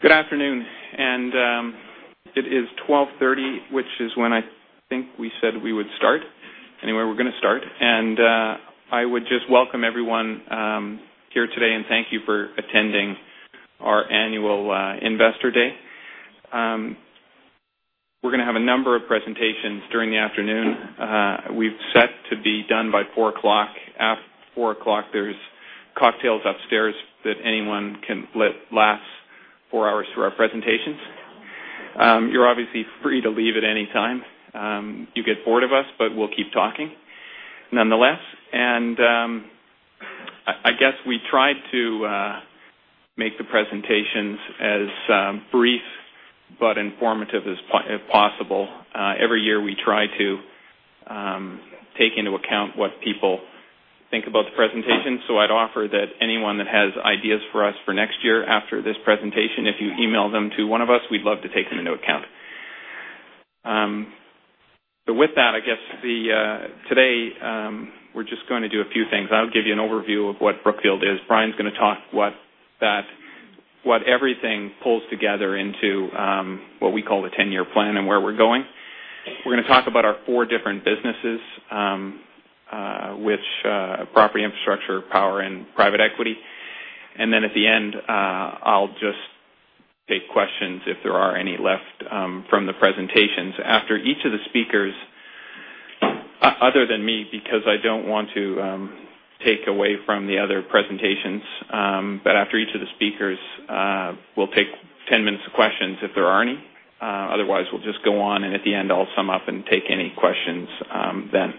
Good afternoon. It is 12:30 P.M., which is when I think we said we would start. We're going to start. I would just welcome everyone here today and thank you for attending our annual Investor Day. We're going to have a number of presentations during the afternoon. We've set to be done by 4:00 P.M. At 4:00 P.M., there's cocktails upstairs that anyone can. Last four hours through our presentations. You're obviously free to leave at any time. You get bored of us, but we'll keep talking nonetheless. I guess we tried to make the presentations as brief but informative as possible. Every year we try to take into account what people think about the presentation. I'd offer that anyone that has ideas for us for next year after this presentation, if you email them to one of us, we'd love to take them into account. With that, I guess today, we're just going to do a few things. I'll give you an overview of what Brookfield is. Brian's going to talk what everything pulls together into what we call the 10-year plan and where we're going. We're going to talk about our four different businesses, which are property, infrastructure, power, and private equity. Then at the end, I'll just take questions if there are any left from the presentations. After each of the speakers, other than me, because I don't want to take away from the other presentations. After each of the speakers, we'll take 10 minutes of questions if there are any. Otherwise, we'll just go on, and at the end, I'll sum up and take any questions then.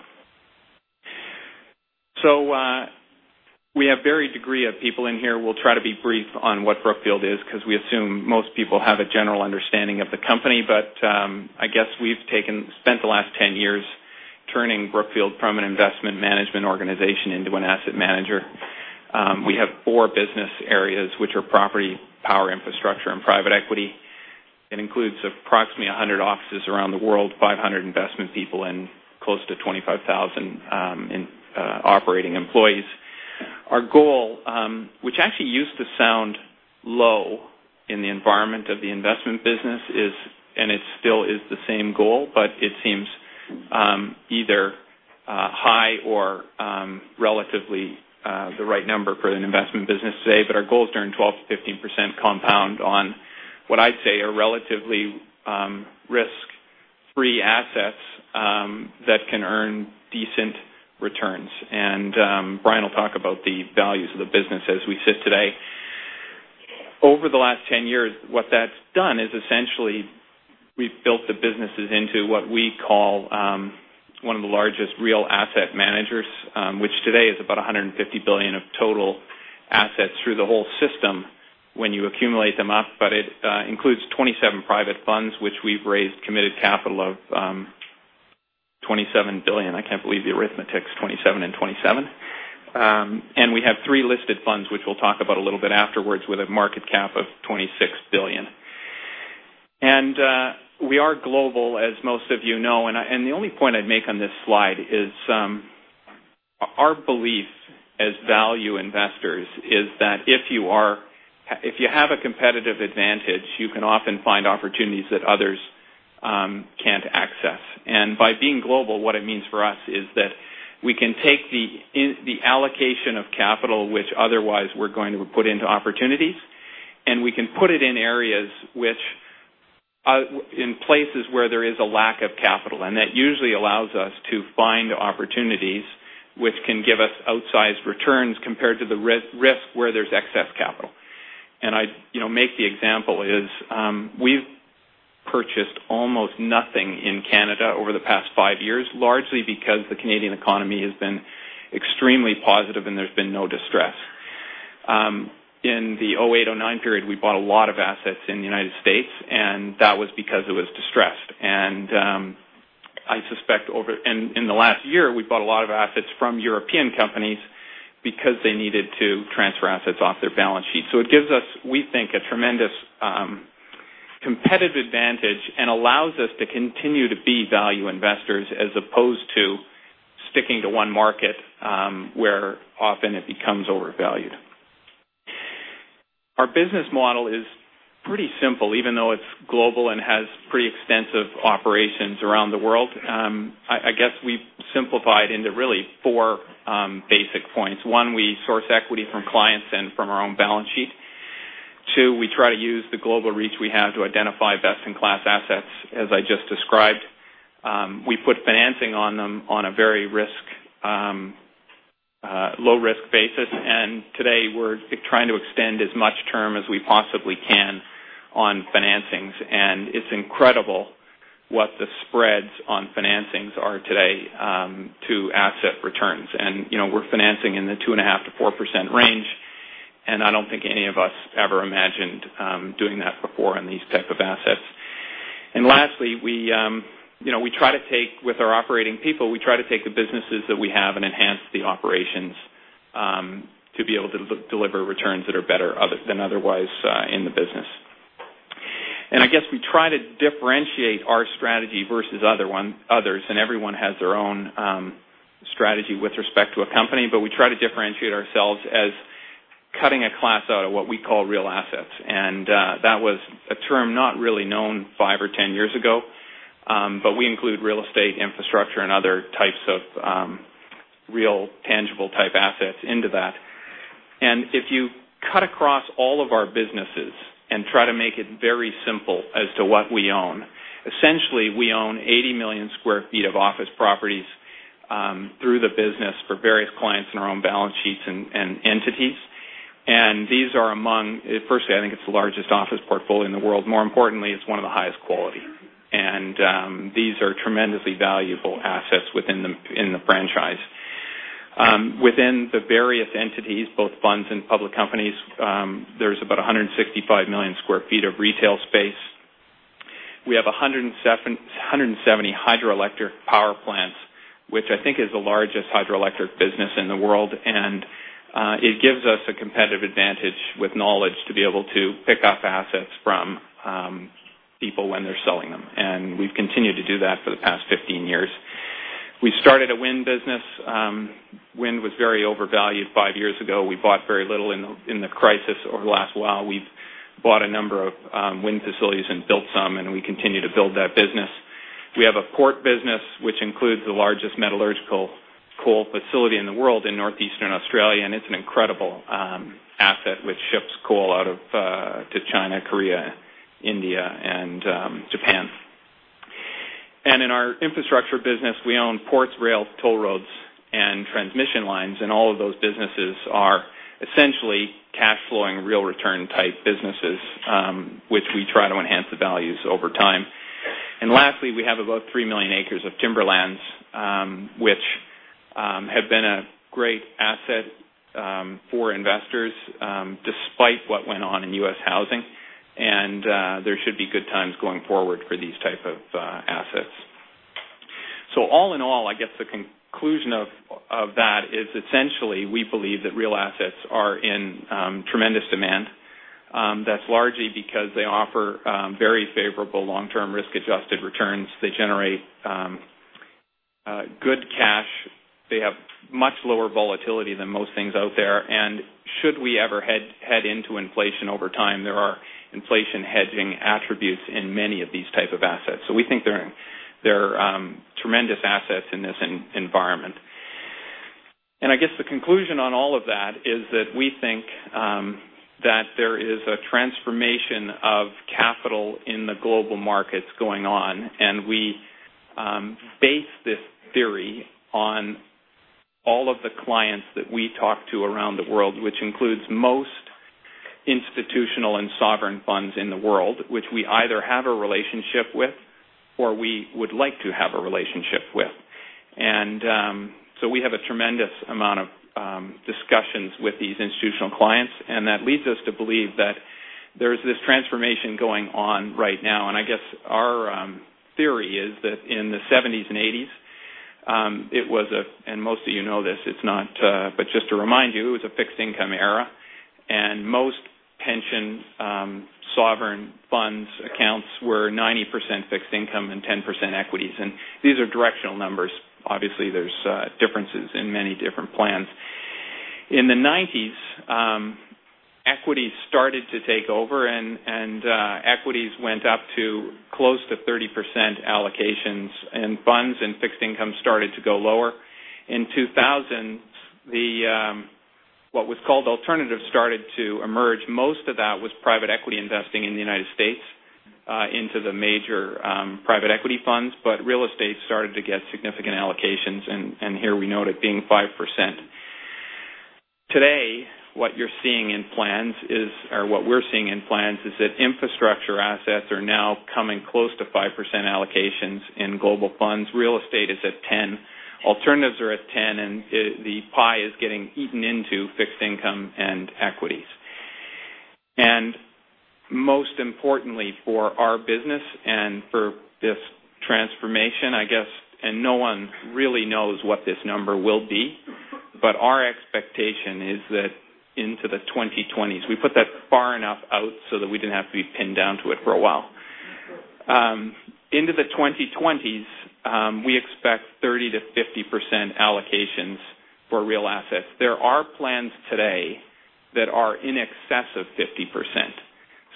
We have varied degree of people in here. We'll try to be brief on what Brookfield is because we assume most people have a general understanding of the company. I guess we've spent the last 10 years turning Brookfield from an investment management organization into an asset manager. We have four business areas, which are property, power, infrastructure, and private equity. It includes approximately 100 offices around the world, 500 investment people, and close to 25,000 in operating employees. Our goal, which actually used to sound low in the environment of the investment business is, and it still is the same goal, but it seems either high or relatively the right number for an investment business today. Our goal is to earn 12%-15% compound on what I'd say are relatively risk-free assets that can earn decent returns. Brian will talk about the values of the business as we sit today. Over the last 10 years, what that's done is essentially we've built the businesses into what we call one of the largest real asset managers, which today is about $150 billion of total assets through the whole system when you accumulate them up. It includes 27 private funds, which we've raised committed capital of $27 billion. I can't believe the arithmetic's 27 and 27. We have three listed funds, which we'll talk about a little bit afterwards with a market cap of $26 billion. We are global, as most of you know. The only point I'd make on this slide is our belief as value investors is that if you have a competitive advantage, you can often find opportunities that others can't access. By being global, what it means for us is that we can take the allocation of capital, which otherwise we're going to put into opportunities, we can put it in areas in places where there is a lack of capital. That usually allows us to find opportunities which can give us outsized returns compared to the risk where there's excess capital. I make the example is we've purchased almost nothing in Canada over the past 5 years, largely because the Canadian economy has been extremely positive and there's been no distress. In the 2008, 2009 period, we bought a lot of assets in the United States, that was because it was distressed. I suspect in the last year, we bought a lot of assets from European companies because they needed to transfer assets off their balance sheet. It gives us, we think, a tremendous competitive advantage and allows us to continue to be value investors as opposed to sticking to one market where often it becomes overvalued. Our business model is pretty simple, even though it's global and has pretty extensive operations around the world. I guess we simplified into really 4 basic points. One, we source equity from clients and from our own balance sheet. Two, we try to use the global reach we have to identify best-in-class assets, as I just described. We put financing on them on a very low-risk basis. Today we're trying to extend as much term as we possibly can on financings. It's incredible what the spreads on financings are today to asset returns. We're financing in the 2.5%-4% range. I don't think any of us ever imagined doing that before on these type of assets. Lastly, with our operating people, we try to take the businesses that we have and enhance the operations to be able to deliver returns that are better than otherwise in the business. I guess we try to differentiate our strategy versus others, and everyone has their own strategy with respect to a company, but we try to differentiate ourselves as cutting a class out of what we call real assets. That was a term not really known 5 or 10 years ago, but we include real estate infrastructure and other types of real tangible type assets into that. If you cut across all of our businesses and try to make it very simple as to what we own, essentially we own 80 million sq ft of office properties, through the business for various clients in our own balance sheets and entities. Firstly, I think it's the largest office portfolio in the world. More importantly, it's one of the highest quality. These are tremendously valuable assets within the franchise. Within the various entities, both funds and public companies, there's about 165 million sq ft of retail space. We have 170 hydroelectric power plants, which I think is the largest hydroelectric business in the world. It gives us a competitive advantage with knowledge to be able to pick up assets from people when they're selling them. We've continued to do that for the past 15 years. We've started a wind business. Wind was very overvalued 5 years ago. We bought very little in the crisis. Over the last while, we've bought a number of wind facilities and built some, we continue to build that business. We have a port business, which includes the largest metallurgical coal facility in the world in northeastern Australia. It's an incredible asset which ships coal out to China, Korea, India, and Japan. In our infrastructure business, we own ports, rails, toll roads, and transmission lines. All of those businesses are essentially cash flowing, real return type businesses, which we try to enhance the values over time. Lastly, we have about 3 million acres of timberlands, which have been a great asset for investors, despite what went on in U.S. housing. There should be good times going forward for these type of assets. All in all, I guess the conclusion of that is essentially, we believe that real assets are in tremendous demand. That's largely because they offer very favorable long-term risk-adjusted returns. They generate good cash. They have much lower volatility than most things out there. Should we ever head into inflation over time, there are inflation hedging attributes in many of these type of assets. We think they're tremendous assets in this environment. I guess the conclusion on all of that is that we think that there is a transformation of capital in the global markets going on. We base this theory on all of the clients that we talk to around the world, which includes most institutional and sovereign funds in the world, which we either have a relationship with or we would like to have a relationship with. We have a tremendous amount of discussions with these institutional clients. That leads us to believe that there's this transformation going on right now. I guess our theory is that in the 1970s and 1980s, most of you know this, but just to remind you, it was a fixed income era. Most pension sovereign funds accounts were 90% fixed income and 10% equities. These are directional numbers. Obviously, there's differences in many different plans. In the 1990s, equities started to take over, equities went up to close to 30% allocations, and funds and fixed income started to go lower. In 2000, what was called alternatives started to emerge. Most of that was private equity investing in the United States into the major private equity funds. Real estate started to get significant allocations, and here we note it being 5%. Today, what we're seeing in plans is that infrastructure assets are now coming close to 5% allocations in global funds. Real estate is at 10%. Alternatives are at 10%, the pie is getting eaten into fixed income and equities. Most importantly, for our business and for this transformation, I guess, no one really knows what this number will be, but our expectation is that into the 2020s. We put that far enough out so that we didn't have to be pinned down to it for a while. Into the 2020s, we expect 30%-50% allocations for real assets. There are plans today that are in excess of 50%.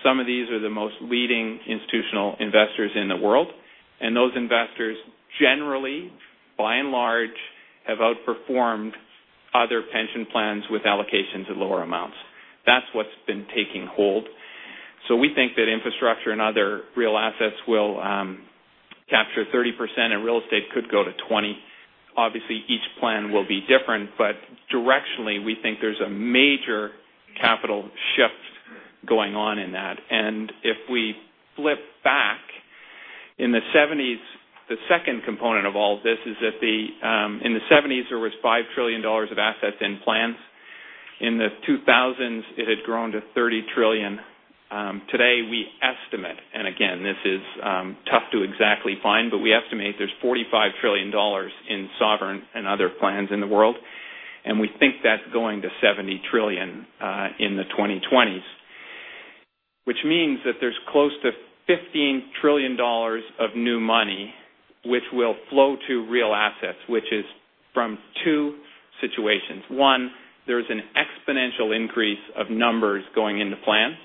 Some of these are the most leading institutional investors in the world, and those investors generally, by and large, have outperformed other pension plans with allocations at lower amounts. That's what's been taking hold. We think that infrastructure and other real assets will capture 30%, and real estate could go to 20%. Obviously, each plan will be different, but directionally, we think there's a major capital shift going on in that. If we flip back in the 1970s, the second component of all of this is that in the 1970s, there was $5 trillion of assets in plans. In the 2000s, it had grown to $30 trillion. Today, we estimate, and again, this is tough to exactly find, but we estimate there's $45 trillion in sovereign and other plans in the world. We think that's going to $70 trillion in the 2020s, which means that there's close to $15 trillion of new money which will flow to real assets, which is from two situations. One, there's an exponential increase of numbers going into plans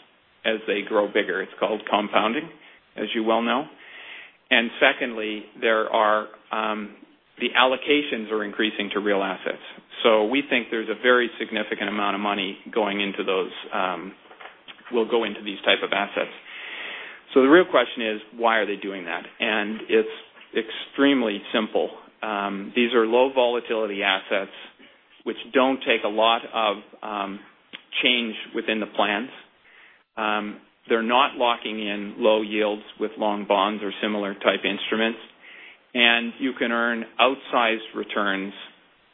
as they grow bigger. It's called compounding, as you well know. Secondly, the allocations are increasing to real assets. We think there's a very significant amount of money will go into these type of assets. The real question is, why are they doing that? It's extremely simple. These are low volatility assets, which don't take a lot of change within the plans. They're not locking in low yields with long bonds or similar type instruments. You can earn outsized returns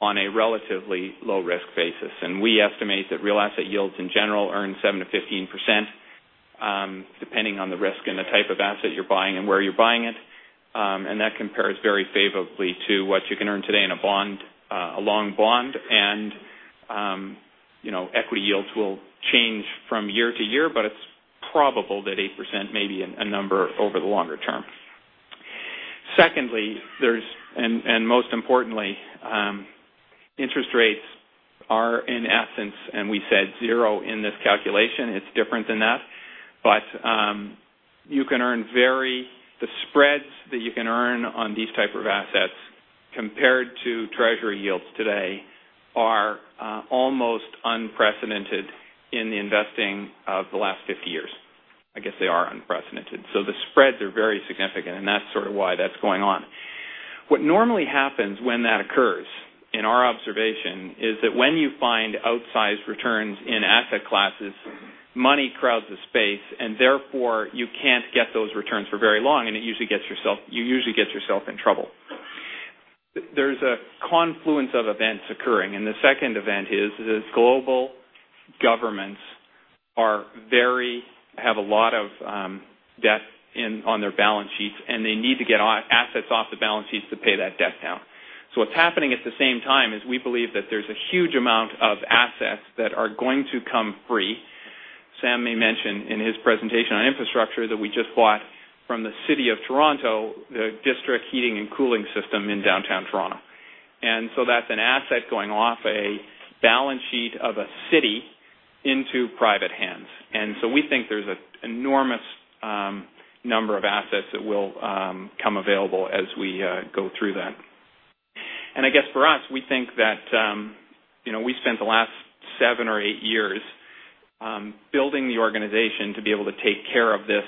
on a relatively low risk basis. We estimate that real asset yields in general earn 7%-15%, depending on the risk and the type of asset you're buying and where you're buying it. That compares very favorably to what you can earn today in a long bond. Equity yields will change from year to year, but it's probable that 8% may be a number over the longer term. Secondly, and most importantly, interest rates are in essence, and we said zero in this calculation. It's different than that. The spreads that you can earn on these type of assets compared to Treasury yields today are almost unprecedented in the investing of the last 50 years. I guess they are unprecedented. The spreads are very significant, and that's sort of why that's going on. What normally happens when that occurs, in our observation, is that when you find outsized returns in asset classes, money crowds the space, and therefore, you can't get those returns for very long, and you usually get yourself in trouble. There's a confluence of events occurring, and the second event is that global governments have a lot of debt on their balance sheets, and they need to get assets off the balance sheets to pay that debt down. What's happening at the same time is we believe that there's a huge amount of assets that are going to come free. Sam may mention in his presentation on infrastructure that we just bought from the City of Toronto, the district heating and cooling system in downtown Toronto. That's an asset going off a balance sheet of a city into private hands. We think there's an enormous number of assets that will come available as we go through that. I guess for us, we think that we spent the last seven or eight years building the organization to be able to take care of this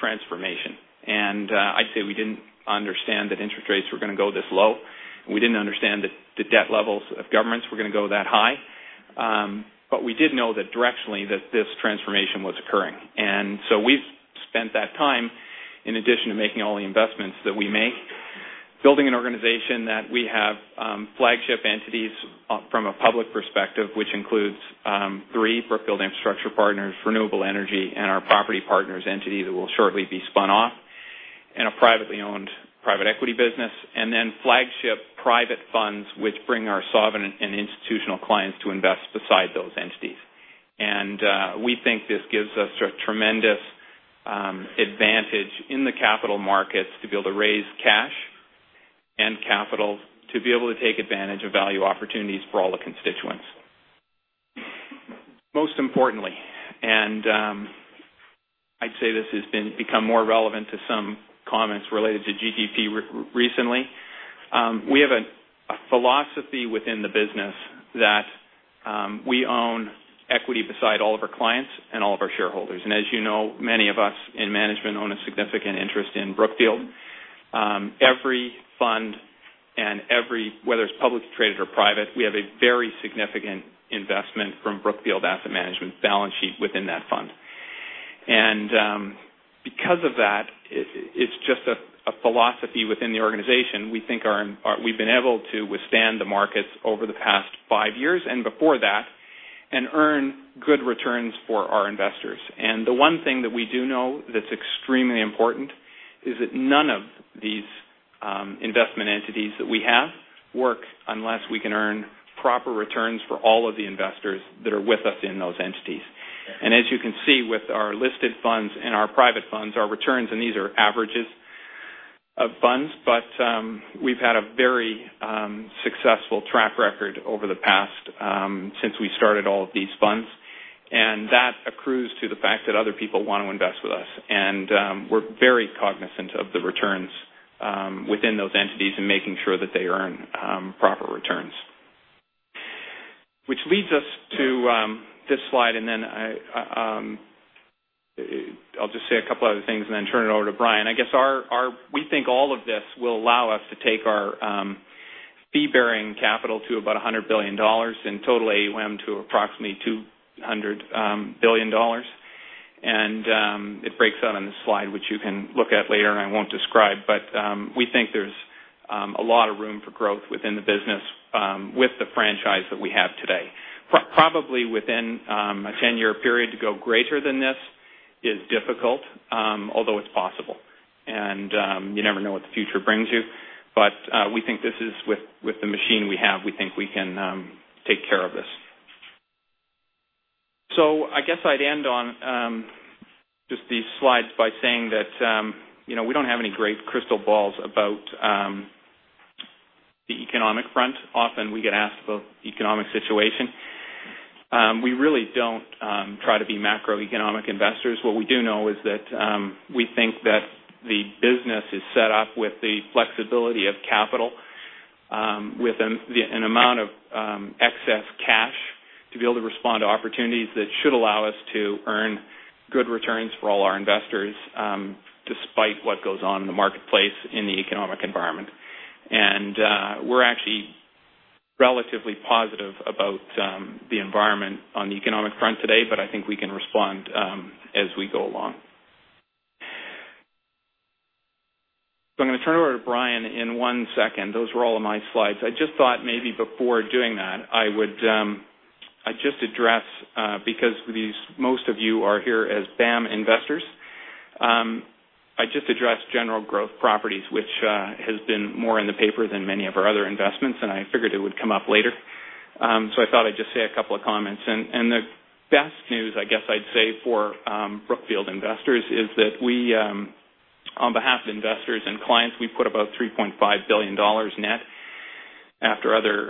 transformation. I'd say we didn't understand that interest rates were going to go this low, and we didn't understand that the debt levels of governments were going to go that high. We did know that directionally, that this transformation was occurring. We've spent that time, in addition to making all the investments that we make, building an organization that we have flagship entities from a public perspective, which includes 3 Brookfield Infrastructure Partners, Renewable Energy, and our Property Partners entity that will shortly be spun off in a privately owned private equity business. Then flagship private funds, which bring our sovereign and institutional clients to invest beside those entities. We think this gives us a tremendous advantage in the capital markets to be able to raise cash and capital to be able to take advantage of value opportunities for all the constituents. Most importantly, and I'd say this has become more relevant to some comments related to GDP recently. We have a philosophy within the business that we own equity beside all of our clients and all of our shareholders. As you know, many of us in management own a significant interest in Brookfield. Every fund, whether it's publicly traded or private, we have a very significant investment from Brookfield Asset Management's balance sheet within that fund. Because of that, it's just a philosophy within the organization. We think we've been able to withstand the markets over the past 5 years and before that and earn good returns for our investors. The one thing that we do know that's extremely important is that none of these investment entities that we have work unless we can earn proper returns for all of the investors that are with us in those entities. As you can see with our listed funds and our private funds, our returns, and these are averages of funds, but we've had a very successful track record over the past since we started all of these funds, and that accrues to the fact that other people want to invest with us. We're very cognizant of the returns within those entities and making sure that they earn proper returns. Which leads us to this slide, and then I'll just say a couple other things and then turn it over to Brian. I guess we think all of this will allow us to take our fee-bearing capital to about $100 billion and total AUM to approximately $200 billion. It breaks out on this slide, which you can look at later, and I won't describe. We think there's a lot of room for growth within the business with the franchise that we have today. Probably within a 10-year period to go greater than this is difficult although it's possible. You never know what the future brings you. We think with the machine we have, we think we can take care of this. I guess I'd end on just these slides by saying that we don't have any great crystal balls about the economic front. Often we get asked about the economic situation. We really don't try to be macroeconomic investors. What we do know is that, we think that the business is set up with the flexibility of capital, with an amount of excess cash to be able to respond to opportunities that should allow us to earn good returns for all our investors, despite what goes on in the marketplace, in the economic environment. We're actually relatively positive about the environment on the economic front today. I think we can respond as we go along. I'm going to turn it over to Brian in one second. Those were all of my slides. I just thought maybe before doing that, I'd just address, because most of you are here as BAM investors, I'd just address General Growth Properties, which has been more in the paper than many of our other investments. I figured it would come up later. I thought I'd just say a couple of comments. The best news, I guess I'd say for Brookfield investors is that on behalf of investors and clients, we put about $3.5 billion net after other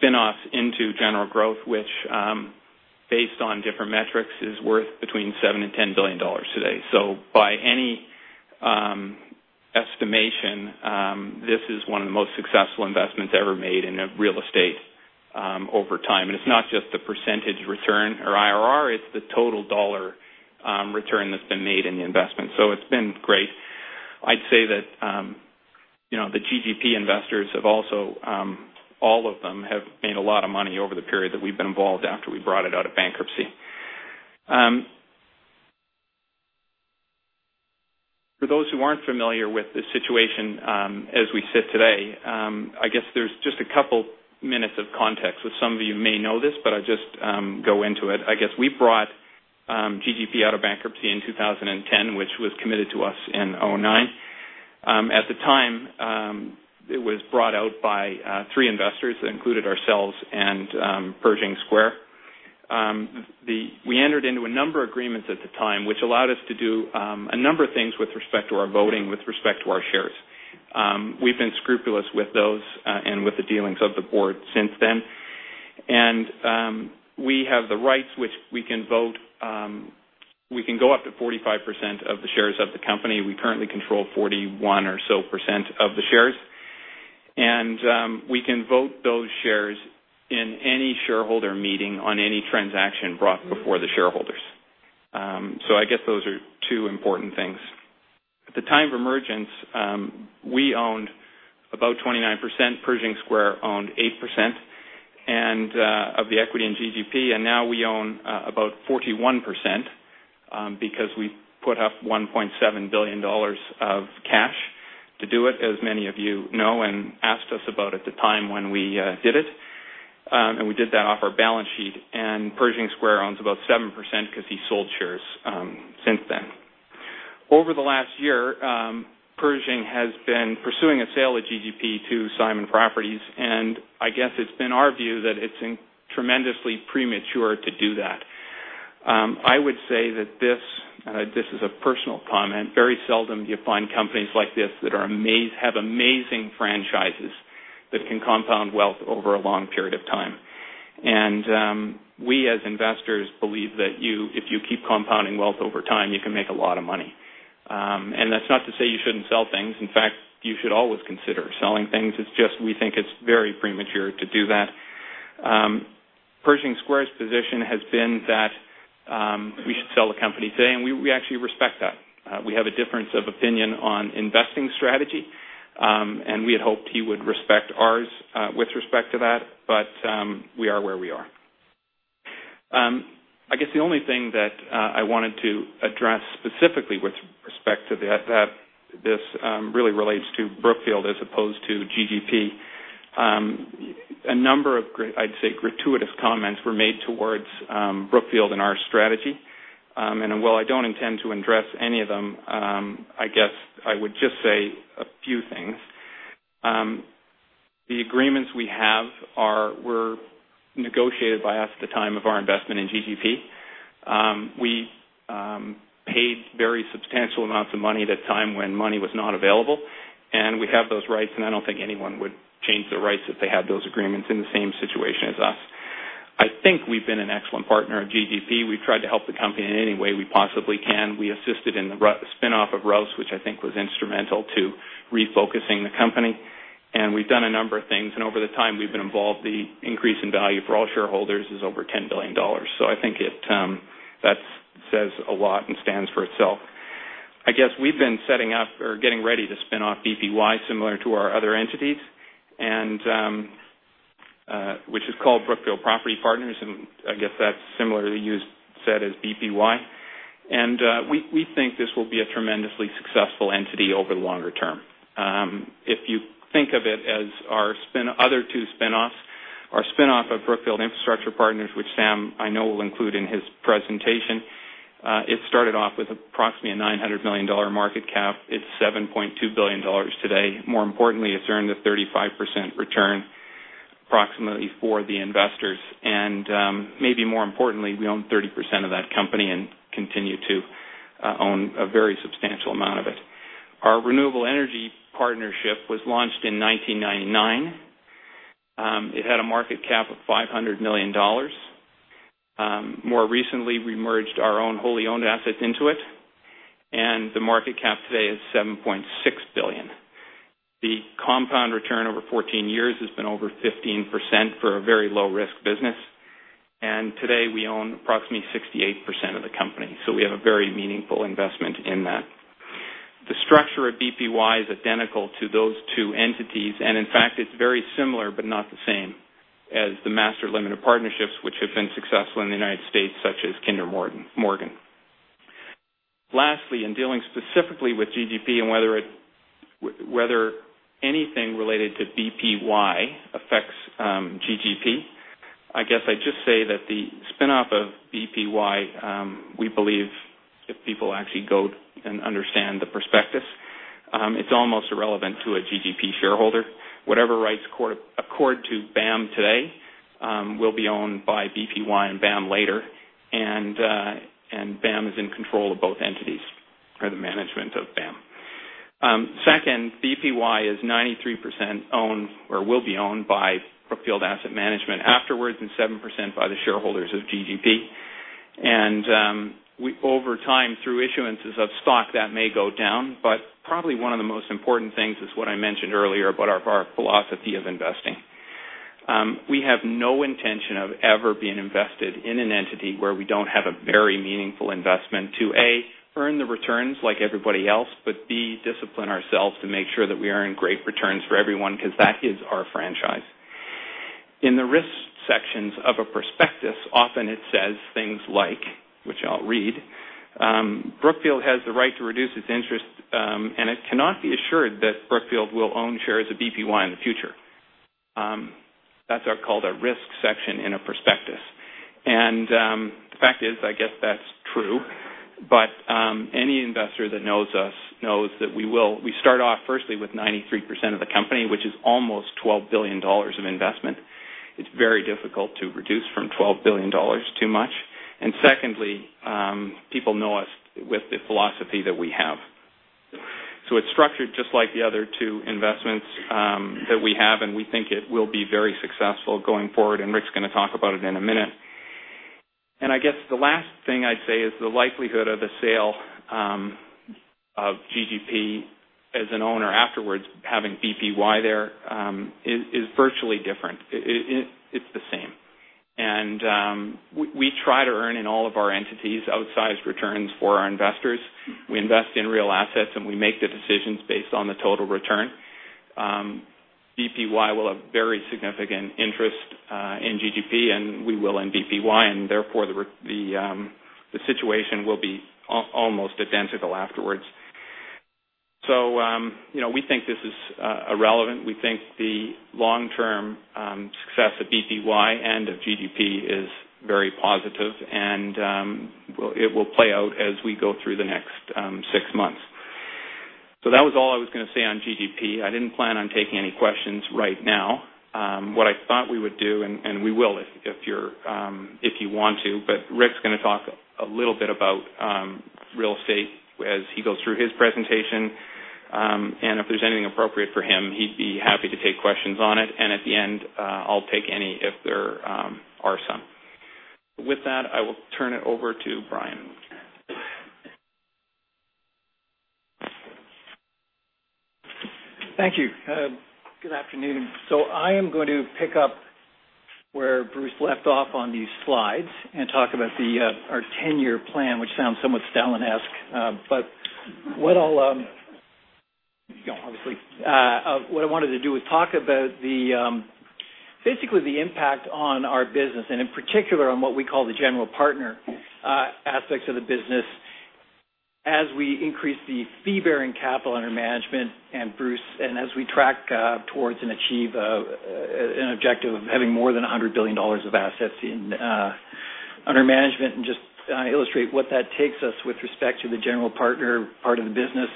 spinoffs into General Growth Properties, which, based on different metrics, is worth between $7 billion and $10 billion today. By any estimation, this is one of the most successful investments ever made in real estate over time. It's not just the percentage return or IRR, it's the total dollar return that's been made in the investment. It's been great. I'd say that the GGP investors, all of them, have made a lot of money over the period that we've been involved after we brought it out of bankruptcy. For those who aren't familiar with the situation, as we sit today, I guess there's just a couple minutes of context, which some of you may know this. I'll just go into it. I guess we brought GGP out of bankruptcy in 2010, which was committed to us in 2009. At the time, it was brought out by three investors that included ourselves and Pershing Square. We entered into a number of agreements at the time, which allowed us to do a number of things with respect to our voting, with respect to our shares. We've been scrupulous with those, with the dealings of the board since then. We have the rights which we can vote. We can go up to 45% of the shares of the company. We currently control 41% or so of the shares. We can vote those shares in any shareholder meeting on any transaction brought before the shareholders. I guess those are two important things. At the time of emergence, we owned about 29%, Pershing Square owned 8% of the equity in GGP. Now we own about 41%, because we put up $1.7 billion of cash to do it, as many of you know and asked us about at the time when we did it. We did that off our balance sheet. Pershing Square owns about 7% because he sold shares since then. Over the last year, Pershing has been pursuing a sale at GGP to Simon Properties. I guess it's been our view that it's tremendously premature to do that. I would say that this is a personal comment. Very seldom do you find companies like this that have amazing franchises that can compound wealth over a long period of time. We as investors believe that if you keep compounding wealth over time, you can make a lot of money. That's not to say you shouldn't sell things. In fact, you should always consider selling things. It's just we think it's very premature to do that. Pershing Square's position has been that we should sell the company today, and we actually respect that. We have a difference of opinion on investing strategy. We had hoped he would respect ours, with respect to that. We are where we are. I guess the only thing that I wanted to address specifically with respect to that, this really relates to Brookfield as opposed to GGP. A number of, I'd say, gratuitous comments were made towards Brookfield and our strategy. While I don't intend to address any of them, I guess I would just say a few things. The agreements we have were negotiated by us at the time of our investment in GGP. We paid very substantial amounts of money at a time when money was not available, and we have those rights, and I don't think anyone would change the rights if they had those agreements in the same situation as us. I think we've been an excellent partner at GGP. We've tried to help the company in any way we possibly can. We assisted in the spinoff of Rouse, which I think was instrumental to refocusing the company, and we've done a number of things, and over the time we've been involved, the increase in value for all shareholders is over $10 billion. I think that says a lot and stands for itself. I guess we've been setting up or getting ready to spin off BPY similar to our other entities, which is called Brookfield Property Partners, and I guess that's similarly said as BPY. We think this will be a tremendously successful entity over the longer term. If you think of it as our other two spinoffs, our spinoff of Brookfield Infrastructure Partners, which Sam, I know, will include in his presentation, it started off with approximately a $900 million market cap. It's $7.2 billion today. More importantly, it's earned a 35% return, approximately, for the investors. Maybe more importantly, we own 30% of that company and continue to own a very substantial amount of it. Our Renewable Energy partnership was launched in 1999. It had a market cap of $500 million. More recently, we merged our own wholly owned assets into it, and the market cap today is $7.6 billion. The compound return over 14 years has been over 15% for a very low-risk business. Today, we own approximately 68% of the company. We have a very meaningful investment in that. The structure of BPY is identical to those two entities. In fact, it's very similar, but not the same as the master limited partnerships which have been successful in the United States, such as Kinder Morgan. Lastly, in dealing specifically with GGP and whether anything related to BPY affects GGP, I guess I'd just say that the spinoff of BPY, we believe if people actually go and understand the prospectus, it's almost irrelevant to a GGP shareholder. Whatever rights accord to BAM today, will be owned by BPY and BAM later. BAM is in control of both entities or the management of BAM. Second, BPY is 93% owned, or will be owned by Brookfield Asset Management afterwards, and 7% by the shareholders of GGP. Over time, through issuances of stock, that may go down, but probably one of the most important things is what I mentioned earlier about our philosophy of investing. We have no intention of ever being invested in an entity where we don't have a very meaningful investment to, A, earn the returns like everybody else, but B, discipline ourselves to make sure that we are in great returns for everyone because that is our franchise. In the risk sections of a prospectus, often it says things like, which I'll read, "Brookfield has the right to reduce its interest, and it cannot be assured that Brookfield will own shares of BPY in the future." That's called a risk section in a prospectus. The fact is, I guess that's true. Any investor that knows us knows that we start off firstly with 93% of the company, which is almost $12 billion of investment. It's very difficult to reduce from $12 billion too much. Secondly, people know us with the philosophy that we have. It's structured just like the other two investments that we have, and we think it will be very successful going forward. Ric's going to talk about it in a minute. I guess the last thing I'd say is the likelihood of a sale of GGP as an owner afterwards, having BPY there, is virtually different. It's the same. We try to earn in all of our entities outsized returns for our investors. We invest in real assets, and we make the decisions based on the total return. BPY will have very significant interest in GGP, and we will in BPY, and therefore, the situation will be almost identical afterwards. We think this is irrelevant. We think the long-term success of BPY and of GGP is very positive, and it will play out as we go through the next six months. That was all I was going to say on GGP. I didn't plan on taking any questions right now. What I thought we would do, and we will if you want to, but Ric's going to talk a little bit about real estate as he goes through his presentation. If there's anything appropriate for him, he'd be happy to take questions on it. At the end, I'll take any if there are some. With that, I will turn it over to Brian. Thank you. Good afternoon. I'm going to pick up where Bruce left off on these slides and talk about our 10-year plan, which sounds somewhat Stalinesque. What I wanted to do was talk about basically the impact on our business, and in particular, on what we call the general partner aspects of the business as we increase the fee-bearing capital under management. As we track towards and achieve an objective of having more than $100 billion of assets under management, just illustrate what that takes us with respect to the general partner part of the business.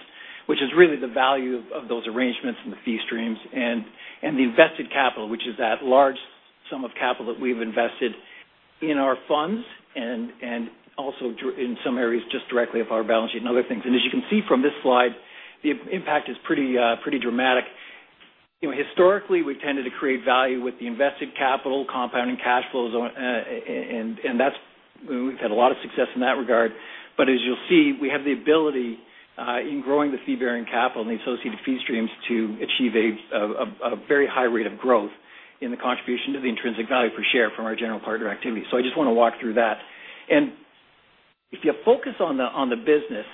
This is really the value of those arrangements and the fee streams and the invested capital, which is that large sum of capital that we've invested in our funds and also in some areas just directly off our balance sheet and other things. As you can see from this slide, the impact is pretty dramatic. Historically, we've tended to create value with the invested capital compounding cash flows, and we've had a lot of success in that regard. As you'll see, we have the ability, in growing the fee-bearing capital and the associated fee streams, to achieve a very high rate of growth in the contribution to the intrinsic value per share from our general partner activity. I just want to walk through that. If you focus on the business,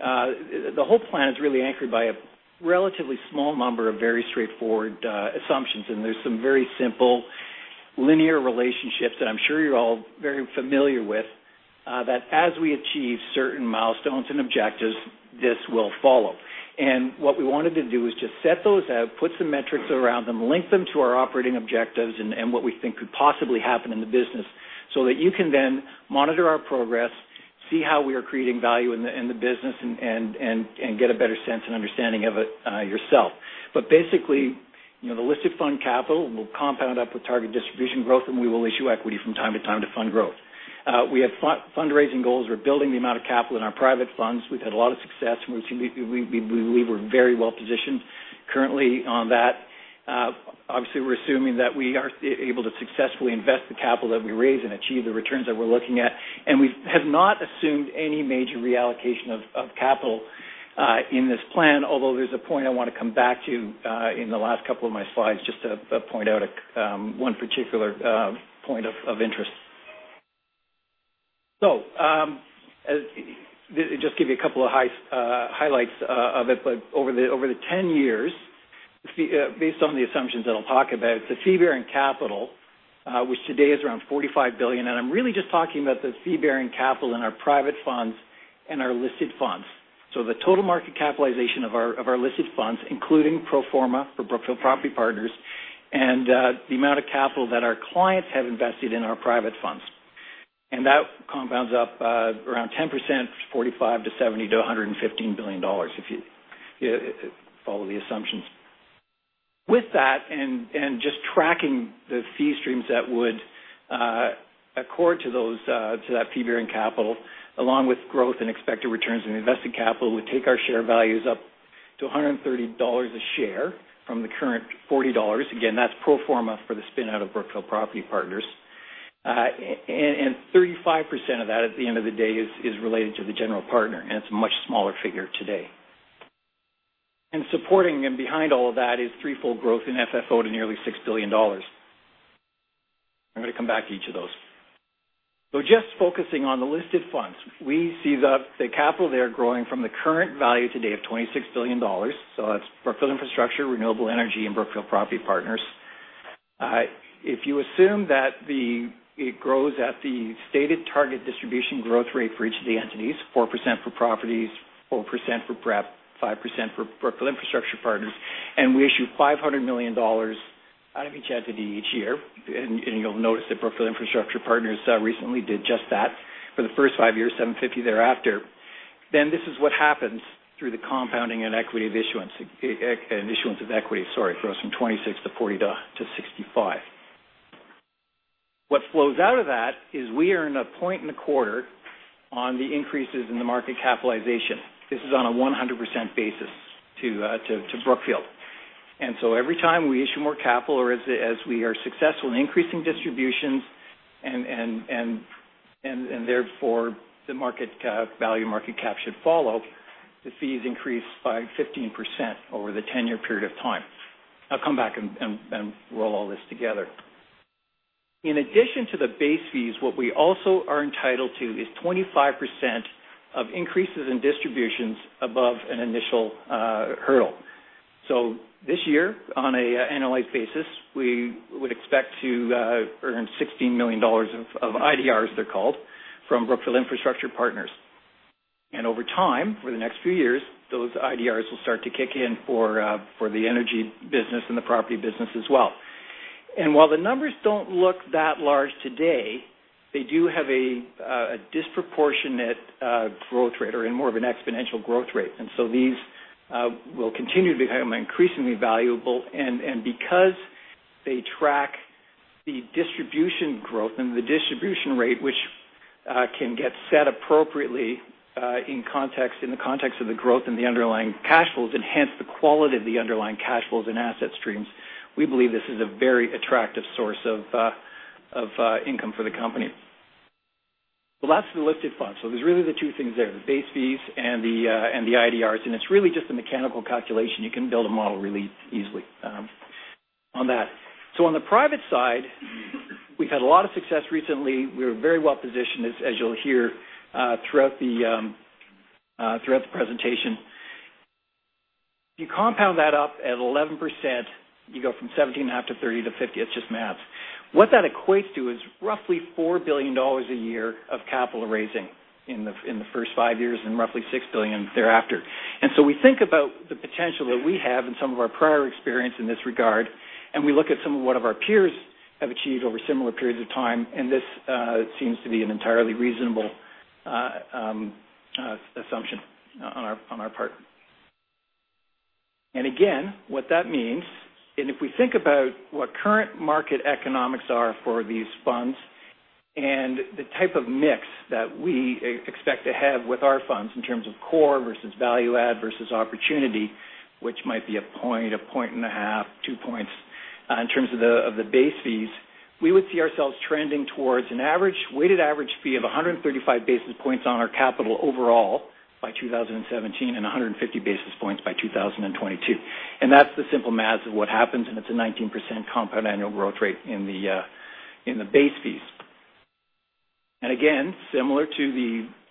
the whole plan is really anchored by a relatively small number of very straightforward assumptions. There's some very simple linear relationships that I'm sure you're all very familiar with, that as we achieve certain milestones and objectives, this will follow. What we wanted to do is just set those out, put some metrics around them, link them to our operating objectives and what we think could possibly happen in the business, so that you can then monitor our progress, see how we are creating value in the business, and get a better sense and understanding of it yourself. Basically, the listed fund capital will compound up with target distribution growth, and we will issue equity from time to time to fund growth. We have fundraising goals. We're building the amount of capital in our private funds. We've had a lot of success, and we believe we're very well-positioned currently on that. Obviously, we're assuming that we are able to successfully invest the capital that we raise and achieve the returns that we're looking at. We have not assumed any major reallocation of capital in this plan, although there's a point I want to come back to in the last couple of my slides, just to point out one particular point of interest. Just give you a couple of highlights of it, over the 10 years, based on the assumptions that I'll talk about, the fee-bearing capital, which today is around $45 billion. I'm really just talking about the fee-bearing capital in our private funds and our listed funds. The total market capitalization of our listed funds, including pro forma for Brookfield Property Partners, and the amount of capital that our clients have invested in our private funds. That compounds up around 10%, 45 to 70 to $115 billion, if you follow the assumptions. With that, just tracking the fee streams that would accord to that fee-bearing capital, along with growth in expected returns on invested capital, would take our share values up to $130 a share from the current $40. Again, that's pro forma for the spin-out of Brookfield Property Partners. 35% of that, at the end of the day, is related to the general partner, and it's a much smaller figure today. Supporting and behind all of that is threefold growth in FFO to nearly $6 billion. I'm going to come back to each of those. Just focusing on the listed funds, we see that the capital there growing from the current value today of $26 billion. That's Brookfield Infrastructure, Renewable Energy, and Brookfield Property Partners. If you assume that it grows at the stated target distribution growth rate for each of the entities, 4% for Properties, 4% for BREP, 5% for Brookfield Infrastructure Partners, and we issue $500 million out of each entity each year. You'll notice that Brookfield Infrastructure Partners recently did just that for the first five years, $750 million thereafter. This is what happens through the compounding and issuance of equity. It grows from $26 billion to $40 billion to $65 billion. What flows out of that is we earn a point and a quarter on the increases in the market capitalization. This is on a 100% basis to Brookfield. Every time we issue more capital or as we are successful in increasing distributions, and therefore the value market cap should follow, the fees increase by 15% over the 10-year period of time. I'll come back and roll all this together. In addition to the base fees, what we also are entitled to is 25% of increases in distributions above an initial hurdle. This year, on an annual basis, we would expect to earn $16 million of IDRs, they're called, from Brookfield Infrastructure Partners. Over time, for the next few years, those IDRs will start to kick in for the energy business and the property business as well. While the numbers don't look that large today, they do have a disproportionate growth rate or more of an exponential growth rate. These will continue to become increasingly valuable. Because they track the distribution growth and the distribution rate, which can get set appropriately in the context of the growth in the underlying cash flows, enhance the quality of the underlying cash flows and asset streams, we believe this is a very attractive source of income for the company. That's the listed funds. There's really the two things there, the base fees and the IDRs, and it's really just a mechanical calculation. You can build a model really easily on that. On the private side, we've had a lot of success recently. We're very well-positioned, as you'll hear, throughout the presentation. You compound that up at 11%, you go from $17.5 billion to $30 billion to $50 billion. It's just math. What that equates to is roughly $4 billion a year of capital raising in the first five years and roughly $6 billion thereafter. We think about the potential that we have in some of our prior experience in this regard, we look at some of what our peers have achieved over similar periods of time, this seems to be an entirely reasonable assumption on our part. Again, what that means, if we think about what current market economics are for these funds and the type of mix that we expect to have with our funds in terms of core versus value add versus opportunity, which might be a point, a point and a half, two points in terms of the base fees. We would see ourselves trending towards a weighted average fee of 135 basis points on our capital overall by 2017 and 150 basis points by 2022. That's the simple math of what happens, it's a 19% compound annual growth rate in the base fees. Again, similar to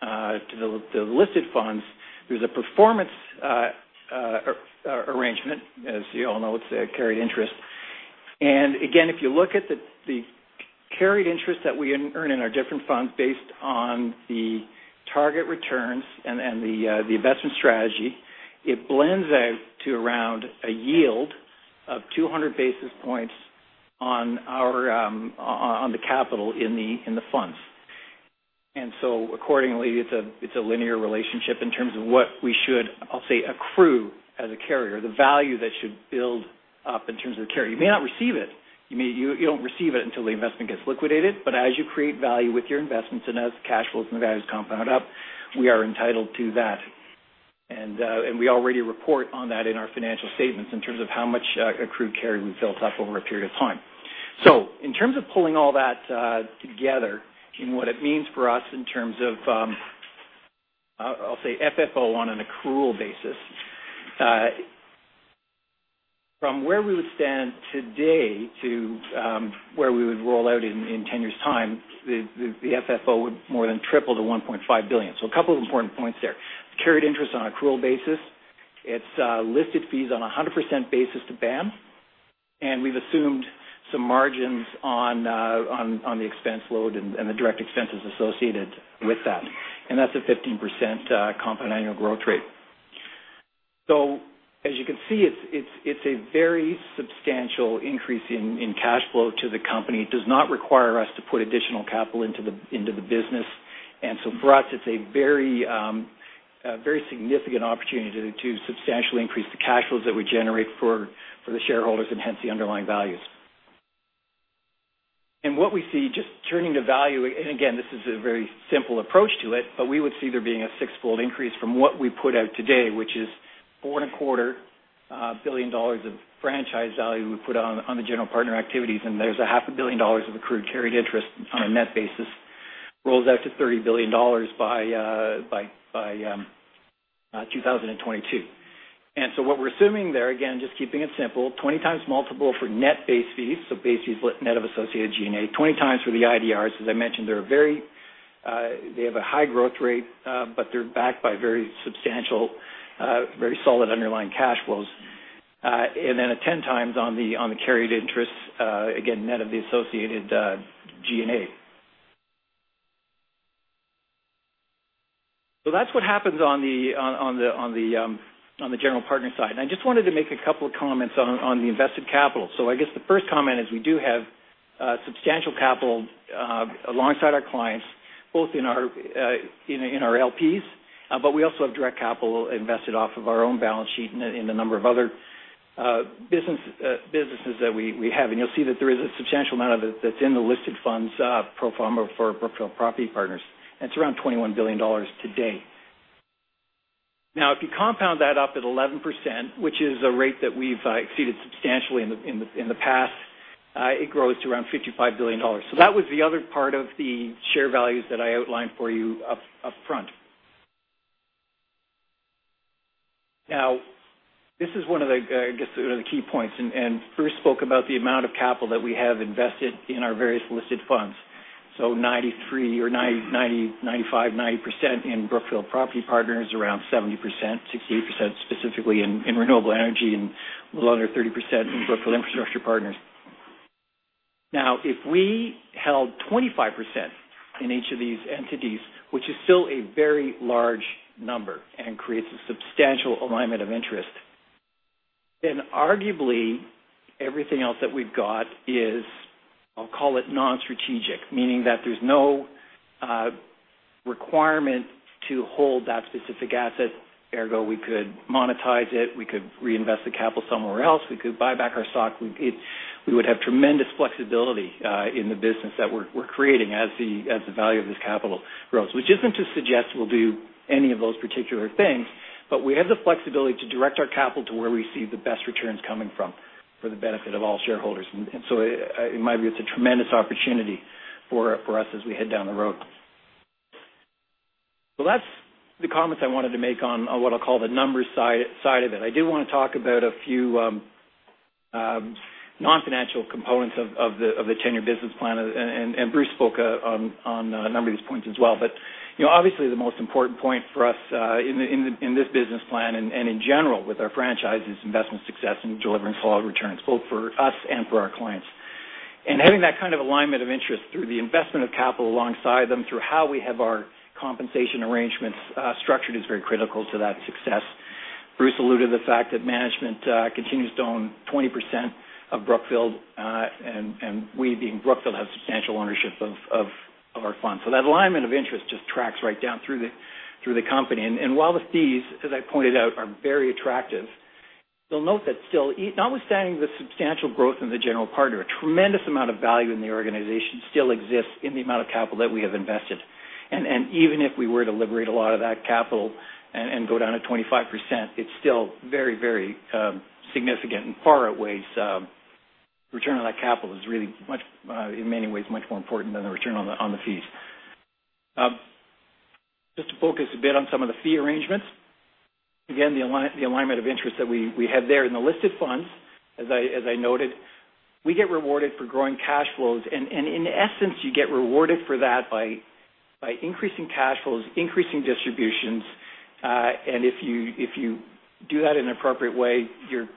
the listed funds, there's a performance arrangement. As you all know, it's a carried interest. Again, if you look at the carried interest that we earn in our different funds based on the target returns and the investment strategy, it blends out to around a yield of 200 basis points on the capital in the funds. Accordingly, it's a linear relationship in terms of what we should, I'll say, accrue as a carrier, the value that should build up in terms of the carry. You may not receive it. You don't receive it until the investment gets liquidated. As you create value with your investments and as cash flows and the values compound up, we are entitled to that. We already report on that in our financial statements in terms of how much accrued carry we've built up over a period of time. In terms of pulling all that together and what it means for us in terms of, I'll say, FFO on an accrual basis. From where we would stand today to where we would roll out in 10 years' time, the FFO would more than triple to $1.5 billion. A couple of important points there. Carried interest on accrual basis, it's listed fees on 100% basis to BAM, we've assumed some margins on the expense load and the direct expenses associated with that. That's a 15% compound annual growth rate. As you can see, it's a very substantial increase in cash flow to the company. It does not require us to put additional capital into the business. For us, it's a very significant opportunity to substantially increase the cash flows that we generate for the shareholders and hence the underlying values. What we see, just turning to value, again, this is a very simple approach to it, we would see there being a sixfold increase from what we put out today, which is $4.25 billion of franchise value we put on the general partner activities, there's a half a billion dollars of accrued carried interest on a net basis, rolls out to $30 billion by 2022. What we're assuming there, again, just keeping it simple, 20 times multiple for net base fees, so base fees net of associated G&A. 20 times for the IDRs. As I mentioned, they have a high growth rate, they're backed by very substantial, very solid underlying cash flows. A 10 times on the carried interests, again, net of the associated G&A. That's what happens on the general partner side. I just wanted to make a couple of comments on the invested capital. I guess the first comment is we do have substantial capital alongside our clients, both in our LPs, but we also have direct capital invested off of our own balance sheet in a number of other businesses that we have. You'll see that there is a substantial amount of it that's in the listed funds pro forma for Brookfield Property Partners, and it's around $21 billion today. If you compound that up at 11%, which is a rate that we've exceeded substantially in the past, it grows to around $55 billion. That was the other part of the share values that I outlined for you up front. This is one of the, I guess, the key points. Bruce spoke about the amount of capital that we have invested in our various listed funds. 93 or 95, 90% in Brookfield Property Partners, around 70%, 68% specifically in Renewable Energy, and a little under 30% in Brookfield Infrastructure Partners. If we held 25% in each of these entities, which is still a very large number and creates a substantial alignment of interest, arguably everything else that we've got is, I'll call it non-strategic, meaning that there's no requirement to hold that specific asset. Ergo, we could monetize it. We could reinvest the capital somewhere else. We could buy back our stock. We would have tremendous flexibility in the business that we're creating as the value of this capital grows, which isn't to suggest we'll do any of those particular things, but we have the flexibility to direct our capital to where we see the best returns coming from for the benefit of all shareholders. In my view, it's a tremendous opportunity for us as we head down the road. That's the comments I wanted to make on what I'll call the numbers side of it. I do want to talk about a few non-financial components of the 10-year business plan, Bruce spoke on a number of these points as well. Obviously, the most important point for us in this business plan and in general with our franchise is investment success and delivering solid returns both for us and for our clients. Having that kind of alignment of interest through the investment of capital alongside them, through how we have our compensation arrangements structured is very critical to that success. Bruce alluded to the fact that management continues to own 20% of Brookfield, we, being Brookfield, have substantial ownership of our funds. That alignment of interest just tracks right down through the company. While the fees, as I pointed out, are very attractive, you'll note that still, notwithstanding the substantial growth in the general partner, a tremendous amount of value in the organization still exists in the amount of capital that we have invested. Even if we were to liberate a lot of that capital and go down to 25%, it's still very significant, return on that capital is really, in many ways, much more important than the return on the fees. Just to focus a bit on some of the fee arrangements. Again, the alignment of interest that we have there in the listed funds, as I noted, we get rewarded for growing cash flows. In essence, you get rewarded for that by increasing cash flows, increasing distributions, and if you do that in an appropriate way, you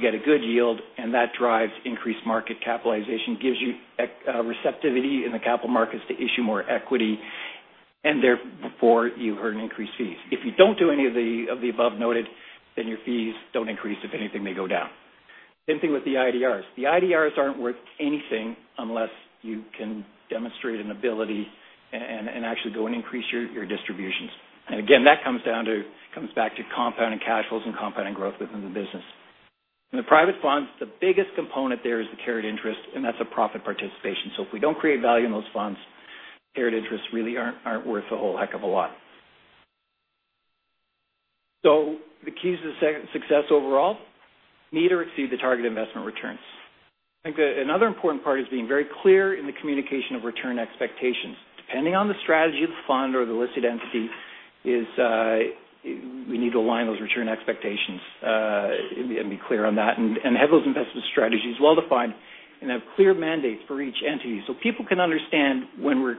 get a good yield, and that drives increased market capitalization, gives you receptivity in the capital markets to issue more equity, and therefore, you earn increased fees. If you don't do any of the above noted, then your fees don't increase. If anything, they go down. Same thing with the IDRs. The IDRs aren't worth anything unless you can demonstrate an ability and actually go and increase your distributions. Again, that comes back to compounding cash flows and compounding growth within the business. In the private funds, the biggest component there is the carried interest, and that's a profit participation. If we don't create value in those funds, carried interests really aren't worth a whole heck of a lot. The keys to success overall, meet or exceed the target investment returns. I think another important part is being very clear in the communication of return expectations. Depending on the strategy of the fund or the listed entity, we need to align those return expectations, and be clear on that, and have those investment strategies well-defined, and have clear mandates for each entity so people can understand when we're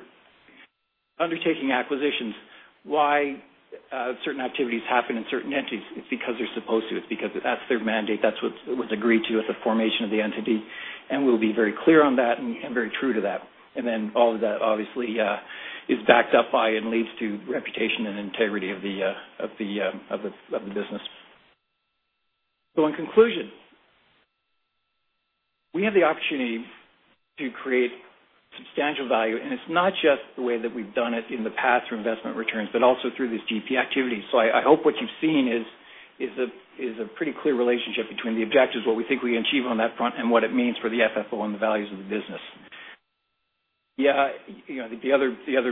undertaking acquisitions, why certain activities happen in certain entities. It's because they're supposed to. It's because that's their mandate. That's what was agreed to at the formation of the entity, and we'll be very clear on that and very true to that. All of that obviously is backed up by and leads to reputation and integrity of the business. In conclusion, we have the opportunity to create substantial value, and it's not just the way that we've done it in the past through investment returns, but also through these GP activities. I hope what you've seen is a pretty clear relationship between the objectives, what we think we achieve on that front, and what it means for the FFO and the values of the business. Yeah. The other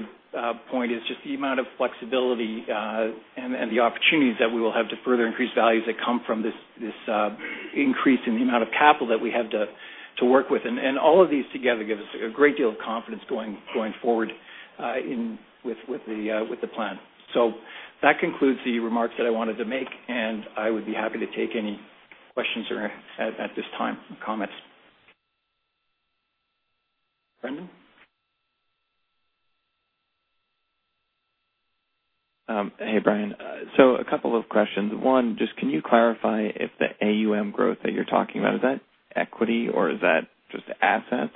point is just the amount of flexibility, and the opportunities that we will have to further increase values that come from this increase in the amount of capital that we have to work with. All of these together give us a great deal of confidence going forward with the plan. That concludes the remarks that I wanted to make, and I would be happy to take any questions at this time, and comments. Brendan? Hey, Brian. Two questions. One, just can you clarify if the AUM growth that you're talking about, is that equity or is that just assets?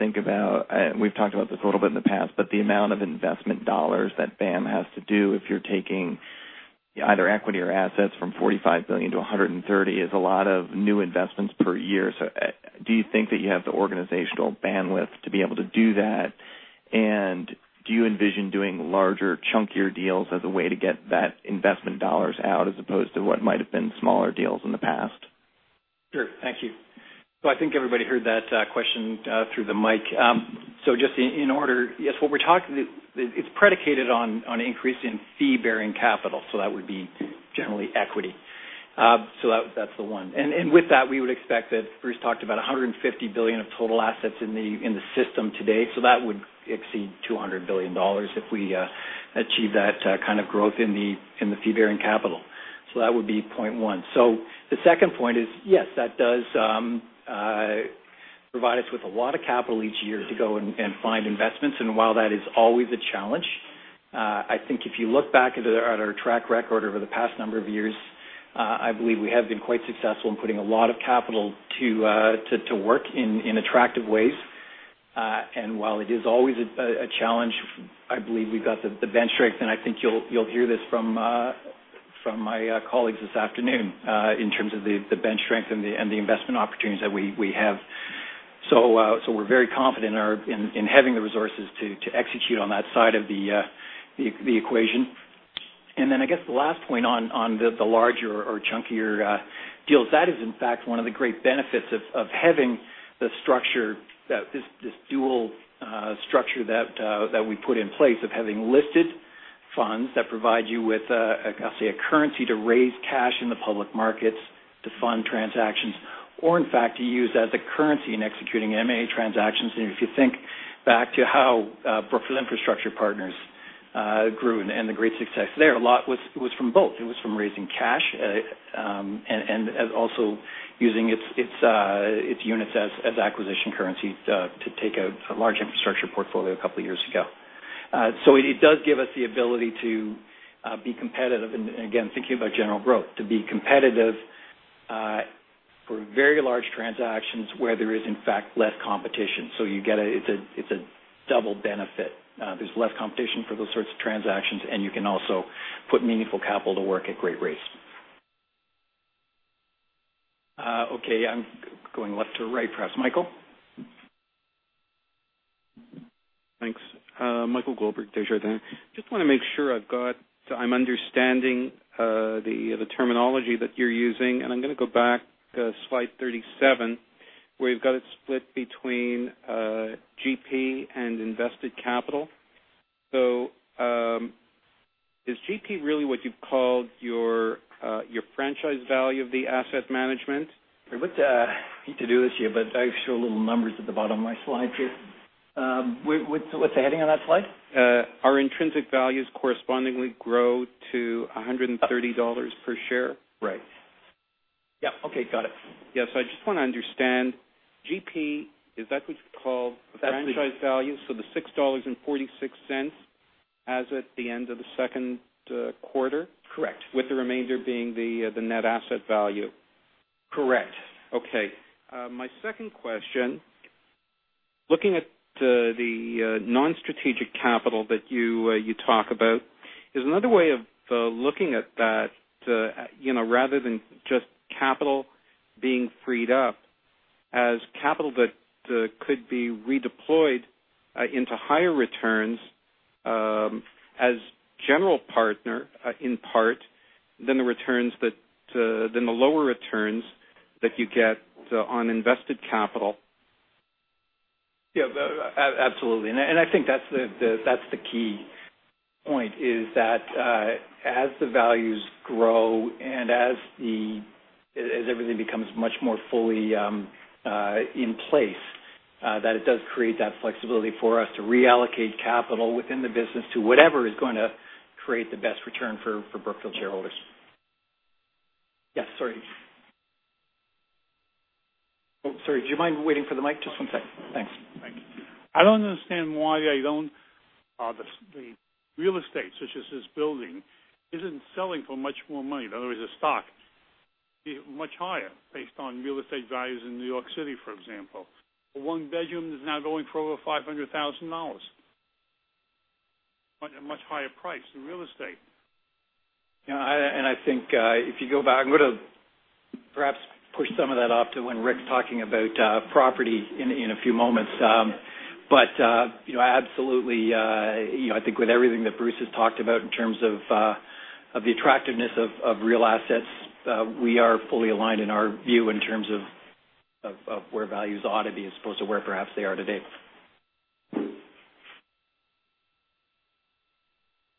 Think about, we've talked about this a little bit in the past, but the amount of investment dollars that BAM has to do, if you're taking either equity or assets from $45 billion to $130 billion is a lot of new investments per year. Do you think that you have the organizational bandwidth to be able to do that? Do you envision doing larger, chunkier deals as a way to get that investment dollars out as opposed to what might've been smaller deals in the past? Sure. Thank you. I think everybody heard that question through the mic. Just in order, yes it's predicated on an increase in fee-bearing capital, so that would be generally equity. That's the one. With that, we would expect that Bruce talked about $150 billion of total assets in the system today. That would exceed $200 billion if we achieve that kind of growth in the fee-bearing capital. That would be point one. The second point is, yes, that does provide us with a lot of capital each year to go and find investments. While that is always a challenge, I think if you look back at our track record over the past number of years, I believe we have been quite successful in putting a lot of capital to work in attractive ways. While it is always a challenge, I believe we've got the bench strength, and I think you'll hear this from my colleagues this afternoon, in terms of the bench strength and the investment opportunities that we have. We're very confident in having the resources to execute on that side of the equation. I guess the last point on the larger or chunkier deals, that is in fact one of the great benefits of having this dual structure that we put in place of having listed funds that provide you with a, I'll say, a currency to raise cash in the public markets to fund transactions, or in fact to use as a currency in executing M&A transactions. If you think back to how Brookfield Infrastructure Partners grew and the great success there, a lot was from both. It was from raising cash, and also using its units as acquisition currency to take a large infrastructure portfolio two years ago. It does give us the ability to be competitive, and again, thinking about general growth, to be competitive for very large transactions where there is, in fact, less competition. It's a double benefit. There's less competition for those sorts of transactions, and you can also put meaningful capital to work at great rates. Okay, I'm going left to right, perhaps. Michael? Thanks. Michael Goldberg, Desjardins. Just want to make sure I'm understanding the terminology that you're using, and I'm going to go back to slide 37, where you've got it split between GP and invested capital. Is GP really what you've called your franchise value of the asset management? I hate to do this to you, but I show little numbers at the bottom of my slide here. What's the heading on that slide? Our intrinsic values correspondingly grow to $130 per share. Right. Yeah. Okay. Got it. Yeah. I just want to understand, GP, is that what you call? Absolutely the franchise value? The $6.46 as at the end of the second quarter? Correct. With the remainder being the net asset value. Correct. Okay. My second question, looking at the non-strategic capital that you talk about, is another way of looking at that, rather than just capital being freed up as capital that could be redeployed into higher returns, as general partner in part, than the lower returns that you get on invested capital. Yes. Absolutely. I think that's the key point is that as the values grow and as everything becomes much more fully in place, that it does create that flexibility for us to reallocate capital within the business to whatever is going to create the best return for Brookfield shareholders. Yes, sorry. Sorry, do you mind waiting for the mic? Just one sec. Thanks. Thank you. I don't understand why the real estate, such as this building, isn't selling for much more money. In other words, the stock much higher based on real estate values in New York City, for example. A one bedroom is now going for over $500,000. A much higher price than real estate. Yes, I think if you go back, I'm going to perhaps push some of that off to when Ric's talking about property in a few moments. Absolutely, I think with everything that Bruce has talked about in terms of the attractiveness of real assets, we are fully aligned in our view in terms of where values ought to be as opposed to where perhaps they are today.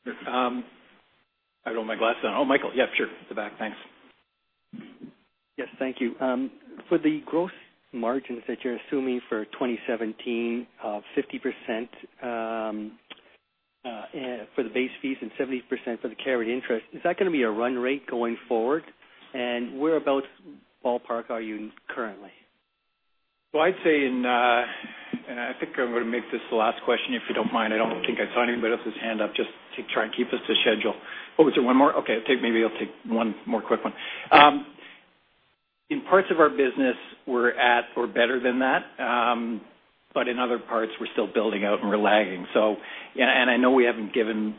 I don't have my glasses on. Michael. Yes, sure. At the back. Thanks. Yes. Thank you. For the gross margins that you're assuming for 2017 of 50% for the base fees and 70% for the carried interest, is that going to be a run rate going forward? Where about ballpark are you currently? I think I'm going to make this the last question, if you don't mind. I don't think I saw anybody else's hand up, just to try and keep us to schedule. Is there one more? Okay. Maybe I'll take one more quick one. In parts of our business, we're at or better than that. In other parts, we're still building out and we're lagging. I know we haven't given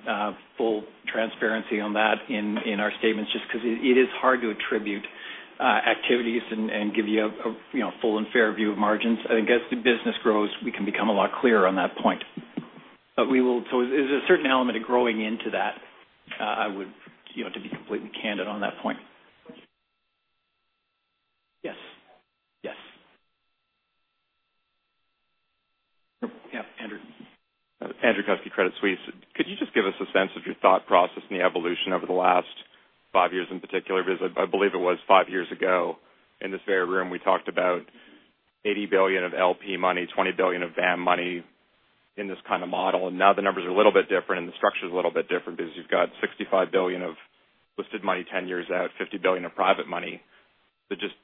full transparency on that in our statements just because it is hard to attribute activities and give you a full and fair view of margins. I think as the business grows, we can become a lot clearer on that point. There's a certain element of growing into that, to be completely candid on that point. Yes. Yes. Yes, Andrew. Andrew Kuske, Credit Suisse. Could you just give us a sense of your thought process and the evolution over the last 5 years in particular? I believe it was 5 years ago in this very room, we talked about $80 billion of LP money, $20 billion of BAM money in this kind of model, and now the numbers are a little bit different and the structure's a little bit different because you've got $65 billion of listed money 10 years out, $50 billion of private money. Just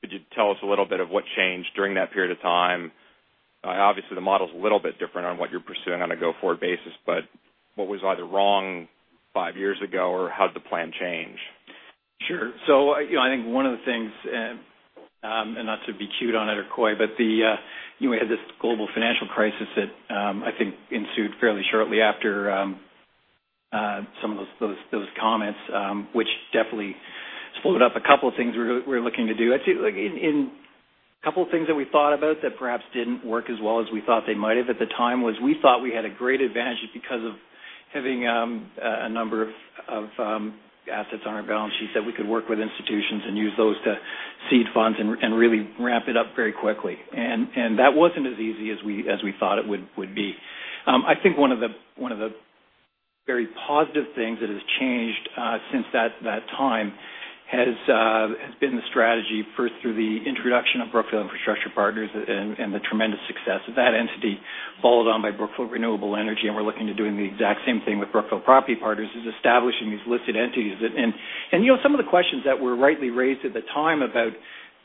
could you tell us a little bit of what changed during that period of time? Obviously, the model's a little bit different on what you're pursuing on a go-forward basis, but what was either wrong 5 years ago or how'd the plan change? Sure. I think one of the things, not to be cute on it or coy, we had this global financial crisis that I think ensued fairly shortly after some of those comments, which definitely split up a couple of things we were looking to do. A couple of things that we thought about that perhaps didn't work as well as we thought they might have at the time was we thought we had a great advantage because of having a number of assets on our balance sheet that we could work with institutions and use those to seed funds and really ramp it up very quickly. That wasn't as easy as we thought it would be. I think one of the very positive things that has changed since that time has been the strategy, first through the introduction of Brookfield Infrastructure Partners and the tremendous success of that entity, followed on by Brookfield Renewable Energy, we're looking to doing the exact same thing with Brookfield Property Partners, is establishing these listed entities. Some of the questions that were rightly raised at the time about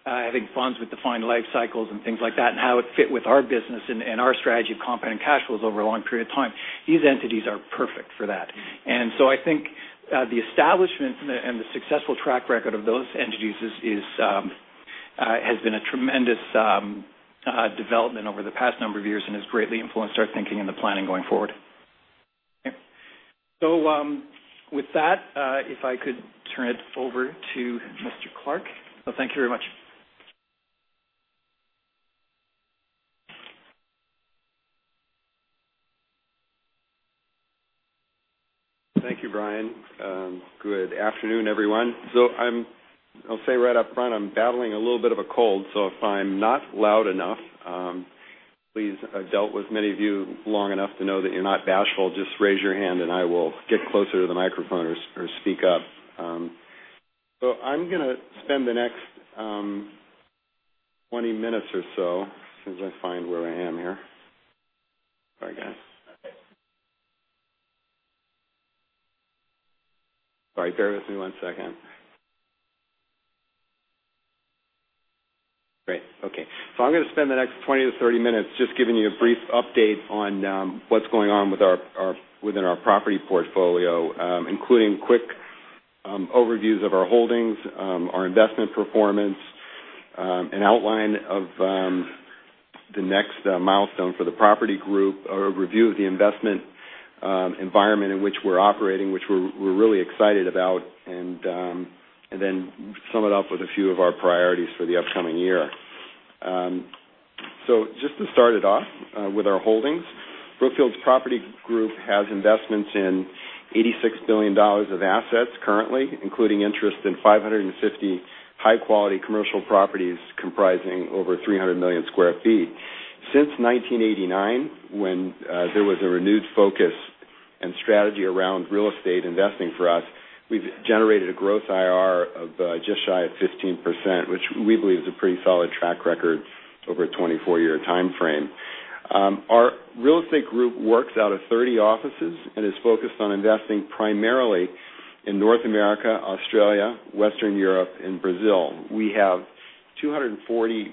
having funds with defined life cycles and things like that and how it fit with our business and our strategy of compounding cash flows over a long period of time. These entities are perfect for that. I think the establishment and the successful track record of those entities has been a tremendous development over the past number of years and has greatly influenced our thinking and the planning going forward. With that, if I could turn it over to Ric Clark. Thank you very much. Thank you, Brian. Good afternoon, everyone. I'll say right up front, I'm battling a little bit of a cold, so if I'm not loud enough- Please, I've dealt with many of you long enough to know that you're not bashful. Just raise your hand and I will get closer to the microphone or speak up. I'm going to spend the next 20 minutes or so, as soon as I find where I am here. Sorry, guys. All right. Bear with me one second. Great. Okay. I'm going to spend the next 20 to 30 minutes just giving you a brief update on what's going on within our property portfolio, including quick overviews of our holdings, our investment performance, an outline of the next milestone for the property group. A review of the investment environment in which we're operating, which we're really excited about, and then sum it up with a few of our priorities for the upcoming year. Just to start it off, with our holdings. Brookfield's Property Group has investments in $86 billion of assets currently, including interest in 550 high-quality commercial properties comprising over 300 million sq ft. Since 1989, when there was a renewed focus and strategy around real estate investing for us, we've generated a gross IRR of just shy of 15%, which we believe is a pretty solid track record over a 24-year timeframe. Our real estate group works out of 30 offices and is focused on investing primarily in North America, Australia, Western Europe, and Brazil. We have 240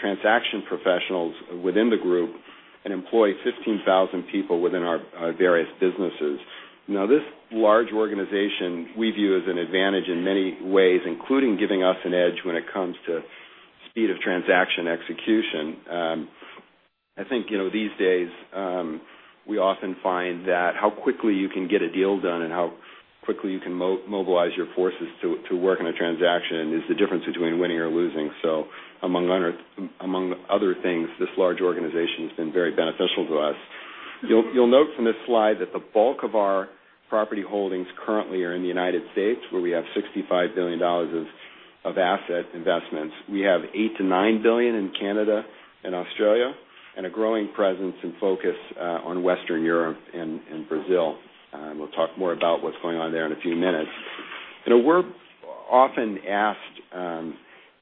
transaction professionals within the group and employ 15,000 people within our various businesses. Now, this large organization we view as an advantage in many ways, including giving us an edge when it comes to speed of transaction execution. I think these days, we often find that how quickly you can get a deal done and how quickly you can mobilize your forces to work on a transaction is the difference between winning or losing. Among other things, this large organization has been very beneficial to us. You'll note from this slide that the bulk of our property holdings currently are in the U.S., where we have $65 billion of asset investments. We have $8 billion-$9 billion in Canada and Australia, and a growing presence and focus on Western Europe and Brazil. We'll talk more about what's going on there in a few minutes. We're often asked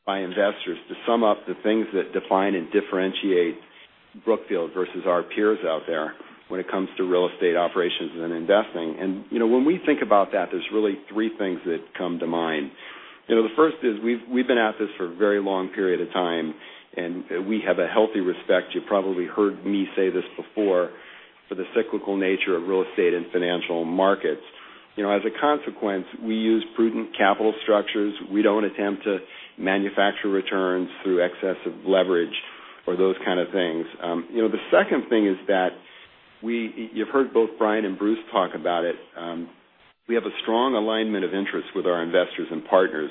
by investors to sum up the things that define and differentiate Brookfield versus our peers out there when it comes to real estate operations and investing. When we think about that, there's really three things that come to mind. The first is we've been at this for a very long period of time, and we have a healthy respect. You probably heard me say this before, for the cyclical nature of real estate and financial markets. As a consequence, we use prudent capital structures. We don't attempt to manufacture returns through excessive leverage or those kind of things. The second thing is that you've heard both Brian and Bruce talk about it. We have a strong alignment of interests with our investors and partners.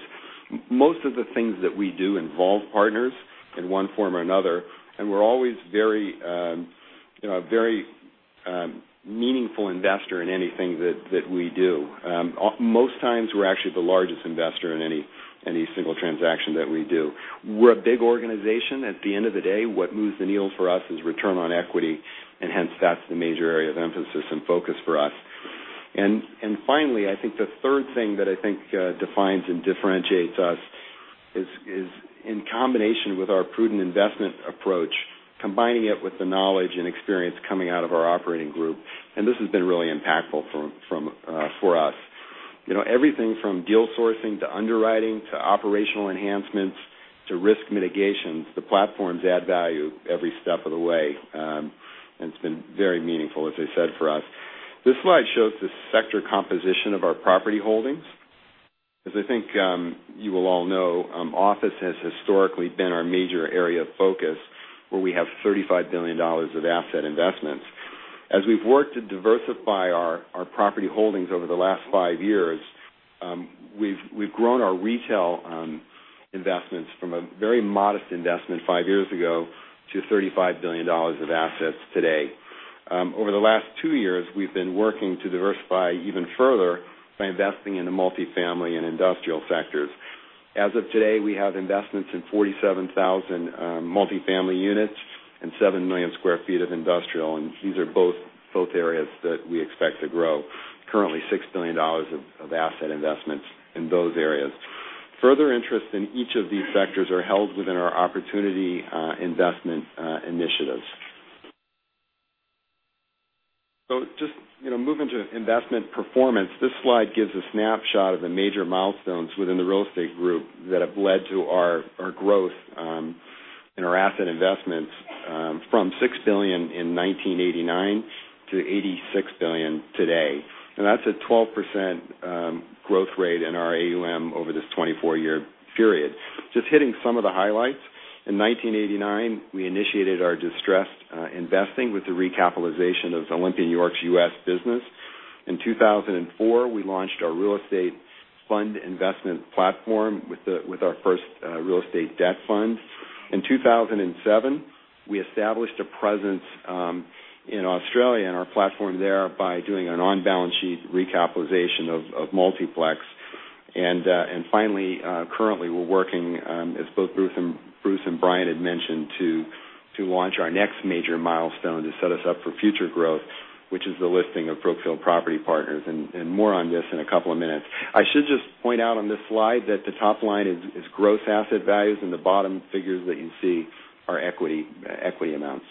Most of the things that we do involve partners in one form or another, and we're always a very meaningful investor in anything that we do. Most times, we're actually the largest investor in any single transaction that we do. We're a big organization. At the end of the day, what moves the needle for us is return on equity, and hence that's the major area of emphasis and focus for us. Finally, I think the third thing that I think defines and differentiates us is in combination with our prudent investment approach, combining it with the knowledge and experience coming out of our operating group. This has been really impactful for us. Everything from deal sourcing to underwriting, to operational enhancements, to risk mitigation. The platforms add value every step of the way. It's been very meaningful, as I said, for us. This slide shows the sector composition of our property holdings. As I think you will all know, office has historically been our major area of focus, where we have $35 billion of asset investments. As we've worked to diversify our property holdings over the last five years, we've grown our retail investments from a very modest investment five years ago to $35 billion of assets today. Over the last two years, we've been working to diversify even further by investing in the multi-family and industrial sectors. As of today, we have investments in 47,000 multi-family units and 7 million sq ft of industrial. These are both areas that we expect to grow. Currently, $6 billion of asset investments in those areas. Further interest in each of these sectors are held within our opportunity investment initiatives. Just moving to investment performance. This slide gives a snapshot of the major milestones within the real estate group that have led to our growth in our asset investments from $6 billion in 1989 to $86 billion today. That's a 12% growth rate in our AUM over this 24-year period. Just hitting some of the highlights. In 1989, we initiated our distressed investing with the recapitalization of Olympia & York's U.S. business. In 2004, we launched our real estate fund investment platform with our first real estate debt fund. In 2007, we established a presence in Australia and our platform there by doing an on-balance sheet recapitalization of Multiplex. Finally, currently we're working, as both Bruce and Brian had mentioned, to launch our next major milestone to set us up for future growth, which is the listing of Brookfield Property Partners, and more on this in a couple of minutes. I should just point out on this slide that the top line is gross asset values, and the bottom figures that you see are equity amounts.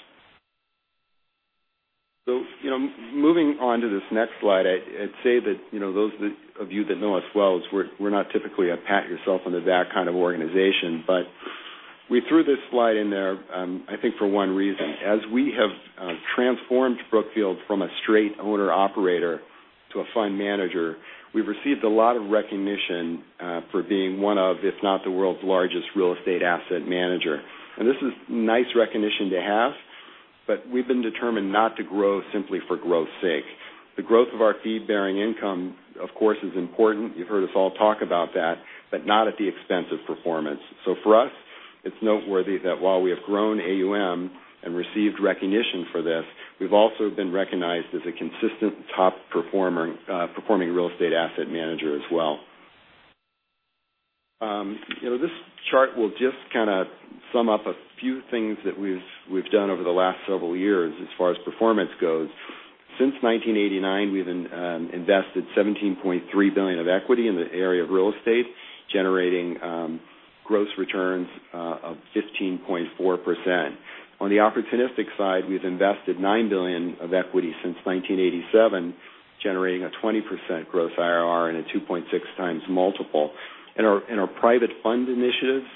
Moving on to this next slide, I'd say that those of you that know us well, we're not typically a pat-yourself-on-the-back kind of organization. We threw this slide in there, I think, for one reason. As we have transformed Brookfield from a straight owner/operator to a fund manager, we've received a lot of recognition for being one of, if not the world's largest real estate asset manager. This is nice recognition to have, but we've been determined not to grow simply for growth's sake. The growth of our fee-bearing income, of course, is important. You've heard us all talk about that, but not at the expense of performance. For us, it's noteworthy that while we have grown AUM and received recognition for this, we've also been recognized as a consistent top-performing real estate asset manager as well. This chart will just kind of sum up a few things that we've done over the last several years as far as performance goes. Since 1989, we've invested $17.3 billion of equity in the area of real estate, generating gross returns of 15.4%. On the opportunistic side, we've invested $9 billion of equity since 1987, generating a 20% gross IRR and a 2.6x multiple. In our private fund initiatives,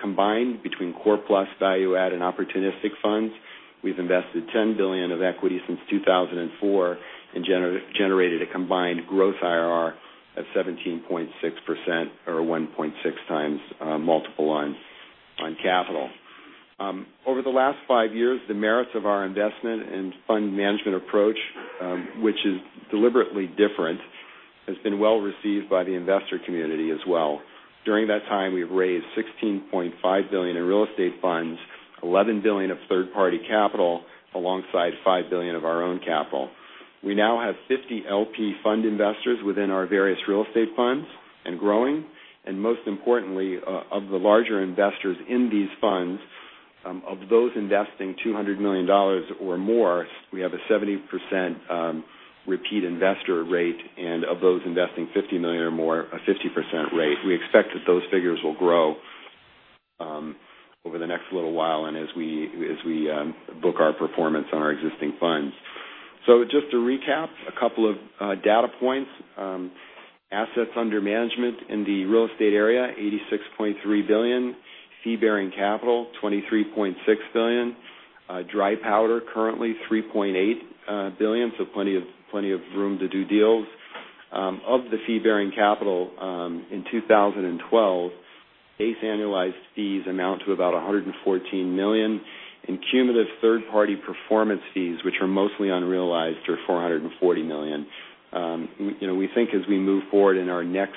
combined between core plus, value add, and opportunistic funds, we've invested $10 billion of equity since 2004 and generated a combined gross IRR of 17.6%, or 1.6x multiple on capital. Over the last five years, the merits of our investment and fund management approach, which is deliberately different, has been well received by the investor community as well. During that time, we've raised $16.5 billion in real estate funds, $11 billion of third-party capital, alongside $5 billion of our own capital. We now have 50 LP fund investors within our various real estate funds, and growing. Most importantly, of the larger investors in these funds, of those investing $200 million or more, we have a 70% repeat investor rate. Of those investing $50 million or more, a 50% rate. We expect that those figures will grow over the next little while and as we book our performance on our existing funds. Just to recap, a couple of data points. Assets under management in the real estate area, $86.3 billion. Fee-bearing capital, $23.6 billion. Dry powder, currently $3.8 billion, so plenty of room to do deals. Of the fee-bearing capital in 2012, base annualized fees amount to about $114 million. Cumulative third-party performance fees, which are mostly unrealized, are $440 million. We think as we move forward in our next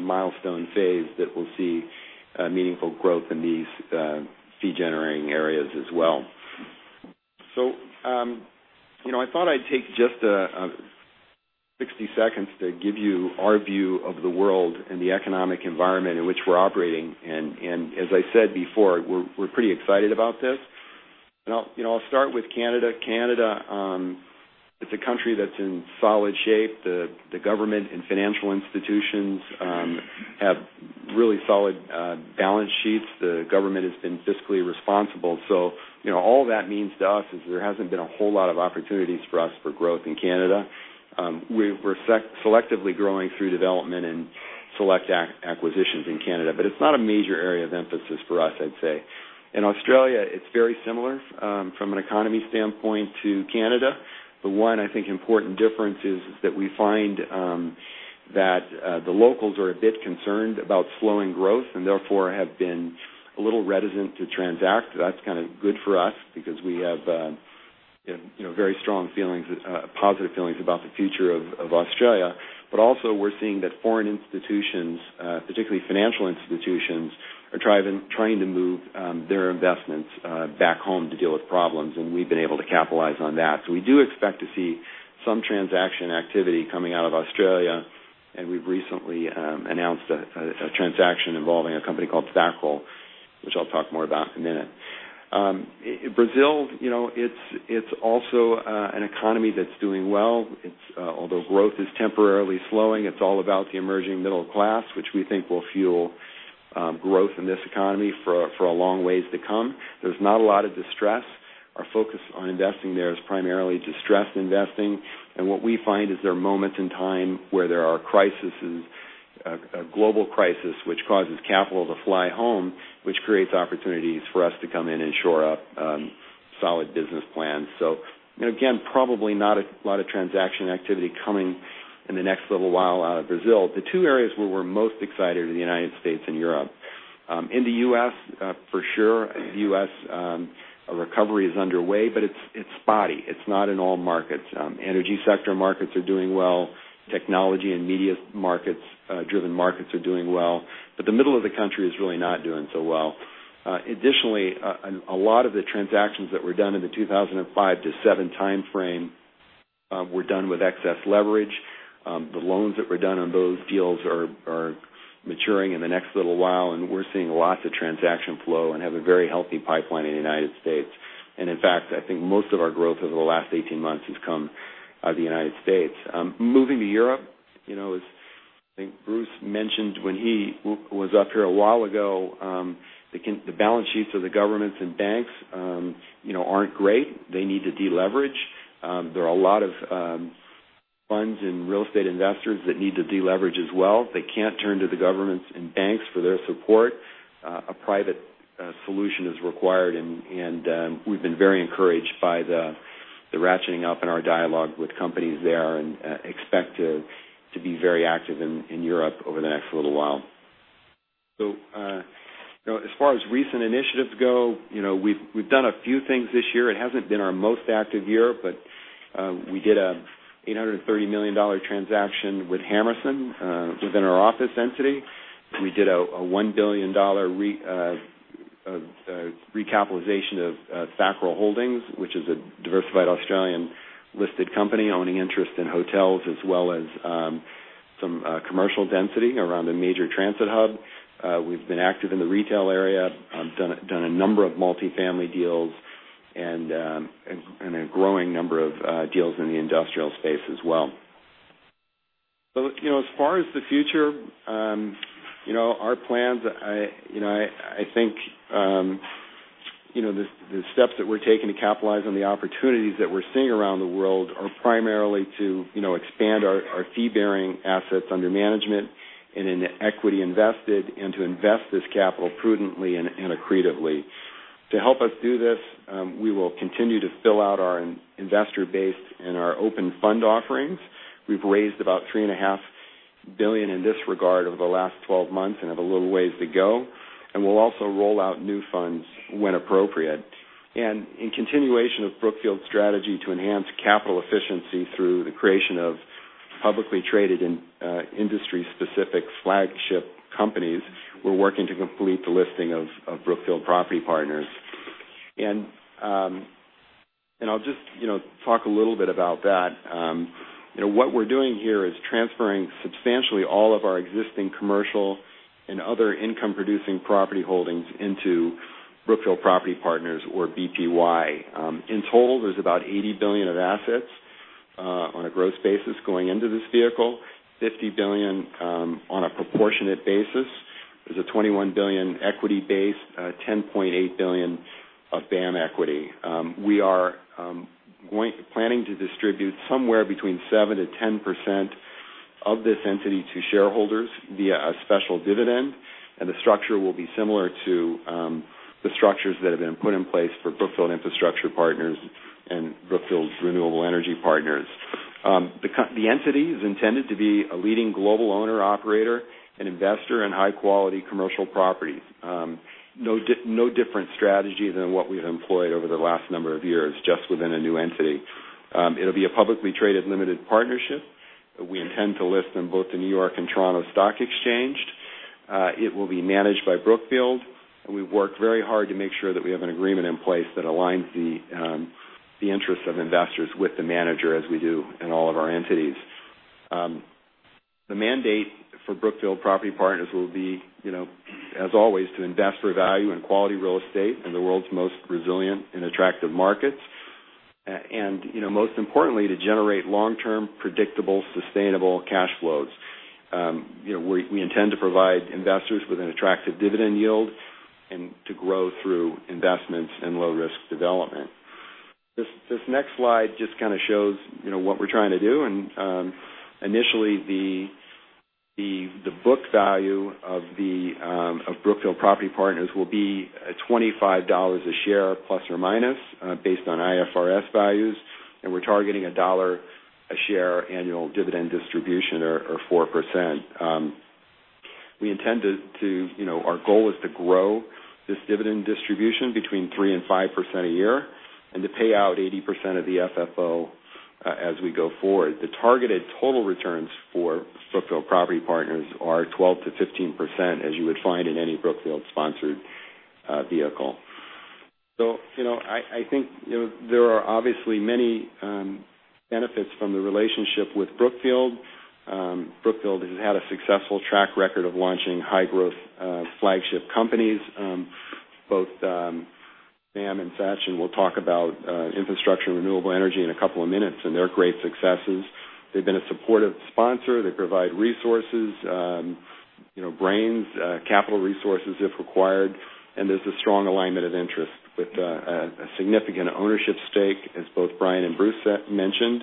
milestone phase, that we'll see meaningful growth in these fee-generating areas as well. I thought I'd take just 60 seconds to give you our view of the world and the economic environment in which we're operating. As I said before, we're pretty excited about this. I'll start with Canada. Canada, it's a country that's in solid shape. The government and financial institutions have really solid balance sheets. The government has been fiscally responsible. All that means to us is there hasn't been a whole lot of opportunities for us for growth in Canada. We're selectively growing through development and select acquisitions in Canada, but it's not a major area of emphasis for us, I'd say. In Australia, it's very similar from an economy standpoint to Canada. The one, I think, important difference is that we find that the locals are a bit concerned about slowing growth and therefore have been a little reticent to transact. That's kind of good for us because we have very strong feelings, positive feelings about the future of Australia. Also we're seeing that foreign institutions, particularly financial institutions, are trying to move their investments back home to deal with problems, and we've been able to capitalize on that. We do expect to see some transaction activity coming out of Australia, and we've recently announced a transaction involving a company called Thakral, which I'll talk more about in a minute. Brazil, it's also an economy that's doing well. Although growth is temporarily slowing, it's all about the emerging middle class, which we think will fuel growth in this economy for a long ways to come. There's not a lot of distress. Our focus on investing there is primarily distressed investing. What we find is there are moments in time where there are crises, a global crisis, which causes capital to fly home, which creates opportunities for us to come in and shore up solid business plans. Again, probably not a lot of transaction activity coming in the next little while out of Brazil. The two areas where we're most excited are the United States and Europe. In the U.S., for sure, the U.S. recovery is underway, but it's spotty. It's not in all markets. Energy sector markets are doing well. Technology and media-driven markets are doing well. The middle of the country is really not doing so well. Additionally, a lot of the transactions that were done in the 2005 to 2007 timeframe were done with excess leverage. The loans that were done on those deals are maturing in the next little while, and we're seeing lots of transaction flow and have a very healthy pipeline in the United States. In fact, I think most of our growth over the last 18 months has come out of the United States. Moving to Europe, as I think Bruce mentioned when he was up here a while ago, the balance sheets of the governments and banks aren't great. They need to de-leverage. There are a lot of funds and real estate investors that need to de-leverage as well. They can't turn to the governments and banks for their support. A private solution is required, and we've been very encouraged by the ratcheting up in our dialogue with companies there and expect to be very active in Europe over the next little while. As far as recent initiatives go, we've done a few things this year. It hasn't been our most active year, but we did an $830 million transaction with Hammerson within our office entity. We did a $1 billion recapitalization of Thakral Holdings, which is a diversified Australian-listed company owning interest in hotels as well as some commercial density around a major transit hub. We've been active in the retail area, done a number of multi-family deals and a growing number of deals in the industrial space as well. As far as the future, our plans, I think the steps that we're taking to capitalize on the opportunities that we're seeing around the world are primarily to expand our fee-bearing assets under management and in the equity invested, and to invest this capital prudently and accretively. To help us do this, we will continue to fill out our investor base and our open fund offerings. We've raised about three and a half billion in this regard over the last 12 months and have a little ways to go, and we'll also roll out new funds when appropriate. In continuation of Brookfield's strategy to enhance capital efficiency through the creation of publicly traded industry-specific flagship companies, we're working to complete the listing of Brookfield Property Partners. I'll just talk a little bit about that. What we're doing here is transferring substantially all of our existing commercial and other income-producing property holdings into Brookfield Property Partners or BPY. In total, there's about $80 billion of assets on a gross basis going into this vehicle, $50 billion on a proportionate basis. There's a $21 billion equity base, 10.8 billion of BAM equity. We are planning to distribute somewhere between 7%-10% of this entity to shareholders via a special dividend, and the structure will be similar to the structures that have been put in place for Brookfield Infrastructure Partners and Brookfield Renewable Energy Partners. The entity is intended to be a leading global owner/operator and investor in high-quality commercial properties. No different strategy than what we've employed over the last number of years, just within a new entity. It'll be a publicly traded limited partnership. We intend to list them both in New York Stock Exchange and Toronto Stock Exchange. It will be managed by Brookfield, and we've worked very hard to make sure that we have an agreement in place that aligns the interests of investors with the manager as we do in all of our entities. The mandate for Brookfield Property Partners will be, as always, to invest for value in quality real estate in the world's most resilient and attractive markets. Most importantly, to generate long-term, predictable, sustainable cash flows. We intend to provide investors with an attractive dividend yield and to grow through investments and low-risk development. This next slide just kind of shows what we're trying to do. Initially, the book value of Brookfield Property Partners will be at $25 a share, plus or minus, based on IFRS values, and we're targeting a $1 a share annual dividend distribution or 4%. Our goal is to grow this dividend distribution between 3%-5% a year and to pay out 80% of the FFO as we go forward. The targeted total returns for Brookfield Property Partners are 12%-15%, as you would find in any Brookfield-sponsored vehicle. I think there are obviously many benefits from the relationship with Brookfield. Brookfield has had a successful track record of launching high-growth flagship companies. Both Sam and Sachin will talk about infrastructure and renewable energy in a couple of minutes, and they're great successes. They've been a supportive sponsor. They provide resources, brains, capital resources if required, there's a strong alignment of interest with a significant ownership stake, as both Brian and Bruce mentioned,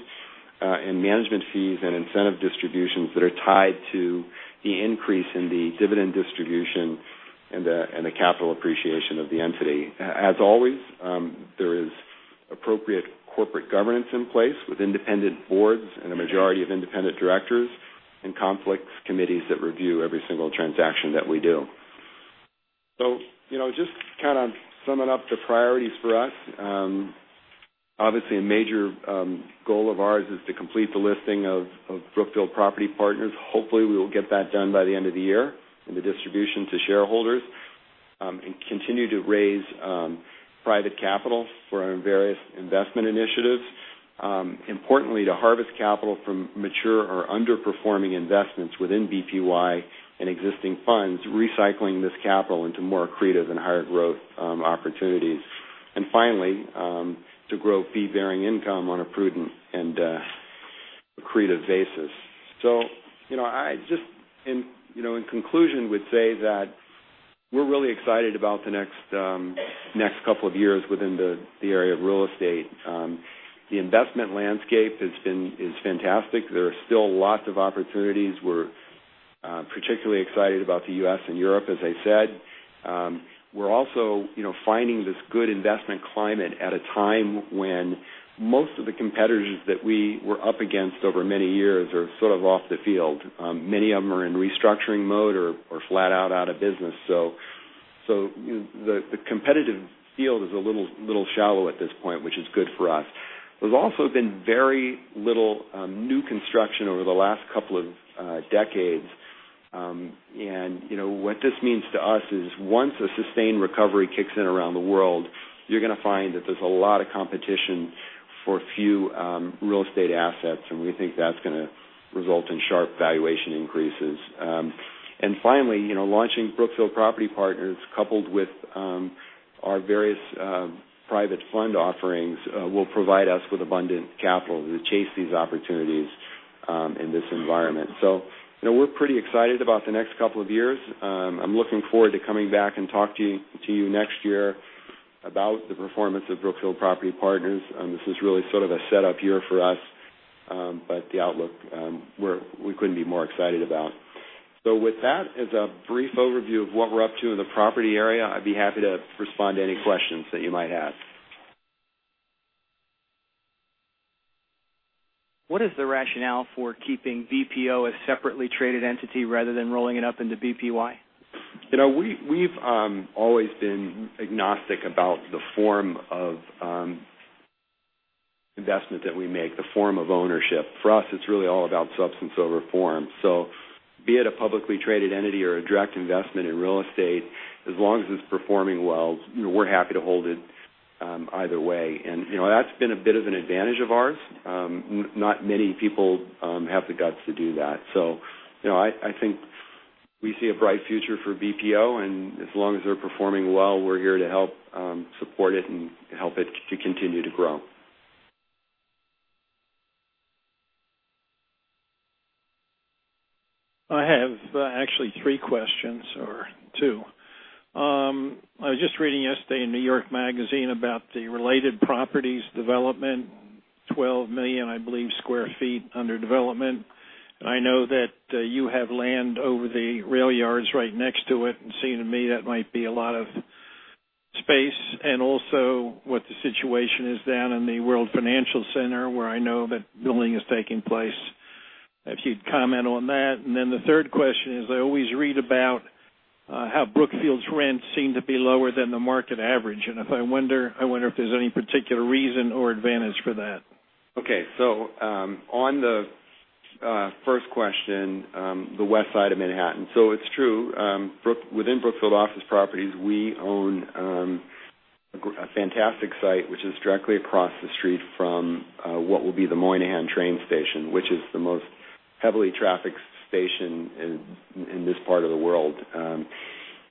in management fees and incentive distributions that are tied to the increase in the dividend distribution and the capital appreciation of the entity. As always, there is appropriate corporate governance in place with independent boards and a majority of independent directors and conflicts committees that review every single transaction that we do. Just kind of summing up the priorities for us. Obviously, a major goal of ours is to complete the listing of Brookfield Property Partners. Hopefully, we will get that done by the end of the year and the distribution to shareholders. Continue to raise private capital for our various investment initiatives. Importantly, to harvest capital from mature or underperforming investments within BPY and existing funds, recycling this capital into more accretive and higher growth opportunities. Finally, to grow fee-bearing income on a prudent and accretive basis. I just, in conclusion, would say that we're really excited about the next couple of years within the area of real estate. The investment landscape is fantastic. There are still lots of opportunities. We're particularly excited about the U.S. and Europe, as I said. We're also finding this good investment climate at a time when most of the competitors that we were up against over many years are sort of off the field. Many of them are in restructuring mode or flat out of business. The competitive field is a little shallow at this point, which is good for us. There's also been very little new construction over the last couple of decades. What this means to us is once a sustained recovery kicks in around the world, you're going to find that there's a lot of competition for few real estate assets, and we think that's going to result in sharp valuation increases. Finally, launching Brookfield Property Partners, coupled with our various private fund offerings, will provide us with abundant capital to chase these opportunities in this environment. We're pretty excited about the next couple of years. I'm looking forward to coming back and talk to you next year about the performance of Brookfield Property Partners. This is really sort of a setup year for us. The outlook, we couldn't be more excited about. With that, as a brief overview of what we're up to in the property area, I'd be happy to respond to any questions that you might have. What is the rationale for keeping BPO a separately traded entity rather than rolling it up into BPY? We've always been agnostic about the form of investment that we make, the form of ownership. For us, it's really all about substance over form. Be it a publicly traded entity or a direct investment in real estate, as long as it's performing well, we're happy to hold it either way. That's been a bit of an advantage of ours. Not many people have the guts to do that. I think we see a bright future for BPO, and as long as they're performing well, we're here to help support it and help it to continue to grow. I have actually three questions, or two. I was just reading yesterday in New York Magazine about the Related Companies development, 12 million, I believe, square feet under development. I know that you have land over the rail yards right next to it, and seem to me that might be a lot of space. Also what the situation is down in the World Financial Center, where I know that building is taking place. If you'd comment on that. The third question is, I always read about how Brookfield's rents seem to be lower than the market average, and I wonder if there's any particular reason or advantage for that. On the first question, the West Side of Manhattan. It's true. Within Brookfield Office Properties, we own a fantastic site, which is directly across the street from what will be the Moynihan train station, which is the most heavily trafficked station in this part of the world.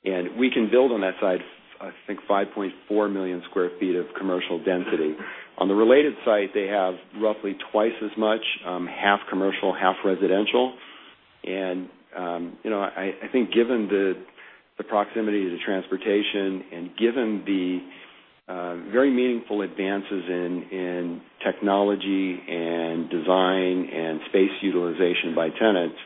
We can build on that site, I think, 5.4 million square feet of commercial density. On the Related site, they have roughly twice as much, half commercial, half residential. I think given the proximity to transportation and given the very meaningful advances in technology and design and space utilization by tenants,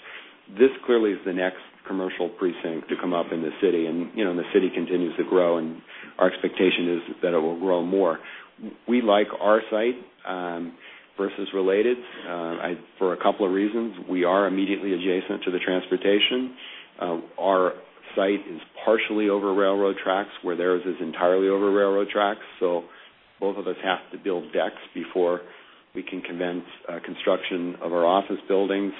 this clearly is the next commercial precinct to come up in the city. The city continues to grow, and our expectation is that it will grow more. We like our site versus Related for a couple of reasons. We are immediately adjacent to the transportation. Our site is partially over railroad tracks, where theirs is entirely over railroad tracks. Both of us have to build decks before we can commence construction of our office buildings.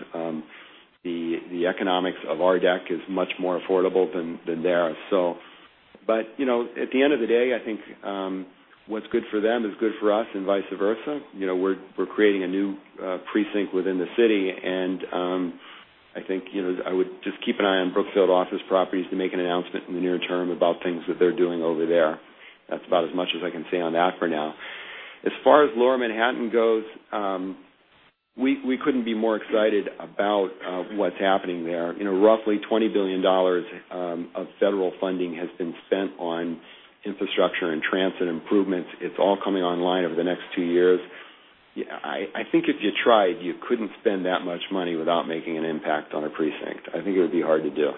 The economics of our deck is much more affordable than theirs. At the end of the day, I think what's good for them is good for us and vice versa. We're creating a new precinct within the city, I think I would just keep an eye on Brookfield Office Properties to make an announcement in the near term about things that they're doing over there. That's about as much as I can say on that for now. As far as Lower Manhattan goes, we couldn't be more excited about what's happening there. Roughly $20 billion of federal funding has been spent on infrastructure and transit improvements. It's all coming online over the next two years. I think if you tried, you couldn't spend that much money without making an impact on a precinct. I think it would be hard to do.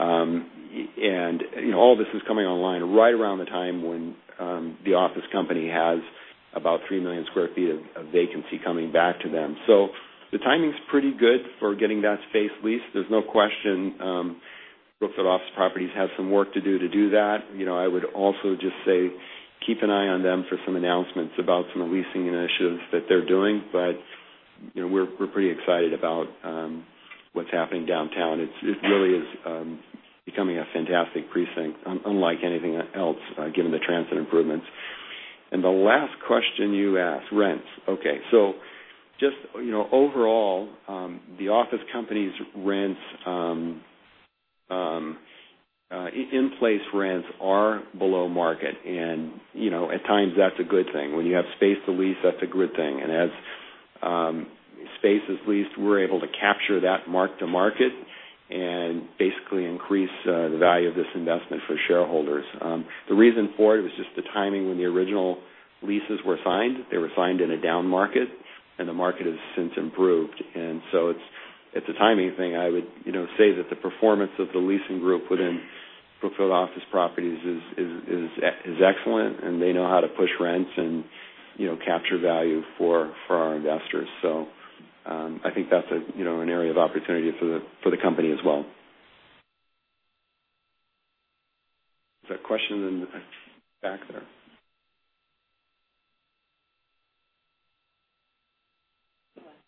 All this is coming online right around the time when the office company has about three million square feet of vacancy coming back to them. The timing's pretty good for getting that space leased. There's no question Brookfield Office Properties has some work to do to do that. I would also just say, keep an eye on them for some announcements about some leasing initiatives that they're doing. We're pretty excited about what's happening downtown. It really is becoming a fantastic precinct, unlike anything else, given the transit improvements. The last question you asked, rents. Just overall, the office company's rents, in place rents are below market, and at times that's a good thing. When you have space to lease, that's a good thing. As space is leased, we're able to capture that mark to market and basically increase the value of this investment for shareholders. The reason for it was just the timing when the original leases were signed. They were signed in a down market, the market has since improved. It's a timing thing. I would say that the performance of the leasing group within Brookfield Office Properties is excellent, they know how to push rents and capture value for our investors. I think that's an area of opportunity for the company as well. Is that question in the back there?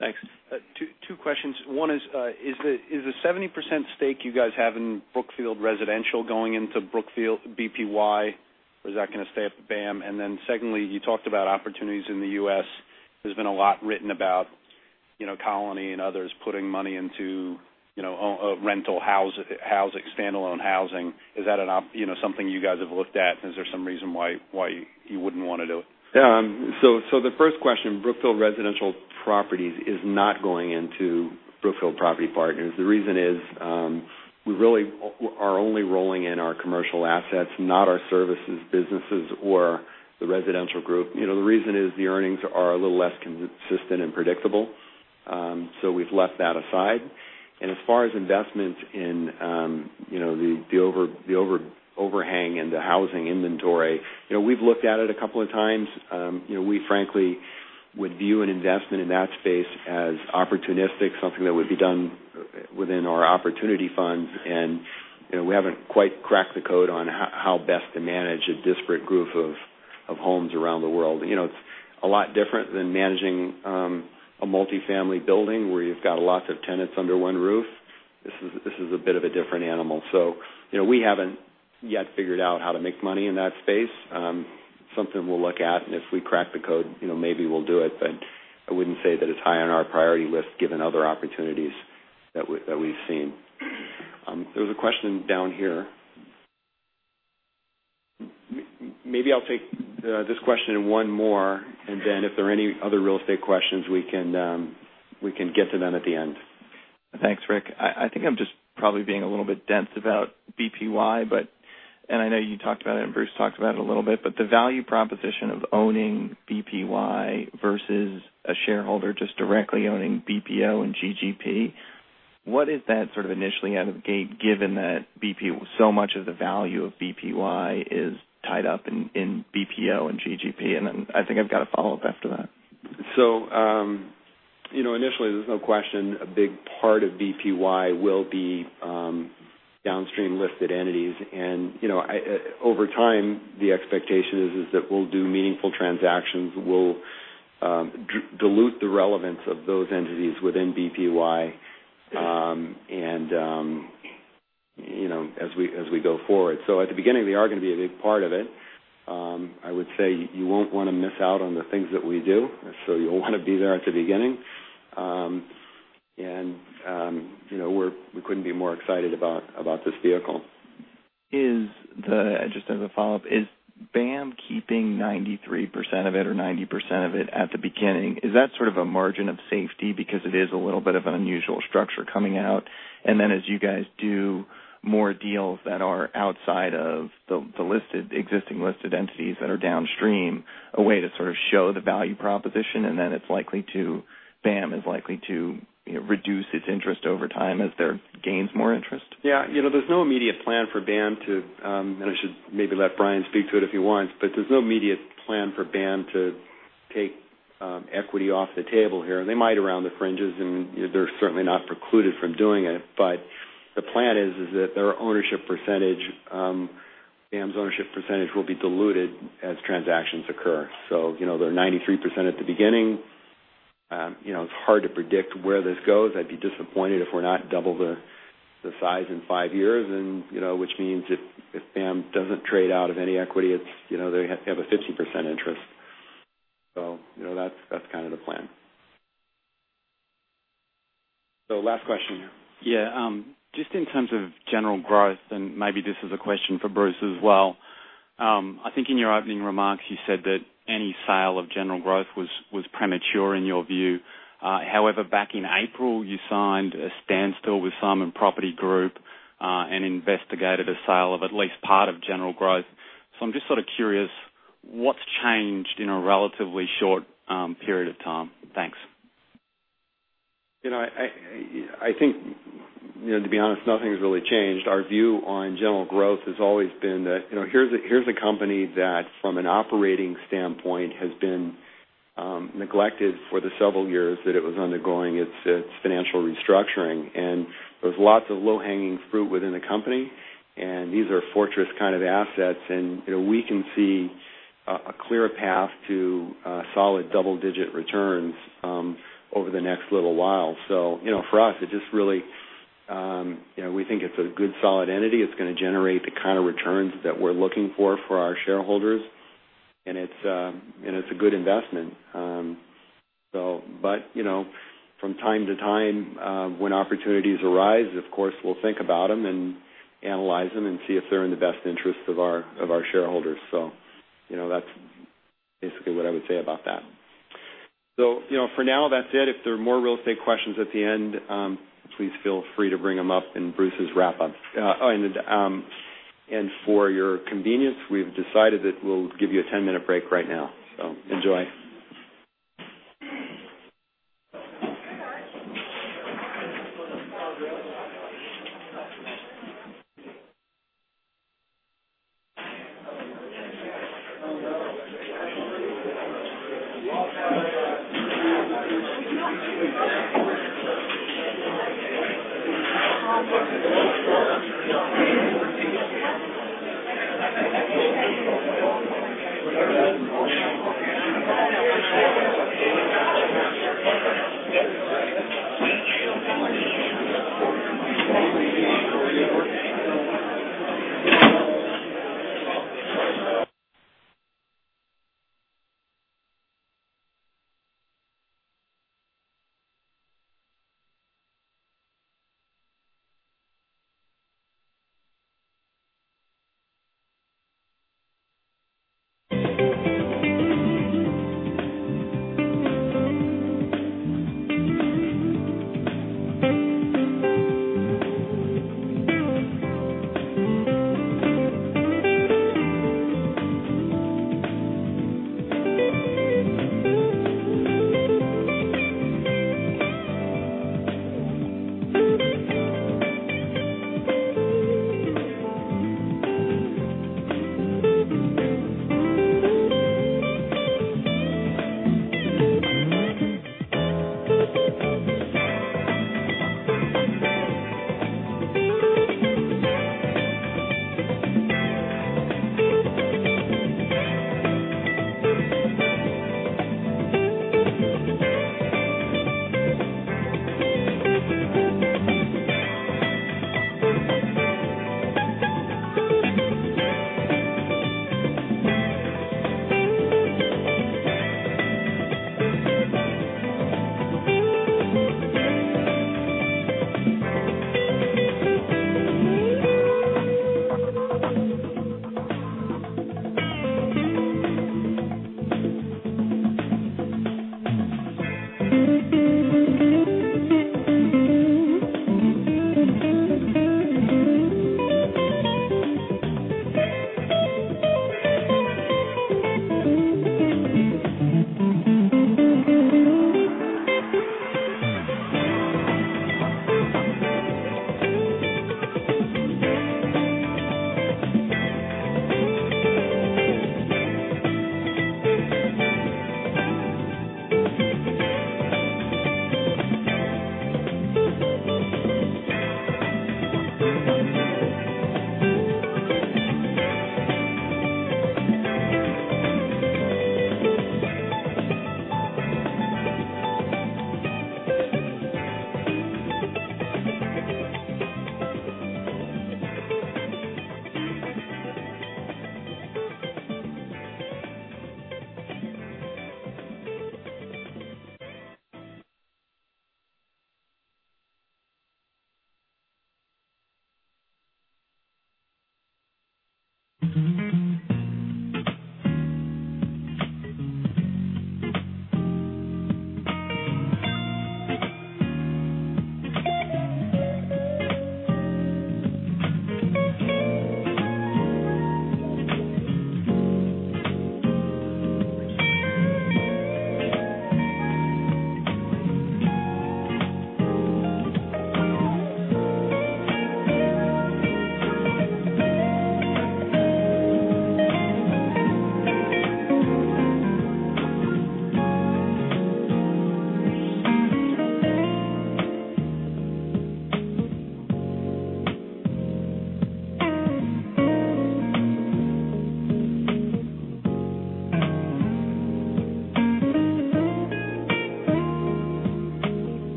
Thanks. Two questions. One is the 70% stake you guys have in Brookfield Residential going into BPY, or is that going to stay at BAM? Secondly, you talked about opportunities in the U.S. There's been a lot written about Colony and others putting money into rental housing, standalone housing. Is that something you guys have looked at? Is there some reason why you wouldn't want to do it? Yeah. The first question, Brookfield Residential Properties is not going into Brookfield Property Partners. The reason is, we really are only rolling in our commercial assets, not our services, businesses, or the residential group. The reason is the earnings are a little less consistent and predictable. We've left that aside. As far as investments in the overhang and the housing inventory, we've looked at it a couple of times. We frankly would view an investment in that space as opportunistic, something that would be done within our opportunity funds. We haven't quite cracked the code on how best to manage a disparate group of homes around the world. It's a lot different than managing a multi-family building where you've got lots of tenants under one roof. This is a bit of a different animal. We haven't yet figured out how to make money in that space. Something we'll look at, and if we crack the code, maybe we'll do it, but I wouldn't say that it's high on our priority list, given other opportunities that we've seen. There was a question down here. Maybe I'll take this question and one more, and then if there are any other real estate questions, we can get to them at the end. Thanks, Ric. I think I'm just probably being a little bit dense about BPY. I know you talked about it, and Bruce talked about it a little bit, but the value proposition of owning BPY versus a shareholder just directly owning BPO and GGP. What is that sort of initially out of the gate, given that so much of the value of BPY is tied up in BPO and GGP? I think I've got a follow-up after that. Initially, there's no question a big part of BPY will be downstream-listed entities. Over time, the expectation is that we'll do meaningful transactions. We'll dilute the relevance of those entities within BPY as we go forward. At the beginning, they are going to be a big part of it. I would say you won't want to miss out on the things that we do. You'll want to be there at the beginning. We couldn't be more excited about this vehicle. Just as a follow-up, is BAM keeping 93% of it or 90% of it at the beginning? Is that sort of a margin of safety because it is a little bit of an unusual structure coming out? As you guys do more deals that are outside of the existing listed entities that are downstream, a way to sort of show the value proposition, and then BAM is likely to reduce its interest over time as there gains more interest? Yeah. There's no immediate plan for BAM to. I should maybe let Brian speak to it if he wants, but there's no immediate plan for BAM to take equity off the table here. They might around the fringes, and they're certainly not precluded from doing it. The plan is that their ownership percentage, BAM's ownership percentage will be diluted as transactions occur. They're 93% at the beginning. It's hard to predict where this goes. I'd be disappointed if we're not double the size in five years, which means if BAM doesn't trade out of any equity, they have a 50% interest. That's kind of the plan. Last question here. Yeah. Just in terms of General Growth, maybe this is a question for Bruce as well. I think in your opening remarks, you said that any sale of General Growth was premature in your view. However, back in April, you signed a standstill with Simon Property Group, investigated a sale of at least part of General Growth. I'm just sort of curious, what's changed in a relatively short period of time? Thanks. I think to be honest, nothing has really changed. Our view on General Growth has always been that here's a company that from an operating standpoint, has been neglected for the several years that it was undergoing its financial restructuring. There's lots of low-hanging fruit within the company. These are fortress kind of assets. We can see a clear path to solid double-digit returns over the next little while. For us, we think it's a good solid entity. It's going to generate the kind of returns that we're looking for our shareholders, and it's a good investment. From time to time, when opportunities arise, of course, we'll think about them and analyze them and see if they're in the best interest of our shareholders. That's basically what I would say about that. For now, that's it. If there are more real estate questions at the end, please feel free to bring them up in Bruce's wrap-up. For your convenience, we've decided that we'll give you a 10-minute break right now. Enjoy.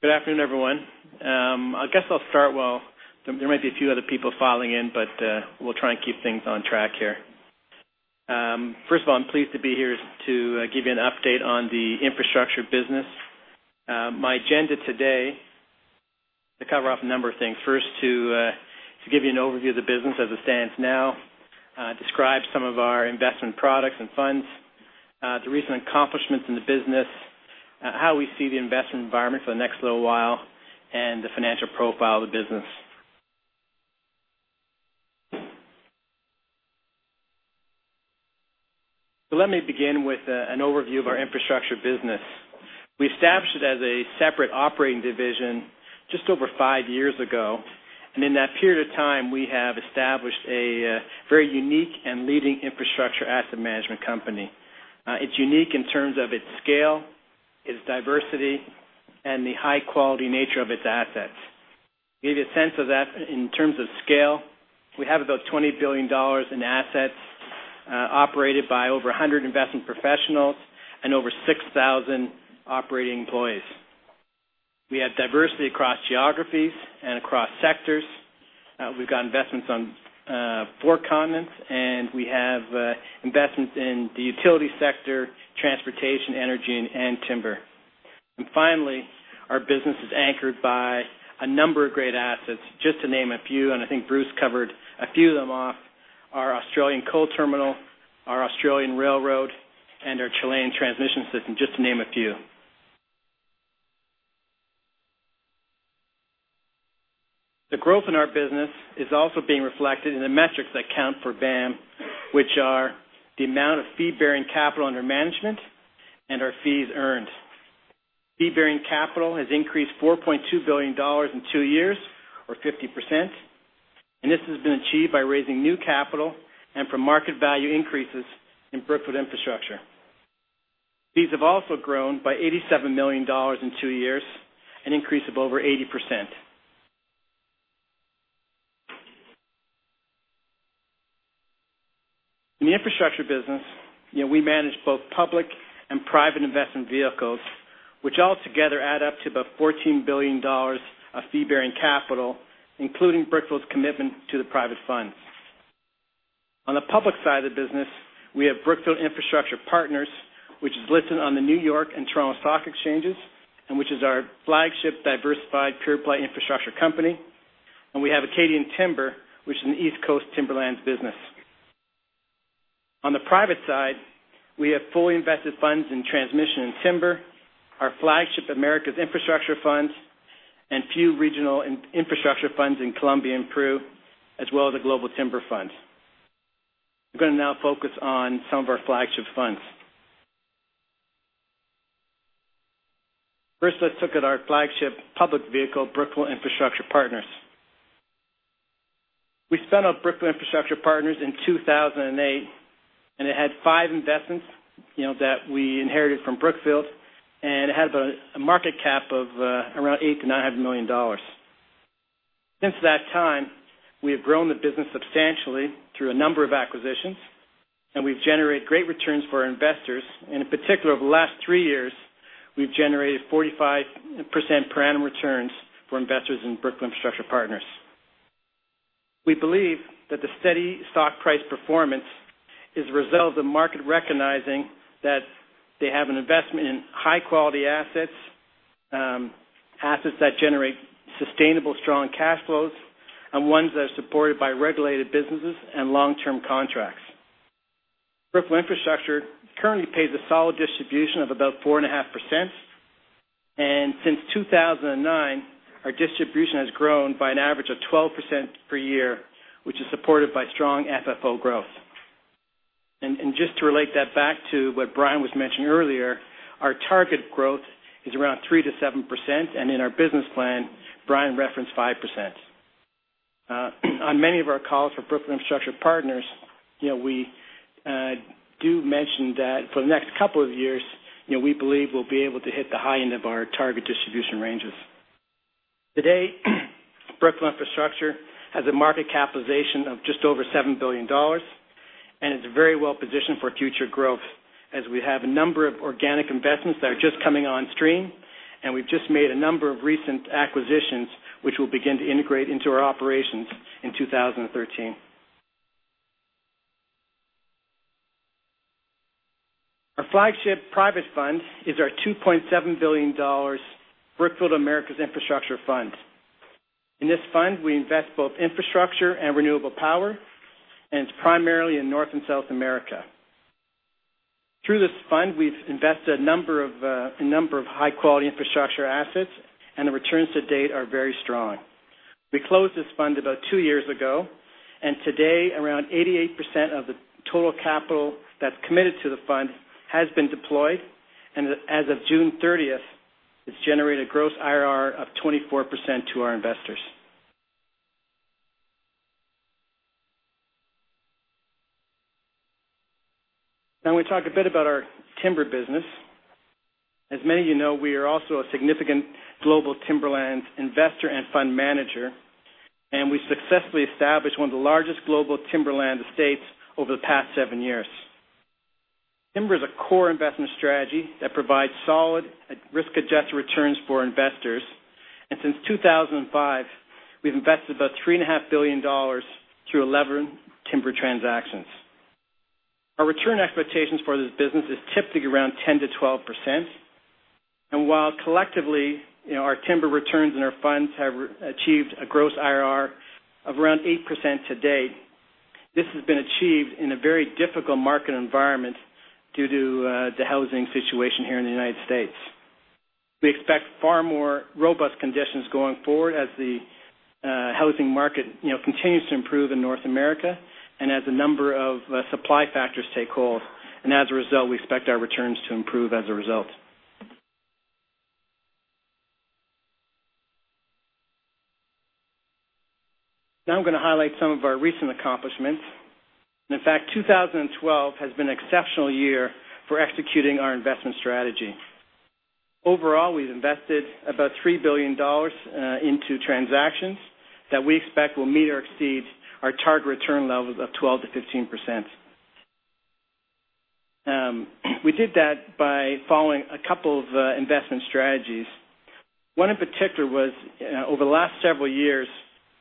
Good afternoon, everyone. I guess I'll start. There might be a few other people filing in, but we'll try and keep things on track here. First of all, I'm pleased to be here to give you an update on the infrastructure business. My agenda today to cover off a number of things. First, to give you an overview of the business as it stands now, describe some of our investment products and funds, the recent accomplishments in the business, how we see the investment environment for the next little while, and the financial profile of the business. Let me begin with an overview of our infrastructure business. We established it as a separate operating division just over five years ago, and in that period of time, we have established a very unique and leading infrastructure asset management company. It's unique in terms of its scale, its diversity, and the high-quality nature of its assets. To give you a sense of that, in terms of scale, we have about $20 billion in assets operated by over 100 investment professionals and over 6,000 operating employees. We have diversity across geographies and across sectors. We've got investments on four continents. We have investments in the utility sector, transportation, energy, and timber. Finally, our business is anchored by a number of great assets, just to name a few, and I think Bruce covered a few of them off, our Australian coal terminal, our Australian railroad, and our Chilean transmission system, just to name a few. The growth in our business is also being reflected in the metrics that count for BAM, which are the amount of fee-bearing capital under management and our fees earned. Fee-bearing capital has increased $4.2 billion in 2 years, or 50%, and this has been achieved by raising new capital and from market value increases in Brookfield Infrastructure. Fees have also grown by $87 million in 2 years, an increase of over 80%. In the infrastructure business, we manage both public and private investment vehicles, which altogether add up to about $14 billion of fee-bearing capital, including Brookfield's commitment to the private funds. On the public side of the business, we have Brookfield Infrastructure Partners, which is listed on the New York Stock Exchange and Toronto Stock Exchanges, and which is our flagship diversified pure-play infrastructure company. We have Acadian Timber, which is an East Coast timberlands business. On the private side, we have fully invested funds in transmission and timber, our flagship Americas Infrastructure Funds, and few regional infrastructure funds in Colombia and Peru, as well as a global timber fund. I'm going to now focus on some of our flagship funds. First, let's look at our flagship public vehicle, Brookfield Infrastructure Partners. We spun off Brookfield Infrastructure Partners in 2008, and it had five investments that we inherited from Brookfield, and it had a market cap of around $800 million-$900 million. Since that time, we have grown the business substantially through a number of acquisitions, and we've generated great returns for our investors. In particular, over the last 3 years, we've generated 45% per annum returns for investors in Brookfield Infrastructure Partners. We believe that the steady stock price performance is a result of the market recognizing that they have an investment in high-quality assets that generate sustainable, strong cash flows, and ones that are supported by regulated businesses and long-term contracts. Brookfield Infrastructure currently pays a solid distribution of about 4.5%, and since 2009, our distribution has grown by an average of 12% per year, which is supported by strong FFO growth. Just to relate that back to what Brian was mentioning earlier, our target growth is around 3%-7%, and in our business plan, Brian referenced 5%. On many of our calls for Brookfield Infrastructure Partners, we do mention that for the next couple of years, we believe we'll be able to hit the high end of our target distribution ranges. Today, Brookfield Infrastructure has a market capitalization of just over $7 billion, and it's very well-positioned for future growth as we have a number of organic investments that are just coming on stream, and we've just made a number of recent acquisitions, which we'll begin to integrate into our operations in 2013. Our flagship private fund is our $2.7 billion Brookfield Americas Infrastructure Fund. In this fund, we invest both infrastructure and renewable power, and it's primarily in North and South America. Through this fund, we've invested a number of high-quality infrastructure assets, and the returns to date are very strong. We closed this fund about 2 years ago, and today, around 88% of the total capital that's committed to the fund has been deployed, and as of June 30th, it's generated gross IRR of 24% to our investors. Now, I'm going to talk a bit about our timber business. As many of you know, we are also a significant global timberland investor and fund manager, and we successfully established one of the largest global timberland estates over the past seven years. Timber is a core investment strategy that provides solid risk-adjusted returns for investors. Since 2005, we've invested about $3.5 billion through 11 timber transactions. Our return expectations for this business is typically around 10%-12%. While collectively, our timber returns and our funds have achieved a gross IRR of around 8% to date, this has been achieved in a very difficult market environment due to the housing situation here in the U.S. We expect far more robust conditions going forward as the housing market continues to improve in North America, as a number of supply factors take hold. As a result, we expect our returns to improve as a result. Now I'm going to highlight some of our recent accomplishments. In fact, 2012 has been an exceptional year for executing our investment strategy. Overall, we've invested about $3 billion into transactions that we expect will meet or exceed our target return levels of 12%-15%. We did that by following a couple of investment strategies. One in particular was, over the last several years,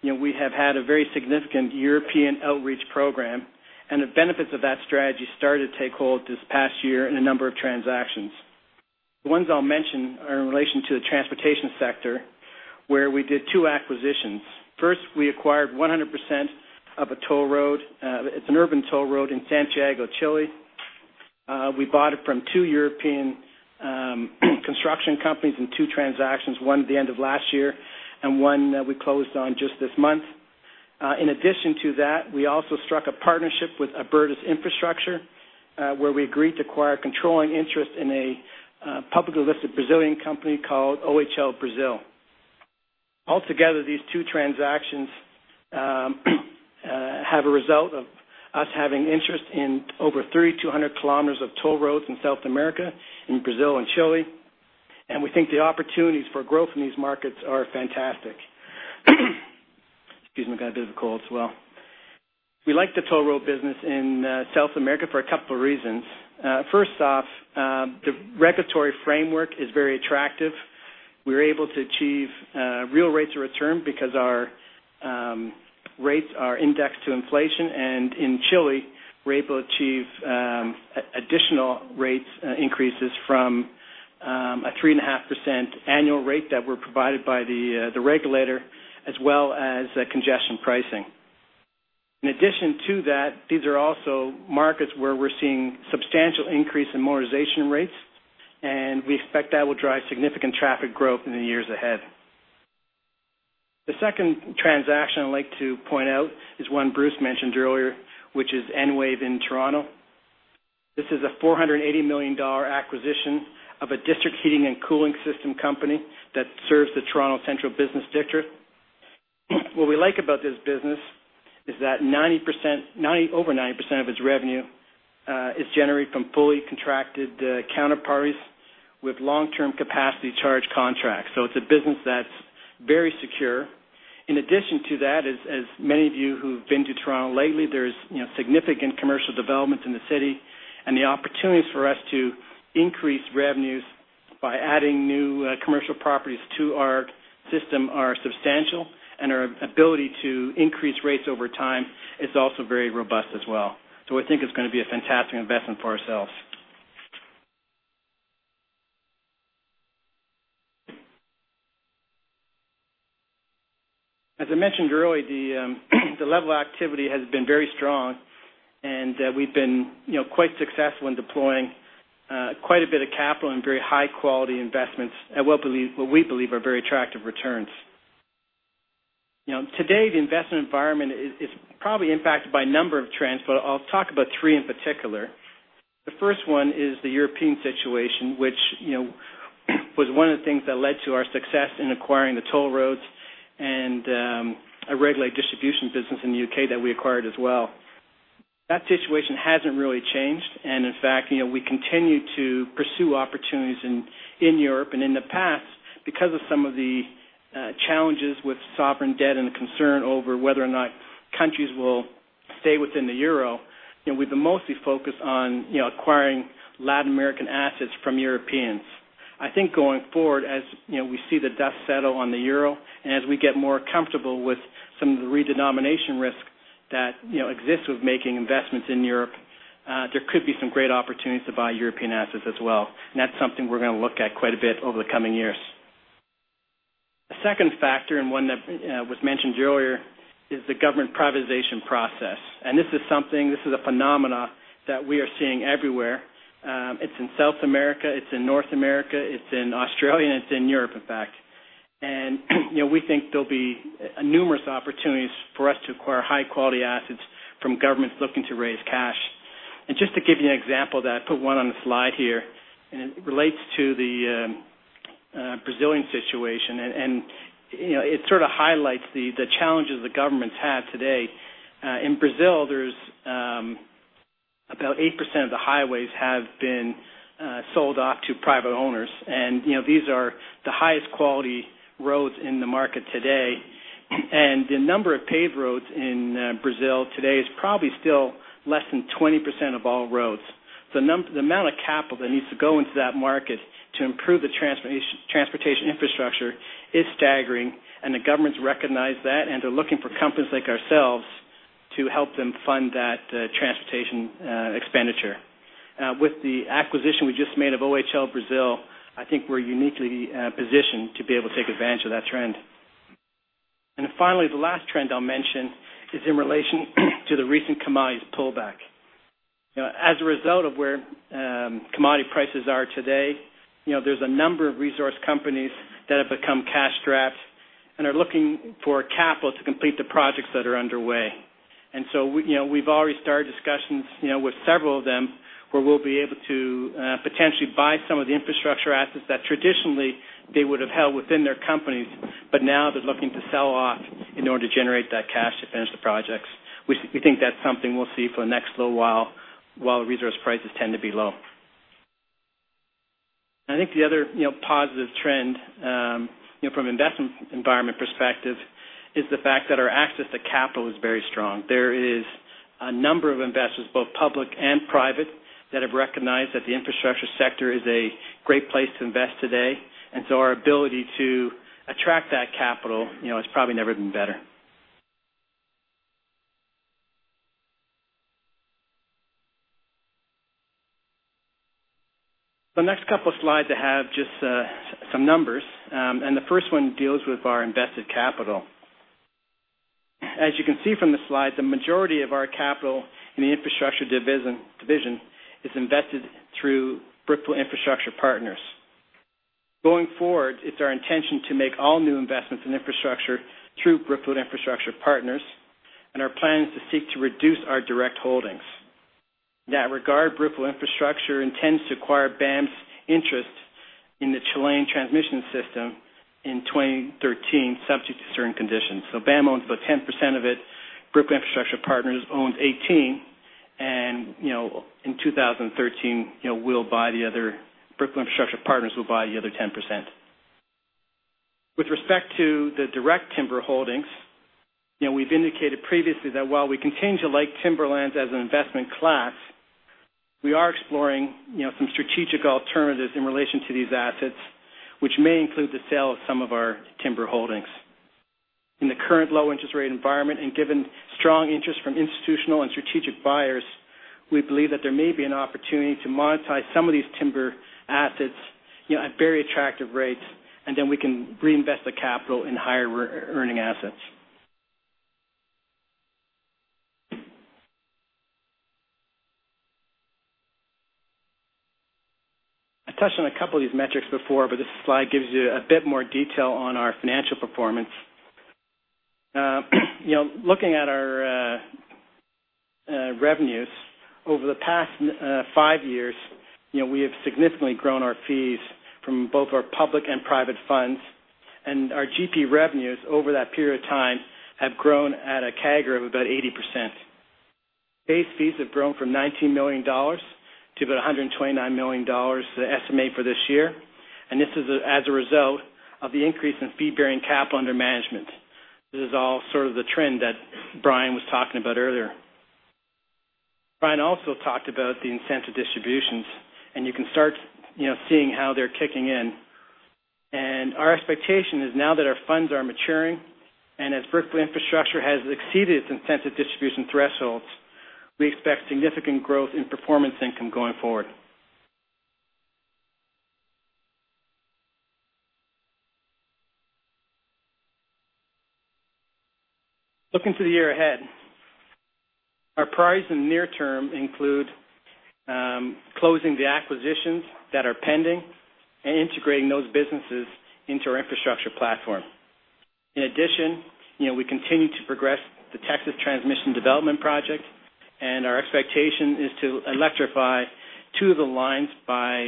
we have had a very significant European outreach program, the benefits of that strategy started to take hold this past year in a number of transactions. The ones I'll mention are in relation to the transportation sector, where we did two acquisitions. First, we acquired 100% of a toll road. It's an urban toll road in Santiago, Chile. We bought it from two European construction companies in two transactions, one at the end of last year, one that we closed on just this month. In addition to that, we also struck a partnership with Abertis Infraestructuras, where we agreed to acquire a controlling interest in a publicly listed Brazilian company called OHL Brasil. Altogether, these two transactions have a result of us having interest in over 3,200 km of toll roads in South America, in Brazil and Chile, we think the opportunities for growth in these markets are fantastic. Excuse me, got a bit of a cold as well. We like the toll road business in South America for a couple of reasons. First off, the regulatory framework is very attractive. We're able to achieve real rates of return because our rates are indexed to inflation. In Chile, we're able to achieve additional rates increases from a 3.5% annual rate that were provided by the regulator, as well as congestion pricing. In addition to that, these are also markets where we're seeing substantial increase in motorization rates, we expect that will drive significant traffic growth in the years ahead. The second transaction I'd like to point out is one Bruce mentioned earlier, which is Enwave in Toronto. This is a $480 million acquisition of a district heating and cooling system company that serves the Toronto central business district. What we like about this business is that over 90% of its revenue is generated from fully contracted counterparties with long-term capacity charge contracts. It's a business that's very secure. In addition to that, as many of you who've been to Toronto lately, there's significant commercial development in the city, and the opportunities for us to increase revenues by adding new commercial properties to our system are substantial, and our ability to increase rates over time is also very robust as well. I think it's going to be a fantastic investment for ourselves. As I mentioned earlier, the level of activity has been very strong, and we've been quite successful in deploying quite a bit of capital in very high-quality investments at what we believe are very attractive returns. Today, the investment environment is probably impacted by a number of trends, but I'll talk about three in particular. The first one is the European situation, which was one of the things that led to our success in acquiring the toll roads and a regulated distribution business in the U.K. that we acquired as well. That situation hasn't really changed. In fact, we continue to pursue opportunities in Europe and in the past, because of some of the challenges with sovereign debt and the concern over whether or not countries will stay within the euro, we've mostly focused on acquiring Latin American assets from Europeans. I think going forward, as we see the dust settle on the euro, and as we get more comfortable with some of the redenomination risk that exists with making investments in Europe, there could be some great opportunities to buy European assets as well. That's something we're going to look at quite a bit over the coming years. The second factor, and one that was mentioned earlier, is the government privatization process. This is a phenomenon that we are seeing everywhere. It's in South America, it's in North America, it's in Australia, and it's in Europe, in fact. We think there'll be numerous opportunities for us to acquire high-quality assets from governments looking to raise cash. Just to give you an example that I put one on the slide here, and it relates to the Brazilian situation, and it sort of highlights the challenges the governments have today. In Brazil, there's about 8% of the highways have been sold off to private owners. These are the highest quality roads in the market today. The number of paved roads in Brazil today is probably still less than 20% of all roads. The amount of capital that needs to go into that market to improve the transportation infrastructure is staggering, and the governments recognize that, and they're looking for companies like ourselves to help them fund that transportation expenditure. With the acquisition we just made of OHL Brasil, I think we're uniquely positioned to be able to take advantage of that trend. Finally, the last trend I'll mention is in relation to the recent commodities pullback. As a result of where commodity prices are today, there's a number of resource companies that have become cash-strapped and are looking for capital to complete the projects that are underway. We've already started discussions with several of them, where we'll be able to potentially buy some of the infrastructure assets that traditionally they would have held within their companies, but now they're looking to sell off in order to generate that cash to finish the projects. We think that's something we'll see for the next little while resource prices tend to be low. I think the other positive trend from investment environment perspective is the fact that our access to capital is very strong. There is a number of investors, both public and private, that have recognized that the infrastructure sector is a great place to invest today, our ability to attract that capital has probably never been better. The next couple of slides I have just some numbers, the first one deals with our invested capital. As you can see from the slide, the majority of our capital in the infrastructure division is invested through Brookfield Infrastructure Partners. Going forward, it's our intention to make all new investments in infrastructure through Brookfield Infrastructure Partners, our plan is to seek to reduce our direct holdings. In that regard, Brookfield Infrastructure intends to acquire BAM's interest in the Chilean transmission system in 2013, subject to certain conditions. BAM owns about 10% of it. Brookfield Infrastructure Partners owns 18%. In 2013, Brookfield Infrastructure Partners will buy the other 10%. With respect to the direct timber holdings, we've indicated previously that while we continue to like timberlands as an investment class, we are exploring some strategic alternatives in relation to these assets, which may include the sale of some of our timber holdings. In the current low-interest rate environment, given strong interest from institutional and strategic buyers, we believe that there may be an opportunity to monetize some of these timber assets at very attractive rates, then we can reinvest the capital in higher earning assets. I touched on a couple of these metrics before, this slide gives you a bit more detail on our financial performance. Looking at our revenues over the past five years, we have significantly grown our fees from both our public and private funds. Our GP revenues over that period of time have grown at a CAGR of about 80%. Base fees have grown from $19 million to about $129 million, the estimate for this year. This is as a result of the increase in fee-bearing capital under management. This is all sort of the trend that Brian was talking about earlier. Brian also talked about the incentive distributions, you can start seeing how they're kicking in. Our expectation is now that our funds are maturing, as Brookfield Infrastructure has exceeded its incentive distribution thresholds, we expect significant growth in performance income going forward. Looking to the year ahead, our priorities in the near term include closing the acquisitions that are pending integrating those businesses into our infrastructure platform. In addition, we continue to progress the Texas Transmission development project, our expectation is to electrify two of the lines by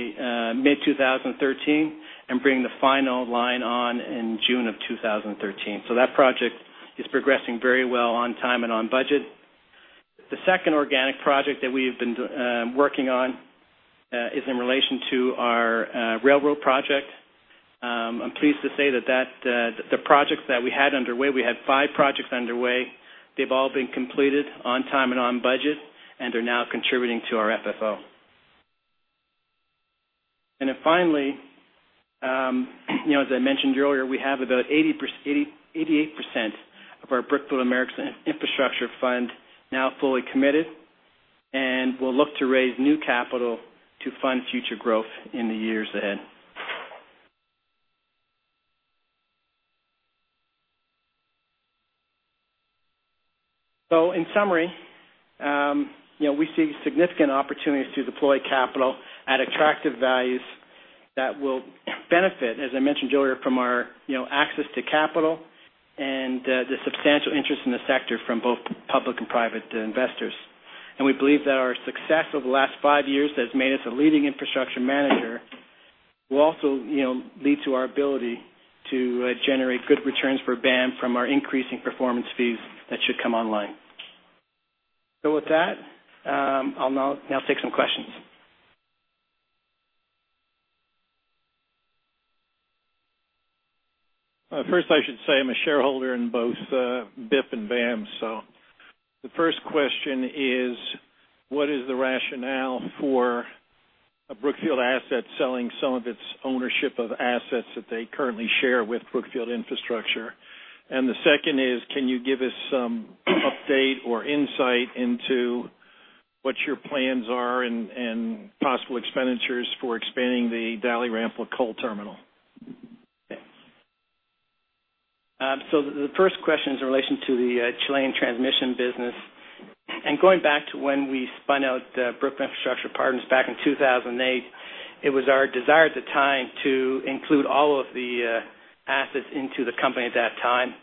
mid-2013 and bring the final line on in June of 2013. That project is progressing very well, on time and on budget. The second organic project that we have been working on is in relation to our railroad project. I'm pleased to say that the projects that we had underway, we had five projects underway. They've all been completed on time and on budget and are now contributing to our FFO. Finally, as I mentioned earlier, we have about 88% of our Brookfield Americas Infrastructure Fund now fully committed, and we'll look to raise new capital to fund future growth in the years ahead. In summary, we see significant opportunities to deploy capital at attractive values that will benefit, as I mentioned earlier, from our access to capital and the substantial interest in the sector from both public and private investors. We believe that our success over the last five years has made us a leading infrastructure manager, will also lead to our ability to generate good returns for BAM from our increasing performance fees that should come online. With that, I'll now take some questions. First, I should say I'm a shareholder in both BIP and BAM. The first question is, what is the rationale for a Brookfield asset selling some of its ownership of assets that they currently share with Brookfield Infrastructure? The second is, can you give us some update or insight into what your plans are and possible expenditures for expanding the Dalrymple Bay Coal Terminal? The first question is in relation to the Chilean transmission business. Going back to when we spun out Brookfield Infrastructure Partners back in 2008, it was our desire at the time to include all of the assets into the company at that time.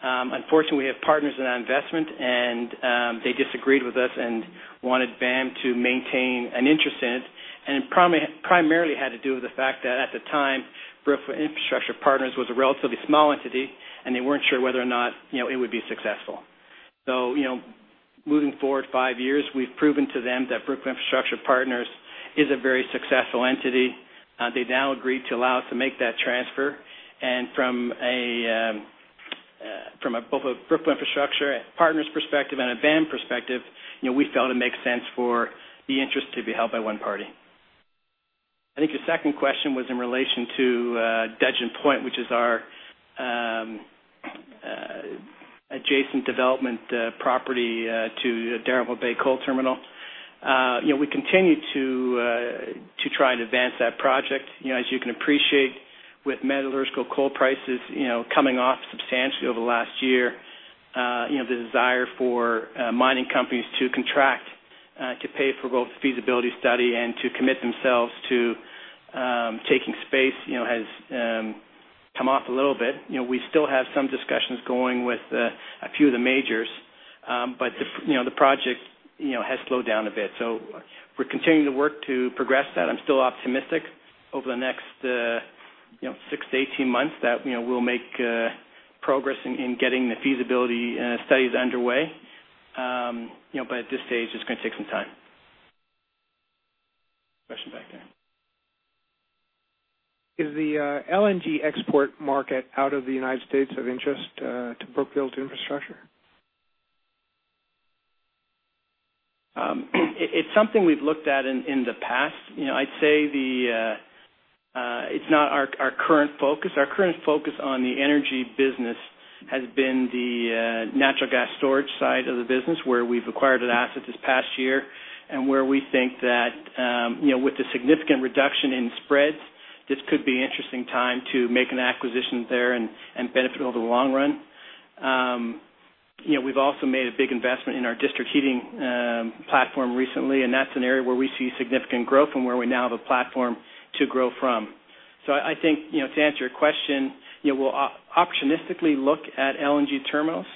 Unfortunately, we have partners in that investment, and they disagreed with us and wanted BAM to maintain an interest in it. It primarily had to do with the fact that at the time, Brookfield Infrastructure Partners was a relatively small entity, and they weren't sure whether or not it would be successful. Moving forward five years, we've proven to them that Brookfield Infrastructure Partners is a very successful entity. They've now agreed to allow us to make that transfer. From both a Brookfield Infrastructure Partners perspective and a BAM perspective, we felt it makes sense for the interest to be held by one party. I think your second question was in relation to Dudgeon Point, which is our adjacent development property to the Dalrymple Bay Coal Terminal. We continue to try and advance that project. As you can appreciate with metallurgical coal prices coming off substantially over the last year, the desire for mining companies to contract to pay for both the feasibility study and to commit themselves to taking space has come off a little bit. We still have some discussions going with a few of the majors, but the project has slowed down a bit. We're continuing to work to progress that. I'm still optimistic over the next 6-18 months that we'll make progress in getting the feasibility studies underway. At this stage, it's going to take some time. Question back there. Is the LNG export market out of the United States of interest to Brookfield Infrastructure? It's something we've looked at in the past. I'd say it's not our current focus. Our current focus on the energy business has been the natural gas storage side of the business, where we've acquired an asset this past year, and where we think that with the significant reduction in spreads, this could be an interesting time to make an acquisition there and benefit over the long run. We've also made a big investment in our district heating platform recently, and that's an area where we see significant growth and where we now have a platform to grow from. I think, to answer your question, we'll opportunistically look at LNG terminals.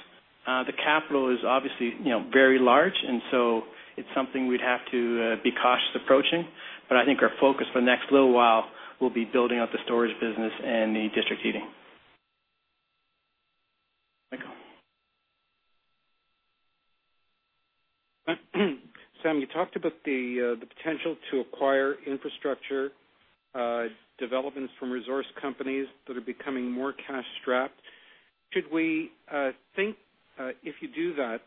The capital is obviously very large, and so it's something we'd have to be cautious approaching. I think our focus for the next little while will be building out the storage business and the district heating. Michael. Sam, you talked about the potential to acquire infrastructure developments from resource companies that are becoming more cash-strapped. Should we think, if you do that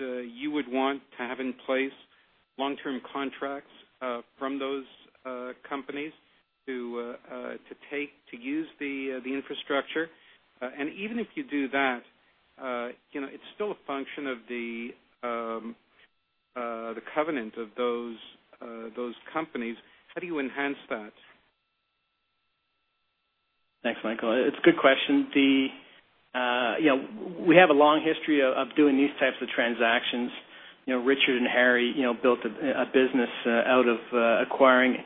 you would want to have in place long-term contracts from those companies to use the infrastructure? Even if you do that, it's still a function of the covenant of those companies. How do you enhance that? Thanks, Michael. It's a good question. We have a long history of doing these types of transactions. Richard and Harry built a business out of acquiring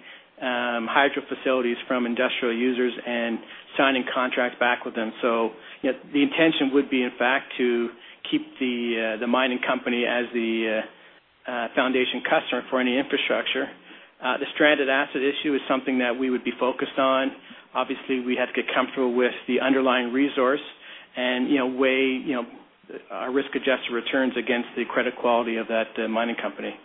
hydro facilities from industrial users and signing contracts back with them. The intention would be, in fact, to keep the mining company as the foundation customer for any infrastructure. The stranded asset issue is something that we would be focused on. Obviously, we had to get comfortable with the underlying resource and weigh our risk-adjusted returns against the credit quality of that mining company.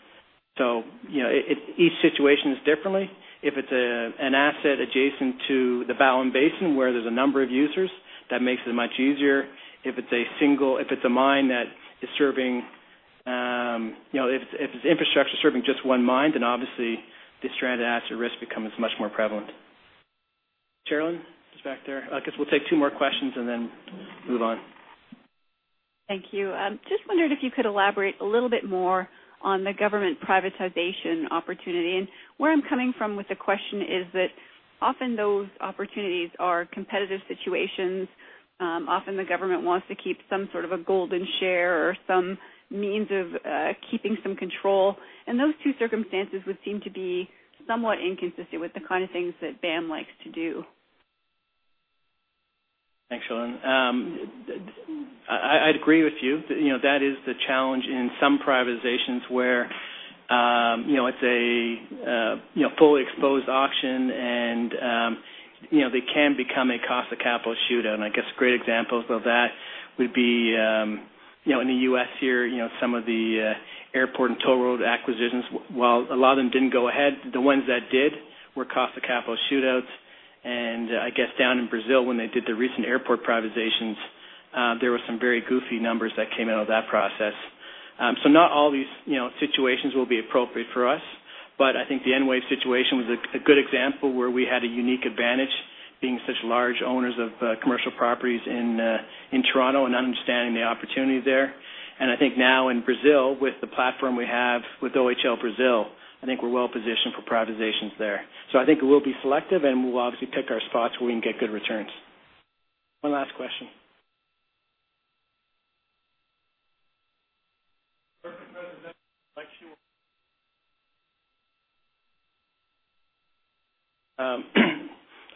Each situation is different. If it's an asset adjacent to the Bowen Basin, where there's a number of users, that makes it much easier. If it's infrastructure serving just one mine, obviously, the stranded asset risk becomes much more prevalent. Cherilyn, just back there. I guess we'll take two more questions and then move on. Thank you. Just wondered if you could elaborate a little bit more on the government privatization opportunity. Where I'm coming from with the question is that often those opportunities are competitive situations. Often, the government wants to keep some sort of a golden share or some means of keeping some control. Those two circumstances would seem to be somewhat inconsistent with the kind of things that BAM likes to do. Thanks, Cherilyn. I'd agree with you. That is the challenge in some privatizations where it's a fully exposed auction, they can become a cost of capital shootout. I guess great examples of that would be in the U.S. here, some of the airport and toll road acquisitions. While a lot of them didn't go ahead, the ones that did were cost of capital shootouts. I guess down in Brazil, when they did the recent airport privatizations, there were some very goofy numbers that came out of that process. Not all these situations will be appropriate for us. I think the Enwave situation was a good example where we had a unique advantage being such large owners of commercial properties in Toronto and understanding the opportunities there. I think now in Brazil, with the platform we have with OHL Brasil, I think we're well-positioned for privatizations there. I think we'll be selective, we'll obviously pick our spots where we can get good returns. One last question.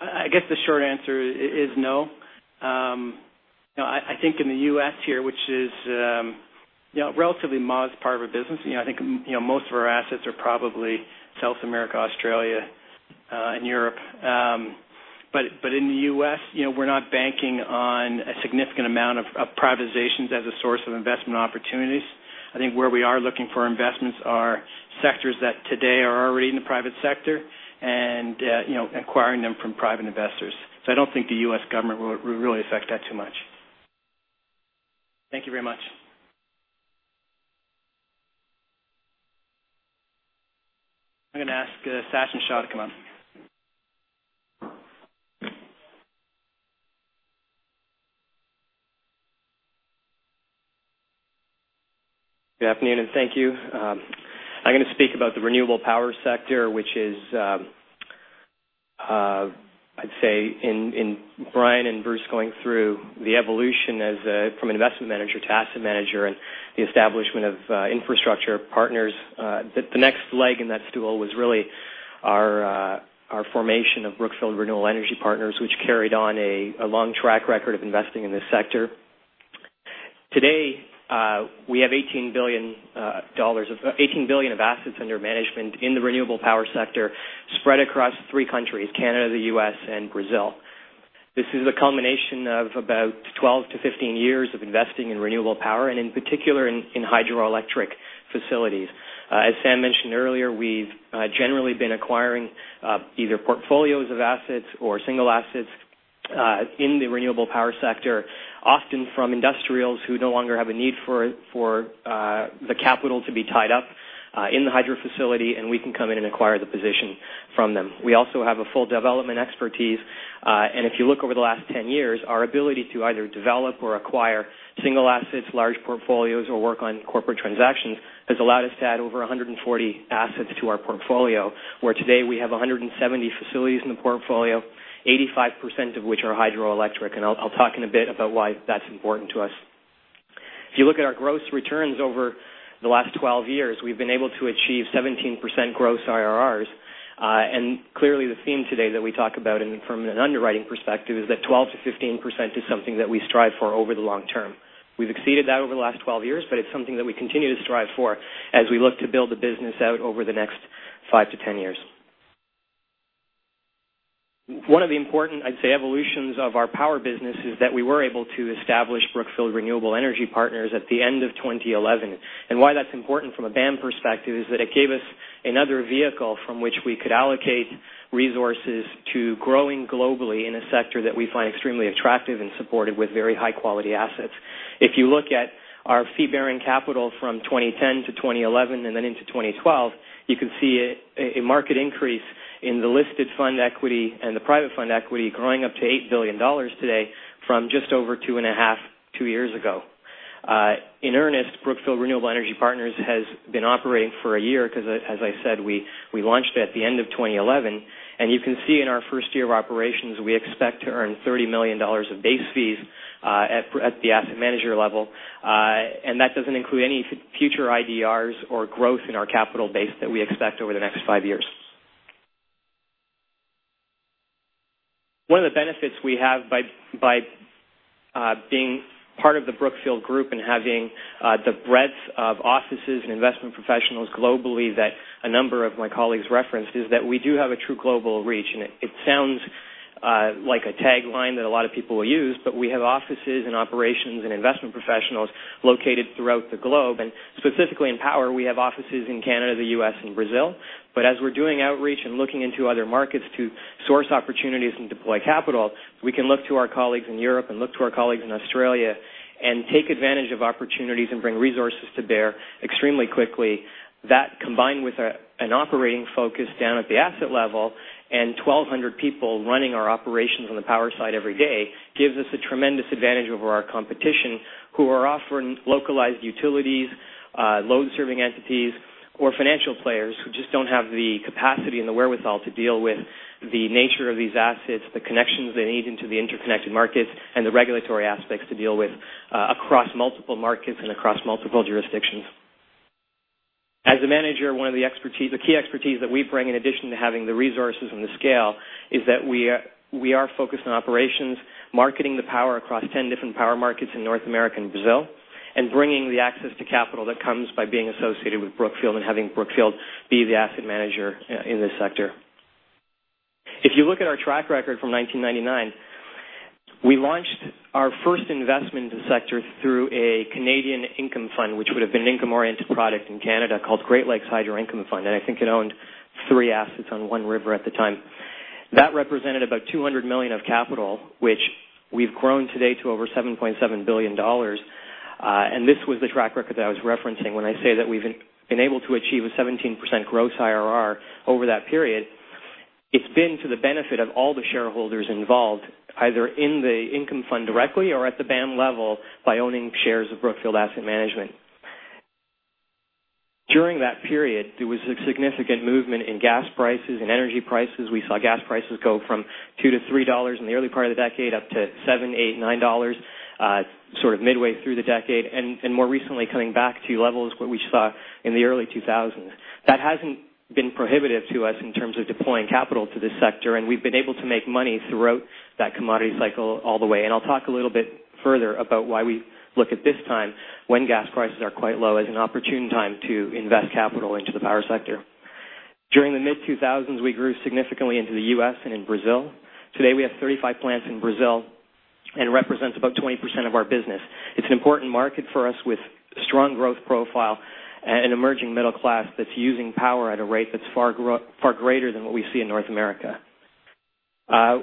I guess the short answer is no. I think in the U.S. here, which is a relatively modest part of our business. I think most of our assets are probably South America, Australia, and Europe. In the U.S., we're not banking on a significant amount of privatizations as a source of investment opportunities. I think where we are looking for investments are sectors that today are already in the private sector and acquiring them from private investors. I don't think the U.S. government will really affect that too much. Thank you very much. I'm going to ask Sachin Shah to come up. Good afternoon, and thank you. I'm going to speak about the renewable power sector, which is, I'd say in Brian and Bruce going through the evolution from an investment manager to asset manager and the establishment of Infrastructure Partners. The next leg in that stool was really our formation of Brookfield Renewable Energy Partners, which carried on a long track record of investing in this sector. Today, we have $18 billion of assets under management in the renewable power sector, spread across three countries, Canada, the U.S., and Brazil. This is a culmination of about 12-15 years of investing in renewable power, and in particular, in hydroelectric facilities. As Sam mentioned earlier, we've generally been acquiring either portfolios of assets or single assets in the renewable power sector, often from industrials who no longer have a need for the capital to be tied up in the hydro facility, and we can come in and acquire the position from them. We also have a full development expertise. If you look over the last 10 years, our ability to either develop or acquire single assets, large portfolios, or work on corporate transactions has allowed us to add over 140 assets to our portfolio, where today we have 170 facilities in the portfolio, 85% of which are hydroelectric, and I'll talk in a bit about why that's important to us. If you look at our gross returns over the last 12 years, we've been able to achieve 17% gross IRRs. Clearly the theme today that we talk about from an underwriting perspective is that 12%-15% is something that we strive for over the long term. We've exceeded that over the last 12 years, but it's something that we continue to strive for as we look to build the business out over the next 5-10 years. One of the important, I'd say, evolutions of our power business is that we were able to establish Brookfield Renewable Energy Partners at the end of 2011. Why that's important from a BAM perspective is that it gave us another vehicle from which we could allocate resources to growing globally in a sector that we find extremely attractive and supported with very high-quality assets. If you look at our fee-bearing capital from 2010-2011, then into 2012, you can see a market increase in the listed fund equity and the private fund equity growing up to $8 billion today from just over two and a half years ago. In earnest, Brookfield Renewable Energy Partners has been operating for one year because, as I said, we launched at the end of 2011, and you can see in our first year of operations, we expect to earn $30 million of base fees at the asset manager level. That doesn't include any future IDRs or growth in our capital base that we expect over the next five years. One of the benefits we have by being part of the Brookfield and having the breadth of offices and investment professionals globally that a number of my colleagues referenced, is that we do have a true global reach. It sounds like a tagline that a lot of people use, but we have offices and operations and investment professionals located throughout the globe. Specifically in power, we have offices in Canada, the U.S., and Brazil. As we're doing outreach and looking into other markets to source opportunities and deploy capital, we can look to our colleagues in Europe and look to our colleagues in Australia and take advantage of opportunities and bring resources to bear extremely quickly. That, combined with an operating focus down at the asset level and 1,200 people running our operations on the power side every day, gives us a tremendous advantage over our competition, who are often localized utilities, load-serving entities or financial players who just don't have the capacity and the wherewithal to deal with the nature of these assets, the connections they need into the interconnected markets, and the regulatory aspects to deal with, across multiple markets and across multiple jurisdictions. As a manager, one of the key expertise that we bring, in addition to having the resources and the scale, is that we are focused on operations, marketing the power across 10 different power markets in North America and Brazil, and bringing the access to capital that comes by being associated with Brookfield and having Brookfield be the asset manager in this sector. If you look at our track record from 1999, we launched our first investment in the sector through a Canadian income fund, which would have been an income-oriented product in Canada called Great Lakes Hydro Income Fund, and I think it owned three assets on one river at the time. That represented about $200 million of capital, which we've grown today to over $7.7 billion. This was the track record that I was referencing when I say that we've been able to achieve a 17% gross IRR over that period. It's been to the benefit of all the shareholders involved, either in the income fund directly or at the BAM level, by owning shares of Brookfield Asset Management. During that period, there was a significant movement in gas prices and energy prices. We saw gas prices go from two to $3 in the early part of the decade, up to seven, eight, $9, sort of midway through the decade. More recently, coming back to levels where we saw in the early 2000s. That hasn't been prohibitive to us in terms of deploying capital to this sector, and we've been able to make money throughout that commodity cycle all the way. I'll talk a little bit further about why we look at this time when gas prices are quite low, as an opportune time to invest capital into the power sector. During the mid-2000s, we grew significantly into the U.S. and in Brazil. Today, we have 35 plants in Brazil, and represents about 20% of our business. It's an important market for us with a strong growth profile and an emerging middle class that's using power at a rate that's far greater than what we see in North America.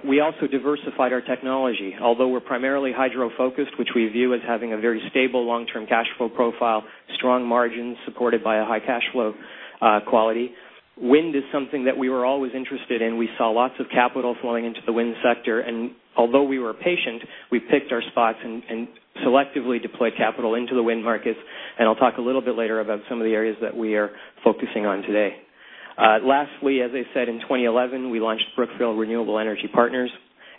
We also diversified our technology. Although we're primarily hydro-focused, which we view as having a very stable long-term cash flow profile, strong margins supported by a high cash flow quality. Wind is something that we were always interested in. We saw lots of capital flowing into the wind sector. Although we were patient, we picked our spots and selectively deployed capital into the wind markets, I'll talk a little bit later about some of the areas that we are focusing on today. Lastly, as I said, in 2011, we launched Brookfield Renewable Energy Partners.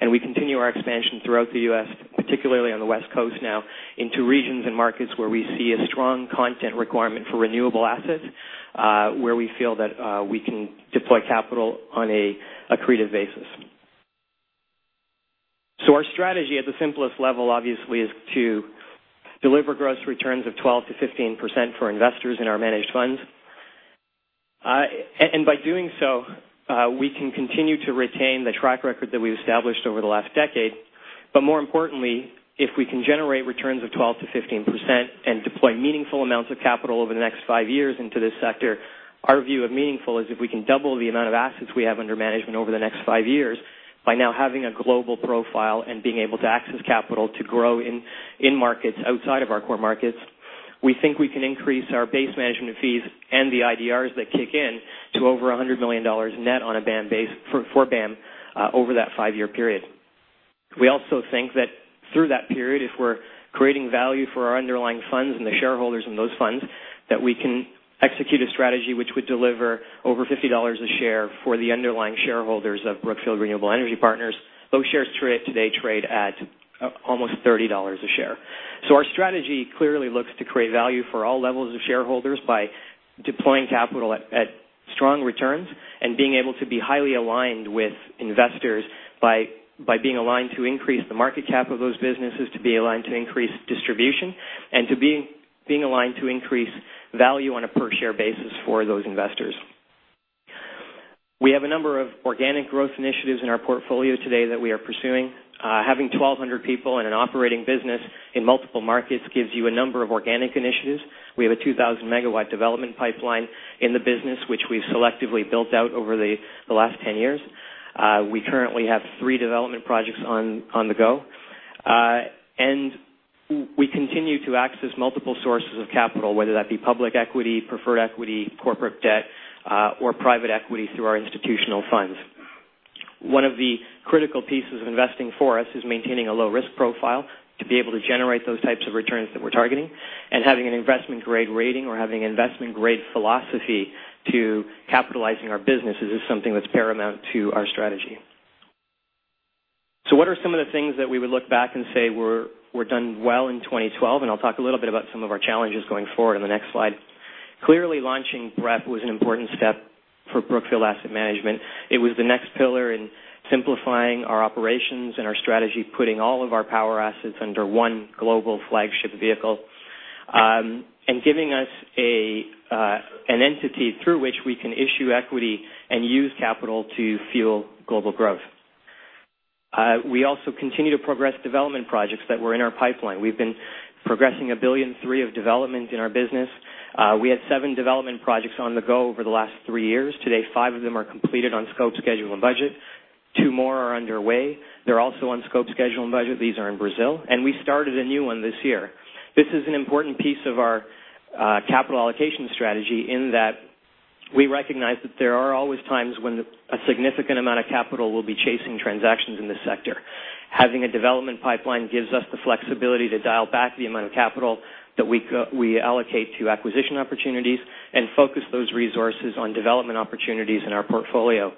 We continue our expansion throughout the U.S., particularly on the West Coast now, into regions and markets where we see a strong content requirement for renewable assets, where we feel that we can deploy capital on an accretive basis. Our strategy at the simplest level, obviously, is to deliver gross returns of 12%-15% for investors in our managed funds. By doing so, we can continue to retain the track record that we've established over the last decade. More importantly, if we can generate returns of 12%-15% and deploy meaningful amounts of capital over the next 5 years into this sector, our view of meaningful is if we can double the amount of assets we have under management over the next 5 years by now having a global profile and being able to access capital to grow in markets outside of our core markets. We think we can increase our base management fees and the IDRs that kick in to over $100 million net on a BAM base for BAM, over that 5-year period. We also think that through that period, if we're creating value for our underlying funds and the shareholders in those funds, that we can execute a strategy which would deliver over $50 a share for the underlying shareholders of Brookfield Renewable Energy Partners. Those shares today trade at almost $30 a share. Our strategy clearly looks to create value for all levels of shareholders by deploying capital at strong returns and being able to be highly aligned with investors by being aligned to increase the market cap of those businesses, to be aligned to increase distribution, and to be aligned to increase value on a per-share basis for those investors. We have a number of organic growth initiatives in our portfolio today that we are pursuing. Having 1,200 people in an operating business in multiple markets gives you a number of organic initiatives. We have a 2,000-megawatt development pipeline in the business, which we've selectively built out over the last 10 years. We currently have three development projects on the go. We continue to access multiple sources of capital, whether that be public equity, preferred equity, corporate debt, or private equity through our institutional funds. One of the critical pieces of investing for us is maintaining a low-risk profile to be able to generate those types of returns that we're targeting. Having an investment-grade rating or having an investment-grade philosophy to capitalizing our businesses is something that's paramount to our strategy. What are some of the things that we would look back and say were done well in 2012? I'll talk a little bit about some of our challenges going forward in the next slide. Clearly, launching BREP was an important step for Brookfield Asset Management. It was the next pillar in simplifying our operations and our strategy, putting all of our power assets under one global flagship vehicle. Giving us an entity through which we can issue equity and use capital to fuel global growth. We also continue to progress development projects that were in our pipeline. We've been progressing a $1.3 billion of development in our business. We had seven development projects on the go over the last three years. Today, five of them are completed on scope, schedule, and budget. Two more are underway. They're also on scope, schedule, and budget. These are in Brazil. We started a new one this year. This is an important piece of our capital allocation strategy in that we recognize that there are always times when a significant amount of capital will be chasing transactions in this sector. Having a development pipeline gives us the flexibility to dial back the amount of capital that we allocate to acquisition opportunities and focus those resources on development opportunities in our portfolio.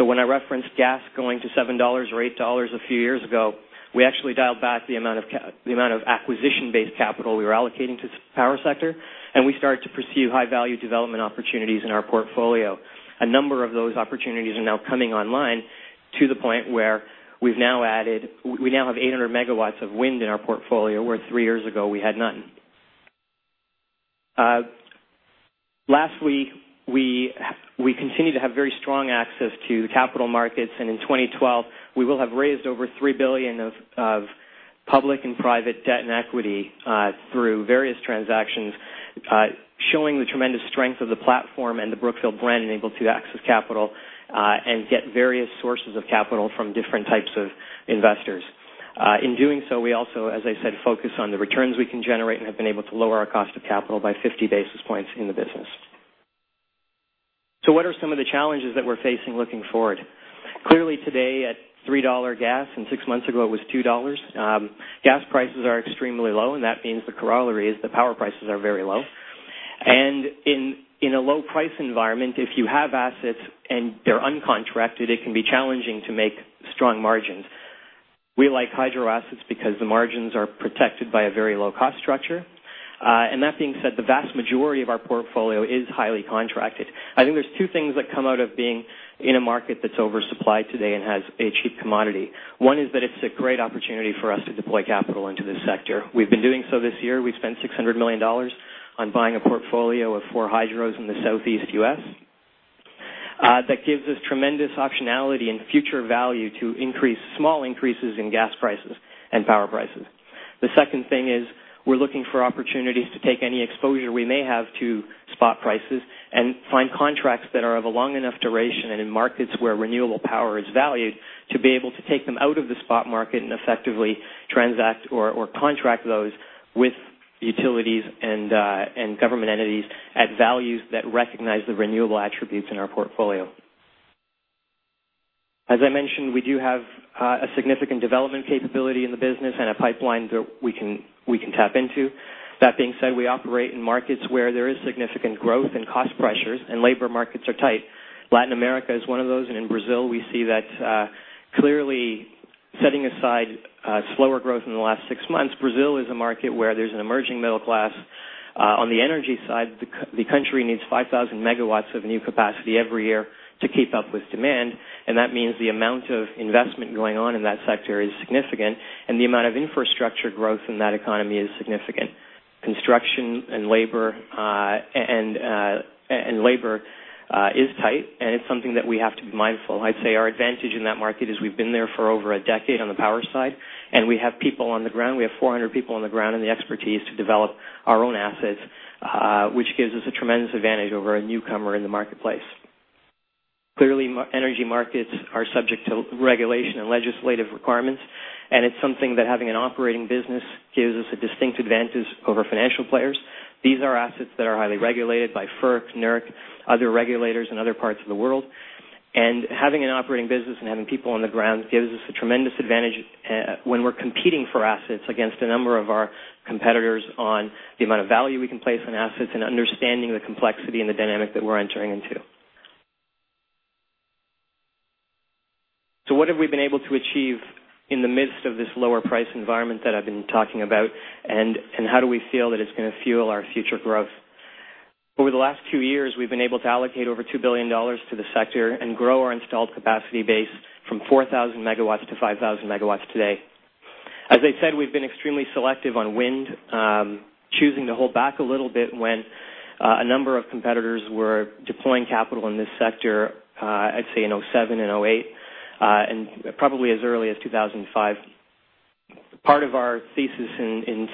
When I referenced gas going to $7 or $8 a few years ago, we actually dialed back the amount of acquisition-based capital we were allocating to the power sector, and we started to pursue high-value development opportunities in our portfolio. A number of those opportunities are now coming online to the point where we now have 800 megawatts of wind in our portfolio, where three years ago we had none. Last week, we continued to have very strong access to capital markets, in 2012, we will have raised over $3 billion of public and private debt and equity through various transactions, showing the tremendous strength of the platform and the Brookfield brand in being able to access capital, and get various sources of capital from different types of investors. In doing so, we also, as I said, focus on the returns we can generate and have been able to lower our cost of capital by 50 basis points in the business. What are some of the challenges that we're facing looking forward? Clearly today at $3 gas, and six months ago it was $2, gas prices are extremely low, and that means the corollary is the power prices are very low. In a low-price environment, if you have assets and they're uncontracted, it can be challenging to make strong margins. We like hydro assets because the margins are protected by a very low-cost structure. That being said, the vast majority of our portfolio is highly contracted. I think there's two things that come out of being in a market that's oversupplied today and has a cheap commodity. One is that it's a great opportunity for us to deploy capital into this sector. We've been doing so this year. We've spent $600 million on buying a portfolio of four hydros in the Southeast U.S. That gives us tremendous optionality and future value to small increases in gas prices and power prices. The second thing is we're looking for opportunities to take any exposure we may have to spot prices and find contracts that are of a long enough duration and in markets where renewable power is valued, to be able to take them out of the spot market and effectively transact or contract those with utilities and government entities at values that recognize the renewable attributes in our portfolio. As I mentioned, we do have a significant development capability in the business and a pipeline that we can tap into. That being said, we operate in markets where there is significant growth and cost pressures, and labor markets are tight. Latin America is one of those, and in Brazil, we see that clearly setting aside slower growth in the last six months. Brazil is a market where there's an emerging middle class. On the energy side, the country needs 5,000 megawatts of new capacity every year to keep up with demand. That means the amount of investment going on in that sector is significant, and the amount of infrastructure growth in that economy is significant. Construction and labor is tight, and it's something that we have to be mindful. I'd say our advantage in that market is we've been there for over a decade on the power side, and we have people on the ground. We have 400 people on the ground and the expertise to develop our own assets, which gives us a tremendous advantage over a newcomer in the marketplace. Clearly, energy markets are subject to regulation and legislative requirements, and it's something that having an operating business gives us a distinct advantage over financial players. These are assets that are highly regulated by FERC, NERC, other regulators in other parts of the world. Having an operating business and having people on the ground gives us a tremendous advantage when we're competing for assets against a number of our competitors on the amount of value we can place on assets and understanding the complexity and the dynamic that we're entering into. What have we been able to achieve in the midst of this lower price environment that I've been talking about, and how do we feel that it's going to fuel our future growth? Over the last two years, we've been able to allocate over $2 billion to the sector and grow our installed capacity base from 4,000 megawatts to 5,000 megawatts today. As I said, we've been extremely selective on wind, choosing to hold back a little bit when a number of competitors were deploying capital in this sector, I'd say in 2007 and 2008, and probably as early as 2005. Part of our thesis in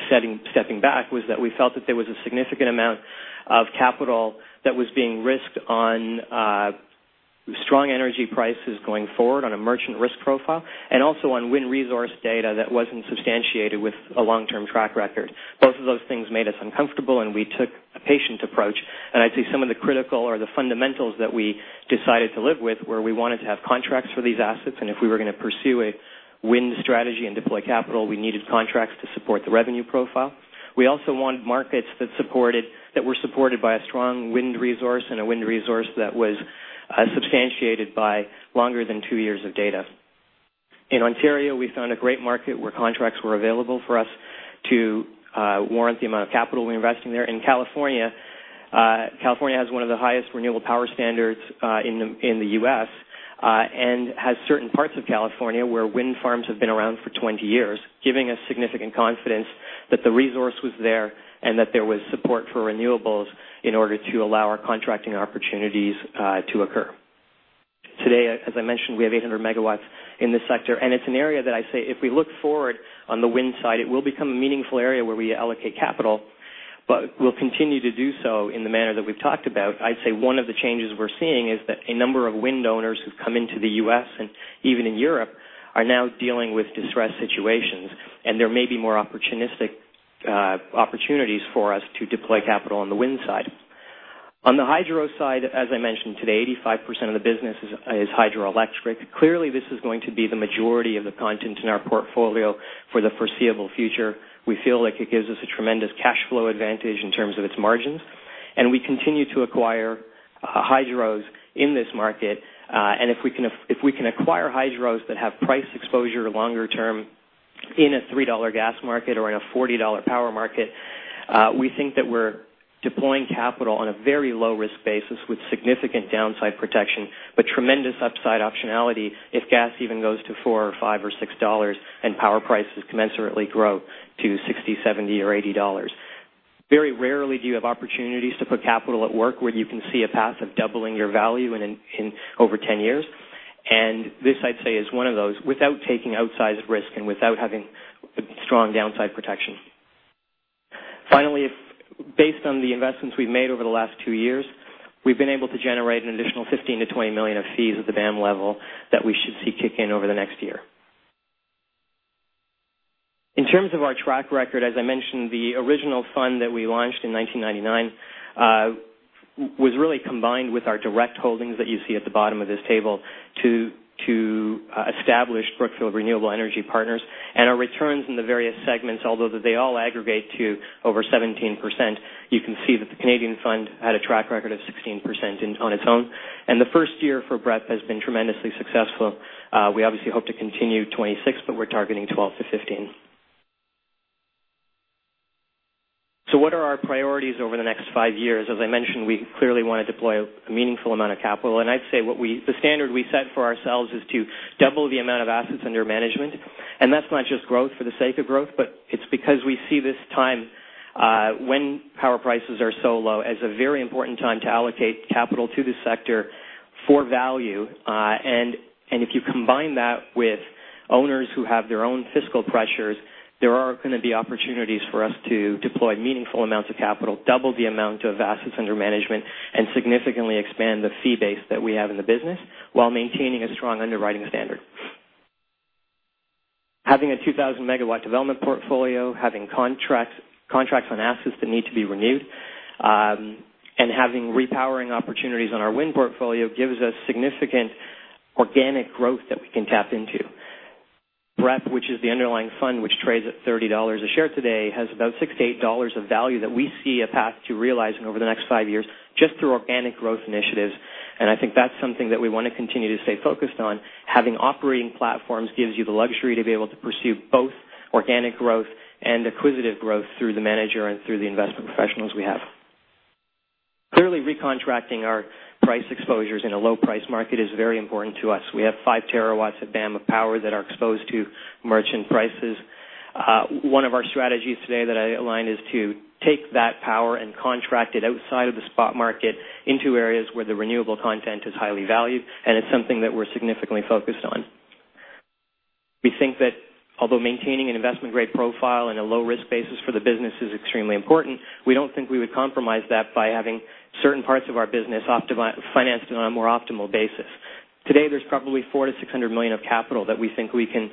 stepping back was that we felt that there was a significant amount of capital that was being risked on strong energy prices going forward on a merchant risk profile, and also on wind resource data that wasn't substantiated with a long-term track record. Both of those things made us uncomfortable, and we took a patient approach. I'd say some of the critical or the fundamentals that we decided to live with were we wanted to have contracts for these assets, and if we were going to pursue a wind strategy and deploy capital, we needed contracts to support the revenue profile. We also wanted markets that were supported by a strong wind resource, and a wind resource that was substantiated by longer than two years of data. In Ontario, we found a great market where contracts were available for us to warrant the amount of capital we invest in there. In California has one of the highest renewable power standards in the U.S. and has certain parts of California where wind farms have been around for 20 years, giving us significant confidence that the resource was there and that there was support for renewables in order to allow our contracting opportunities to occur. Today, as I mentioned, we have 800 megawatts in this sector, and it's an area that I say, if we look forward on the wind side, it will become a meaningful area where we allocate capital, but we'll continue to do so in the manner that we've talked about. I'd say one of the changes we're seeing is that a number of wind owners who've come into the U.S., and even in Europe, are now dealing with distressed situations, and there may be more opportunistic opportunities for us to deploy capital on the wind side. On the hydro side, as I mentioned today, 85% of the business is hydroelectric. Clearly, this is going to be the majority of the content in our portfolio for the foreseeable future. We feel like it gives us a tremendous cash flow advantage in terms of its margins, and we continue to acquire hydros in this market. If we can acquire hydros that have price exposure longer term in a $3 gas market or in a $40 power market, we think that we're deploying capital on a very low-risk basis with significant downside protection, but tremendous upside optionality if gas even goes to $4 or $5 or $6, and power prices commensurately grow to $60, $70, or $80. Very rarely do you have opportunities to put capital at work where you can see a path of doubling your value in over 10 years. This, I'd say, is one of those, without taking outsized risk and without having strong downside protection. Finally, based on the investments we've made over the last two years, we've been able to generate an additional $15 million-$20 million of fees at the BAM level that we should see kick in over the next year. In terms of our track record, as I mentioned, the original fund that we launched in 1999, was really combined with our direct holdings that you see at the bottom of this table to establish Brookfield Renewable Energy Partners. Our returns in the various segments, although they all aggregate to over 17%, you can see that the Canadian fund had a track record of 16% on its own. The first year for BREP has been tremendously successful. We obviously hope to continue 26, but we're targeting 12%-15%. What are our priorities over the next five years? As I mentioned, we clearly want to deploy a meaningful amount of capital. I'd say the standard we set for ourselves is to double the amount of assets under management. That's not just growth for the sake of growth, but it's because we see this time when power prices are so low as a very important time to allocate capital to the sector for value. If you combine that with owners who have their own fiscal pressures, there are going to be opportunities for us to deploy meaningful amounts of capital, double the amount of assets under management, and significantly expand the fee base that we have in the business while maintaining a strong underwriting standard. Having a 2,000-megawatt development portfolio, having contracts on assets that need to be renewed, and having repowering opportunities on our wind portfolio gives us significant organic growth that we can tap into. BREP, which is the underlying fund which trades at $30 a share today, has about $6-$8 of value that we see a path to realizing over the next five years just through organic growth initiatives. I think that's something that we want to continue to stay focused on. Having operating platforms gives you the luxury to be able to pursue both organic growth and acquisitive growth through the manager and through the investment professionals we have. Clearly, recontracting our price exposures in a low-price market is very important to us. We have five terawatts of BAM of power that are exposed to merchant prices. One of our strategies today that I outlined is to take that power and contract it outside of the spot market into areas where the renewable content is highly valued, and it's something that we're significantly focused on. We think that although maintaining an investment-grade profile and a low-risk basis for the business is extremely important, we don't think we would compromise that by having certain parts of our business financed on a more optimal basis. Today, there's probably $400 million-$600 million of capital that we think we can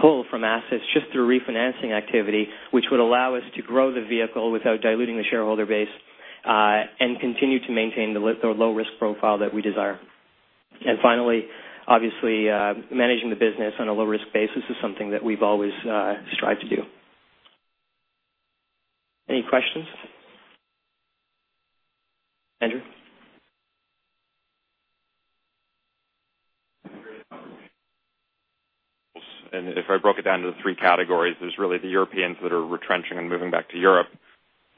pull from assets just through refinancing activity, which would allow us to grow the vehicle without diluting the shareholder base, and continue to maintain the low-risk profile that we desire. Finally, obviously, managing the business on a low-risk basis is something that we've always strived to do. Any questions? Andrew? If I broke it down into three categories, there's really the Europeans that are retrenching and moving back to Europe.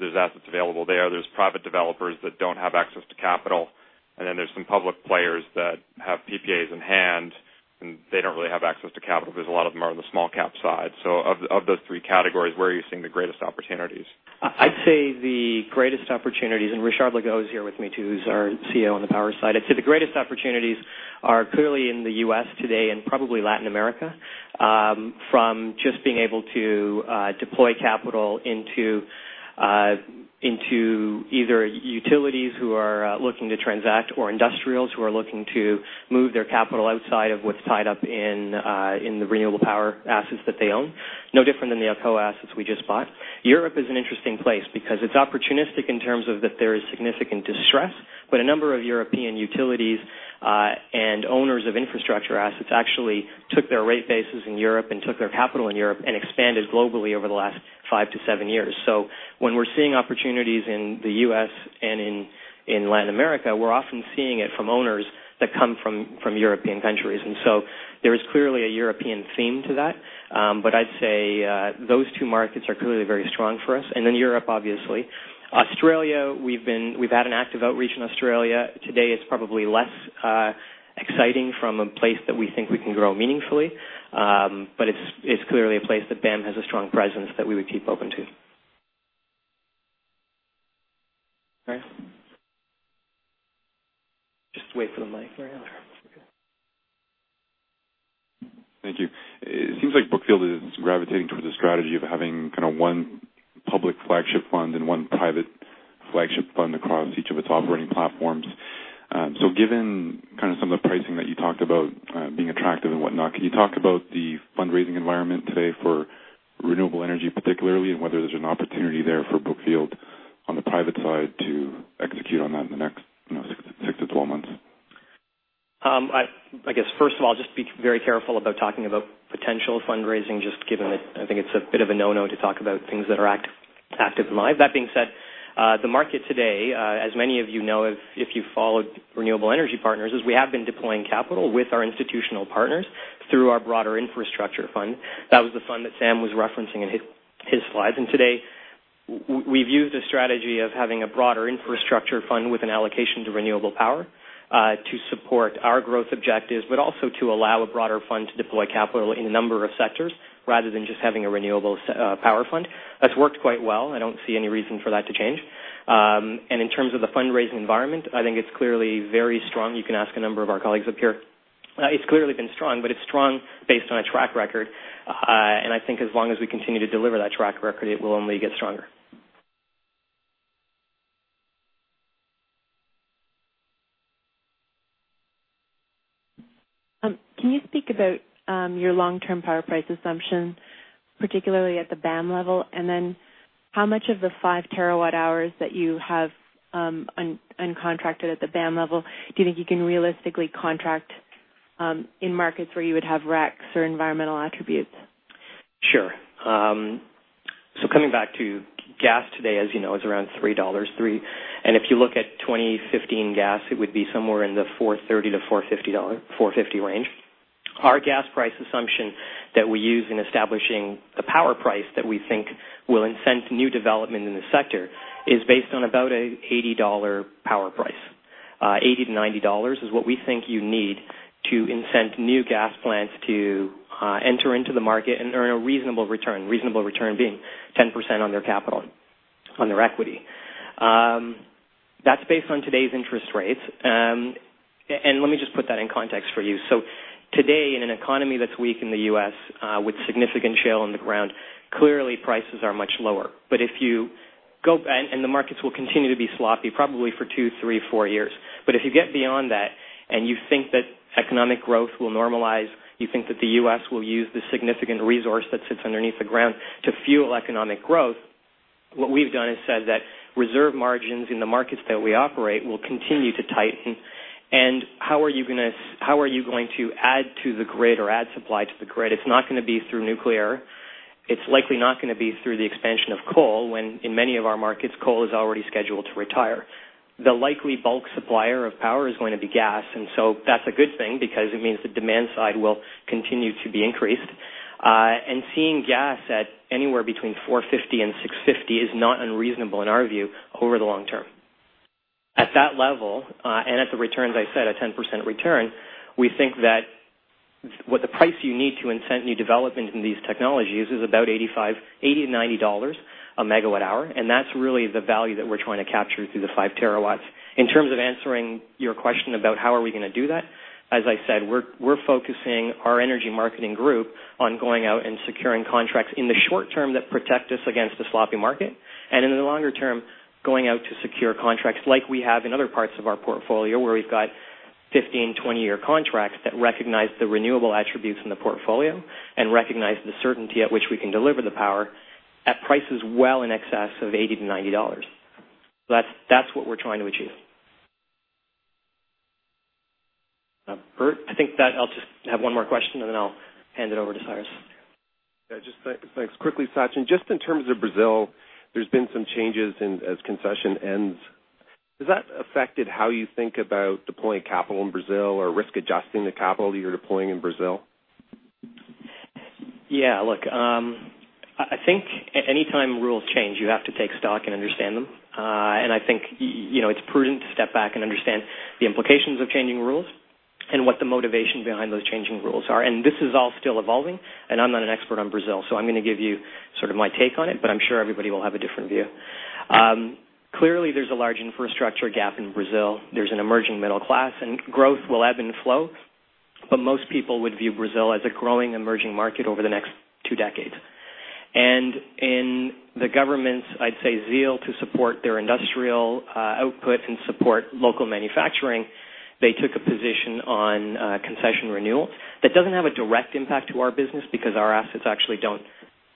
There's assets available there. There's private developers that don't have access to capital, and then there's some public players that have PPAs in hand, and they don't really have access to capital because a lot of them are on the small cap side. Of those three categories, where are you seeing the greatest opportunities? I'd say the greatest opportunities, Richard Legault is here with me too, who's our CEO on the power side. I'd say the greatest opportunities are clearly in the U.S. today and probably Latin America. From just being able to deploy capital into either utilities who are looking to transact or industrials who are looking to move their capital outside of what's tied up in the renewable power assets that they own. No different than the Alcoa assets we just bought. Europe is an interesting place because it's opportunistic in terms of that there is significant distress. A number of European utilities, and owners of infrastructure assets actually took their rate bases in Europe and took their capital in Europe and expanded globally over the last five to seven years. When we're seeing opportunities in the U.S. and in Latin America, we're often seeing it from owners that come from European countries. There is clearly a European theme to that. I'd say, those two markets are clearly very strong for us. Europe, obviously. Australia, we've had an active outreach in Australia. Today, it's probably less exciting from a place that we think we can grow meaningfully. It's clearly a place that BAM has a strong presence that we would keep open to. All right. Just wait for the mic, Mario. Thank you. It seems like Brookfield is gravitating towards a strategy of having one public flagship fund and one private flagship fund across each of its operating platforms. Given some of the pricing that you talked about, being attractive and whatnot, can you talk about the fundraising environment today for Renewable Energy Partners particularly, and whether there's an opportunity there for Brookfield on the private side to execute on that in the next six to twelve months? I guess, first of all, just be very careful about talking about potential fundraising, just given that I think it's a bit of a no-no to talk about things that are active in live. That being said, the market today, as many of you know, if you've followed Renewable Energy Partners, is we have been deploying capital with our institutional partners through our broader infrastructure fund. That was the fund that Sam was referencing in his slides. Today, we've used a strategy of having a broader infrastructure fund with an allocation to renewable power, to support our growth objectives, but also to allow a broader fund to deploy capital in a number of sectors, rather than just having a renewable power fund. That's worked quite well. I don't see any reason for that to change. In terms of the fundraising environment, I think it's clearly very strong. You can ask a number of our colleagues up here. It's clearly been strong, but it's strong based on a track record. I think as long as we continue to deliver that track record, it will only get stronger. Can you speak about your long-term power price assumption, particularly at the BAM level? How much of the five terawatt-hours that you have uncontracted at the BAM level, do you think you can realistically contract in markets where you would have RECs or environmental attributes? Sure. Coming back to gas today, as you know, is around $3. If you look at 2015 gas, it would be somewhere in the $4.30-$4.50 range. Our gas price assumption that we use in establishing the power price that we think will incent new development in the sector is based on about an $80 power price. $80-$90 is what we think you need to incent new gas plants to enter into the market and earn a reasonable return. Reasonable return being 10% on their capital, on their equity. That's based on today's interest rates. Let me just put that in context for you. Today, in an economy that's weak in the U.S., with significant shale in the ground, clearly prices are much lower. The markets will continue to be sloppy probably for two, three, four years. If you get beyond that and you think that economic growth will normalize, you think that the U.S. will use the significant resource that sits underneath the ground to fuel economic growth. What we've done is said that reserve margins in the markets that we operate will continue to tighten. How are you going to add to the grid or add supply to the grid? It's not going to be through nuclear. It's likely not going to be through the expansion of coal, when in many of our markets, coal is already scheduled to retire. The likely bulk supplier of power is going to be gas, that's a good thing because it means the demand side will continue to be increased. Seeing gas at anywhere between $4.50-$6.50 is not unreasonable in our view, over the long term. At that level, at the returns, I said a 10% return, we think that what the price you need to incent new development in these technologies is about $80-$90 a megawatt hour, that's really the value that we're trying to capture through the five terawatts. In terms of answering your question about how are we going to do that, as I said, we're focusing our energy marketing group on going out and securing contracts in the short term that protect us against a sloppy market. In the longer term, going out to secure contracts like we have in other parts of our portfolio, where we've got 15-20-year contracts that recognize the renewable attributes in the portfolio and recognize the certainty at which we can deliver the power at prices well in excess of $80-$90. That's what we're trying to achieve. Bert, I think that I'll just have one more question, and then I'll hand it over to Cyrus. Yeah. Thanks. Quickly, Sachin, just in terms of Brazil, there's been some changes as concession ends. Has that affected how you think about deploying capital in Brazil or risk adjusting the capital that you're deploying in Brazil? Yeah. Look, I think any time rules change, you have to take stock and understand them. I think it's prudent to step back and understand the implications of changing rules and what the motivation behind those changing rules are. This is all still evolving, and I'm not an expert on Brazil, so I'm going to give you my take on it, but I'm sure everybody will have a different view. Clearly, there's a large infrastructure gap in Brazil. There's an emerging middle class, and growth will ebb and flow. Most people would view Brazil as a growing emerging market over the next two decades. In the government's, I'd say, zeal to support their industrial output and support local manufacturing, they took a position on concession renewal. That doesn't have a direct impact to our business because our assets actually don't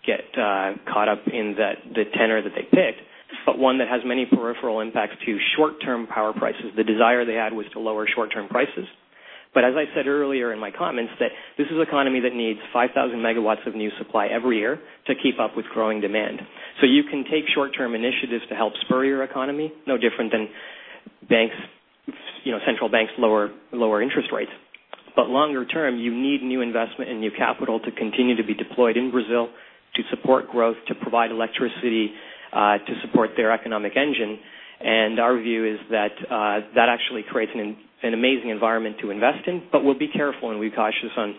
get caught up in the tenor that they picked, but one that has many peripheral impacts to short-term power prices. The desire they had was to lower short-term prices. As I said earlier in my comments, this is an economy that needs 5,000 megawatts of new supply every year to keep up with growing demand. You can take short-term initiatives to help spur your economy, no different than central banks lower interest rates. Longer term, you need new investment and new capital to continue to be deployed in Brazil to support growth, to provide electricity, to support their economic engine. Our view is that that actually creates an amazing environment to invest in, but we'll be careful and we'll be cautious on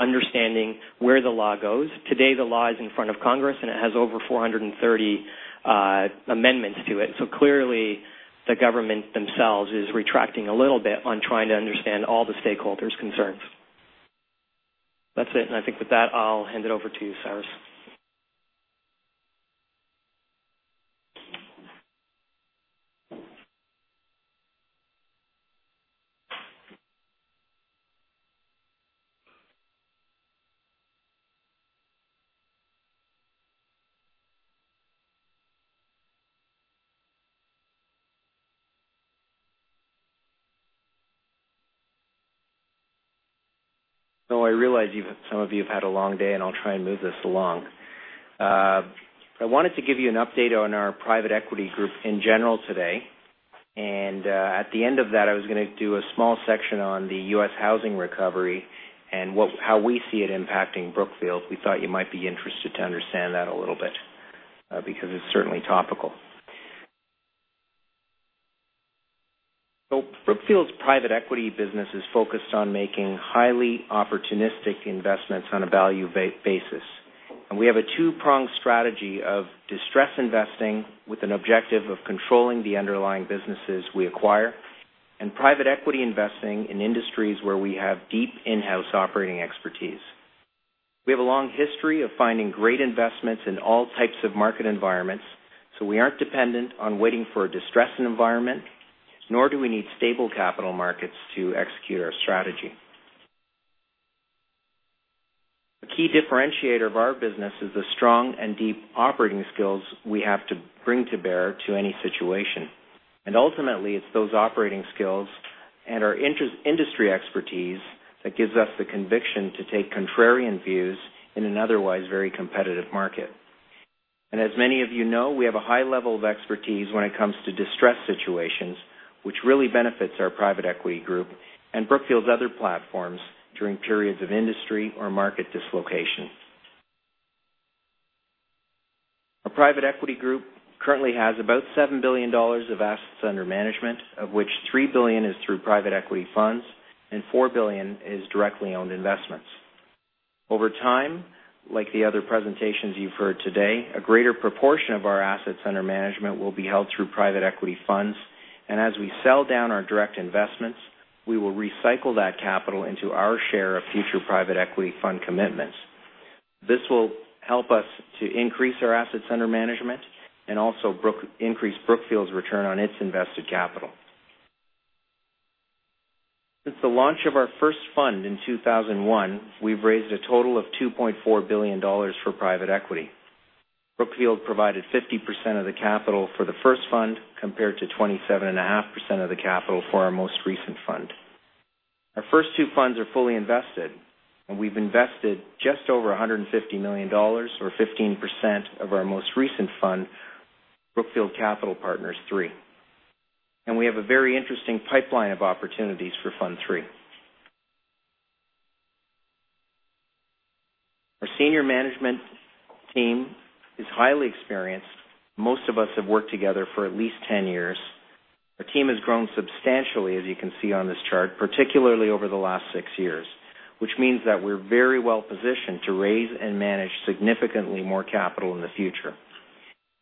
understanding where the law goes. Clearly, the law is in front of Congress, and it has over 430 amendments to it. Clearly, the government themselves is retracting a little bit on trying to understand all the stakeholders' concerns. That's it. I think with that, I'll hand it over to you, Cyrus. I realize some of you have had a long day, and I'll try and move this along. I wanted to give you an update on our private equity group in general today. At the end of that, I was going to do a small section on the U.S. housing recovery and how we see it impacting Brookfield. We thought you might be interested to understand that a little bit because it's certainly topical. Brookfield's private equity business is focused on making highly opportunistic investments on a value basis. We have a two-pronged strategy of distress investing with an objective of controlling the underlying businesses we acquire, and private equity investing in industries where we have deep in-house operating expertise. We have a long history of finding great investments in all types of market environments. We aren't dependent on waiting for a distressing environment, nor do we need stable capital markets to execute our strategy. A key differentiator of our business is the strong and deep operating skills we have to bring to bear to any situation. Ultimately, it's those operating skills and our industry expertise that gives us the conviction to take contrarian views in an otherwise very competitive market. As many of you know, we have a high level of expertise when it comes to distressed situations, which really benefits our private equity group and Brookfield's other platforms during periods of industry or market dislocation. Our private equity group currently has about $7 billion of assets under management, of which $3 billion is through private equity funds and $4 billion is directly owned investments. Over time, like the other presentations you've heard today, a greater proportion of our assets under management will be held through private equity funds. As we sell down our direct investments, we will recycle that capital into our share of future private equity fund commitments. This will help us to increase our assets under management and also increase Brookfield's return on its invested capital. Since the launch of our first fund in 2001, we've raised a total of $2.4 billion for private equity. Brookfield provided 50% of the capital for the first fund, compared to 27.5% of the capital for our most recent fund. Our first two funds are fully invested, and we've invested just over $150 million or 15% of our most recent fund, Brookfield Capital Partners III. We have a very interesting pipeline of opportunities for Fund III. Our senior management team is highly experienced. Most of us have worked together for at least 10 years. Our team has grown substantially, as you can see on this chart, particularly over the last six years, which means that we're very well-positioned to raise and manage significantly more capital in the future.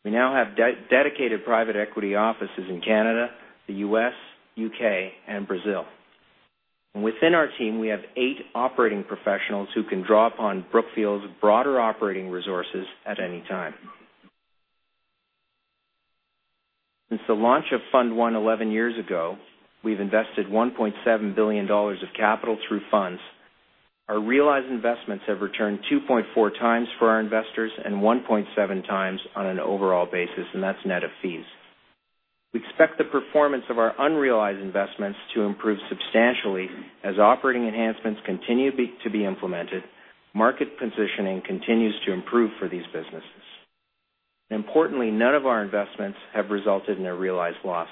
We now have dedicated private equity offices in Canada, the U.S., U.K., and Brazil. Within our team, we have eight operating professionals who can draw upon Brookfield's broader operating resources at any time. Since the launch of Fund I 11 years ago, we've invested $1.7 billion of capital through funds. Our realized investments have returned 2.4 times for our investors and 1.7 times on an overall basis, and that's net of fees. We expect the performance of our unrealized investments to improve substantially as operating enhancements continue to be implemented. Market positioning continues to improve for these businesses. Importantly, none of our investments have resulted in a realized loss.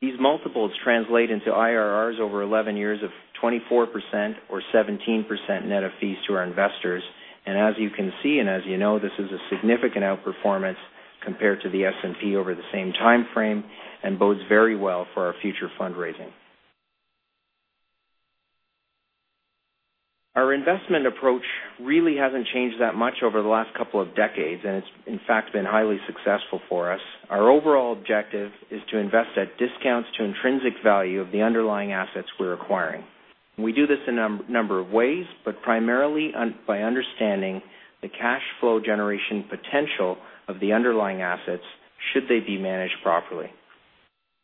These multiples translate into IRRs over 11 years of 24% or 17% net of fees to our investors. As you can see, and as you know, this is a significant outperformance compared to the S&P over the same timeframe and bodes very well for our future fundraising. Our investment approach really hasn't changed that much over the last couple of decades, and it's in fact been highly successful for us. Our overall objective is to invest at discounts to intrinsic value of the underlying assets we're acquiring. We do this in a number of ways, but primarily by understanding the cash flow generation potential of the underlying assets should they be managed properly.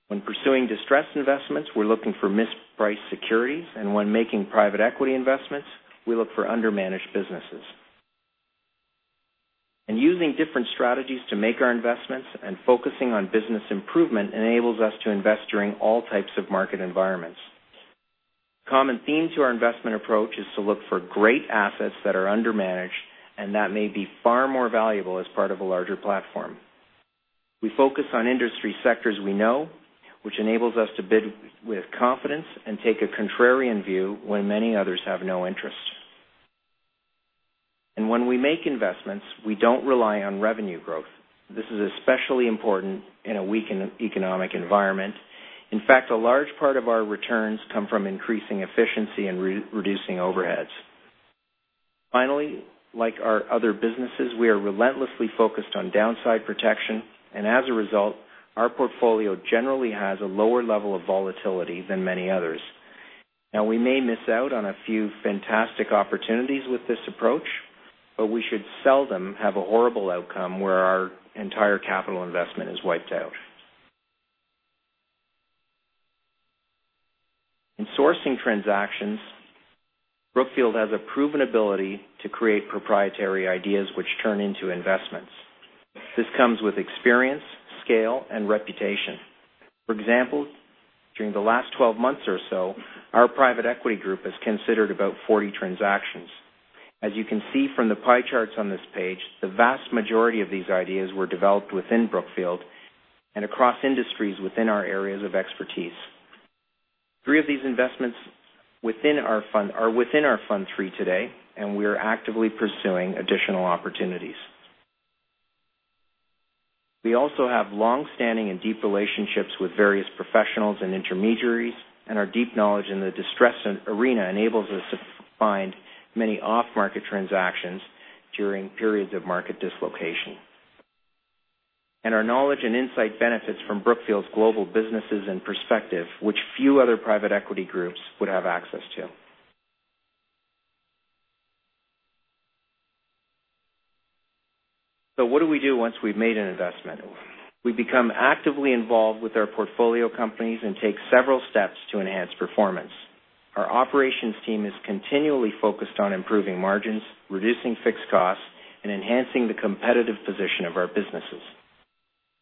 When pursuing distressed investments, we're looking for mispriced securities, and when making private equity investments, we look for under-managed businesses. Using different strategies to make our investments and focusing on business improvement enables us to invest during all types of market environments. Common theme to our investment approach is to look for great assets that are under-managed and that may be far more valuable as part of a larger platform. We focus on industry sectors we know, which enables us to bid with confidence and take a contrarian view when many others have no interest. When we make investments, we don't rely on revenue growth. This is especially important in a weakened economic environment. In fact, a large part of our returns come from increasing efficiency and reducing overheads. Finally, like our other businesses, we are relentlessly focused on downside protection. As a result, our portfolio generally has a lower level of volatility than many others. Now, we may miss out on a few fantastic opportunities with this approach, but we should seldom have a horrible outcome where our entire capital investment is wiped out. In sourcing transactions, Brookfield has a proven ability to create proprietary ideas which turn into investments. This comes with experience, scale, and reputation. For example, during the last 12 months or so, our private equity group has considered about 40 transactions. As you can see from the pie charts on this page, the vast majority of these ideas were developed within Brookfield and across industries within our areas of expertise. Three of these investments are within our Fund III today, and we are actively pursuing additional opportunities. We also have longstanding and deep relationships with various professionals and intermediaries, and our deep knowledge in the distressed arena enables us to find many off-market transactions during periods of market dislocation. Our knowledge and insight benefits from Brookfield's global businesses and perspective, which few other private equity groups would have access to. What do we do once we've made an investment? We become actively involved with our portfolio companies and take several steps to enhance performance. Our operations team is continually focused on improving margins, reducing fixed costs, and enhancing the competitive position of our businesses.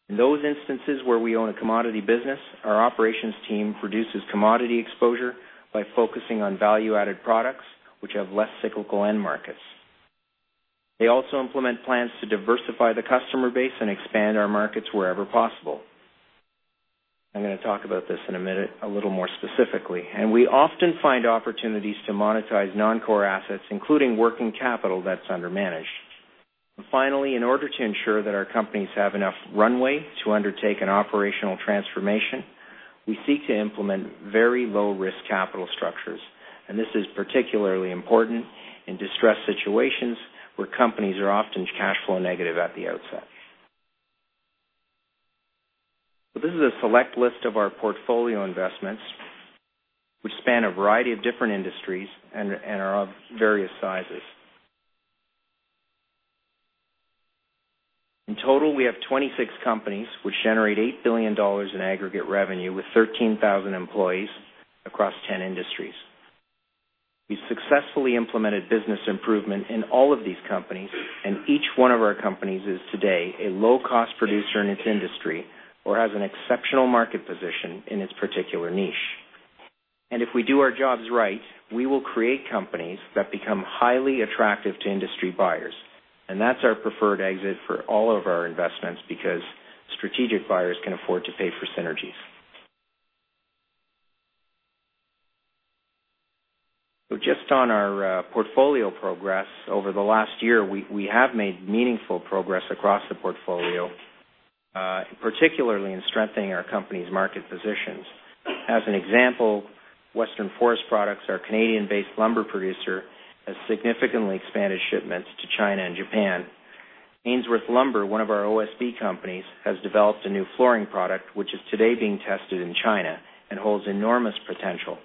In those instances where we own a commodity business, our operations team reduces commodity exposure by focusing on value-added products which have less cyclical end markets. They also implement plans to diversify the customer base and expand our markets wherever possible. I'm going to talk about this in a minute a little more specifically. We often find opportunities to monetize non-core assets, including working capital that's under-managed. Finally, in order to ensure that our companies have enough runway to undertake an operational transformation, we seek to implement very low-risk capital structures. This is particularly important in distressed situations where companies are often cash flow negative at the outset. This is a select list of our portfolio investments, which span a variety of different industries and are of various sizes. In total, we have 26 companies which generate $8 billion in aggregate revenue with 13,000 employees across 10 industries. We've successfully implemented business improvement in all of these companies, and each one of our companies is today a low-cost producer in its industry or has an exceptional market position in its particular niche. If we do our jobs right, we will create companies that become highly attractive to industry buyers. That's our preferred exit for all of our investments because strategic buyers can afford to pay for synergies. Just on our portfolio progress over the last year, we have made meaningful progress across the portfolio, particularly in strengthening our company's market positions. As an example, Western Forest Products, our Canadian-based lumber producer, has significantly expanded shipments to China and Japan. Ainsworth Lumber, one of our OSB companies, has developed a new flooring product, which is today being tested in China and holds enormous potential.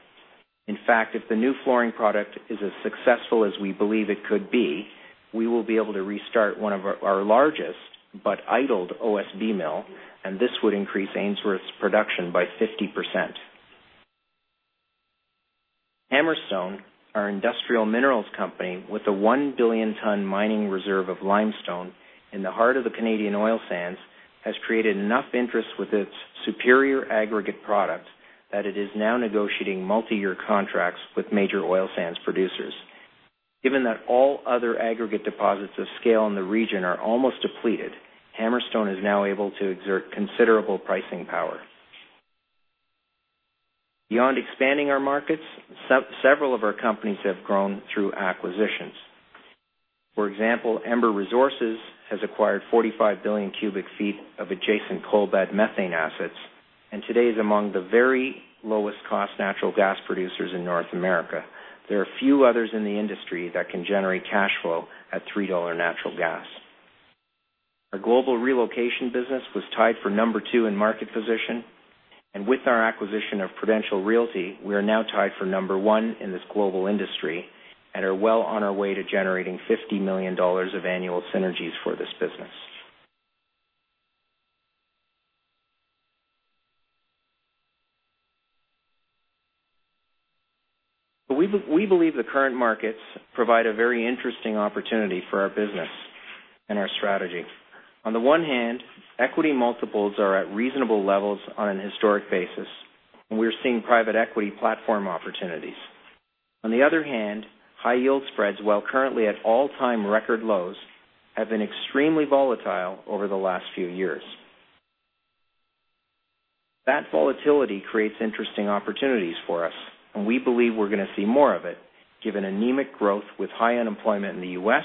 In fact, if the new flooring product is as successful as we believe it could be, we will be able to restart one of our largest, but idled OSB mill, and this would increase Ainsworth's production by 50%. Hammerstone, our industrial minerals company with a 1 billion tonne mining reserve of limestone in the heart of the Canadian oil sands, has created enough interest with its superior aggregate product that it is now negotiating multi-year contracts with major oil sands producers. Given that all other aggregate deposits of scale in the region are almost depleted, Hammerstone is now able to exert considerable pricing power. Beyond expanding our markets, several of our companies have grown through acquisitions. For example, Ember Resources has acquired 45 billion cubic feet of adjacent coal bed methane assets, and today is among the very lowest cost natural gas producers in North America. There are few others in the industry that can generate cash flow at $3 natural gas. Our global relocation business was tied for number two in market position, and with our acquisition of Prudential Realty, we are now tied for number one in this global industry and are well on our way to generating $50 million of annual synergies for this business. We believe the current markets provide a very interesting opportunity for our business and our strategy. On the one hand, equity multiples are at reasonable levels on an historic basis, and we're seeing private equity platform opportunities. On the other hand, high yield spreads, while currently at all-time record lows, have been extremely volatile over the last few years. That volatility creates interesting opportunities for us, and we believe we're going to see more of it given anemic growth with high unemployment in the U.S.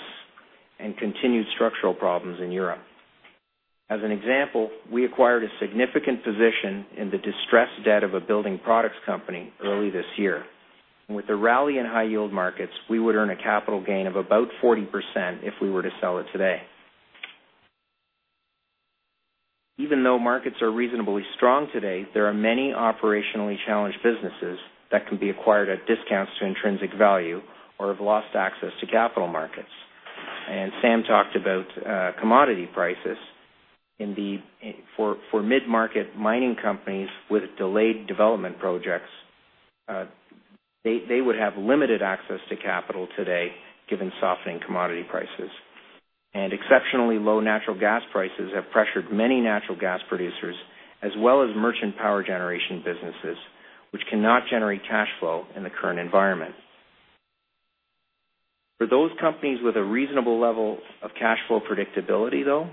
and continued structural problems in Europe. As an example, we acquired a significant position in the distressed debt of a building products company early this year. With the rally in high yield markets, we would earn a capital gain of about 40% if we were to sell it today. Even though markets are reasonably strong today, there are many operationally challenged businesses that can be acquired at discounts to intrinsic value or have lost access to capital markets. Sam talked about commodity prices. For mid-market mining companies with delayed development projects, they would have limited access to capital today, given softening commodity prices. Exceptionally low natural gas prices have pressured many natural gas producers as well as merchant power generation businesses, which cannot generate cash flow in the current environment. For those companies with a reasonable level of cash flow predictability, though,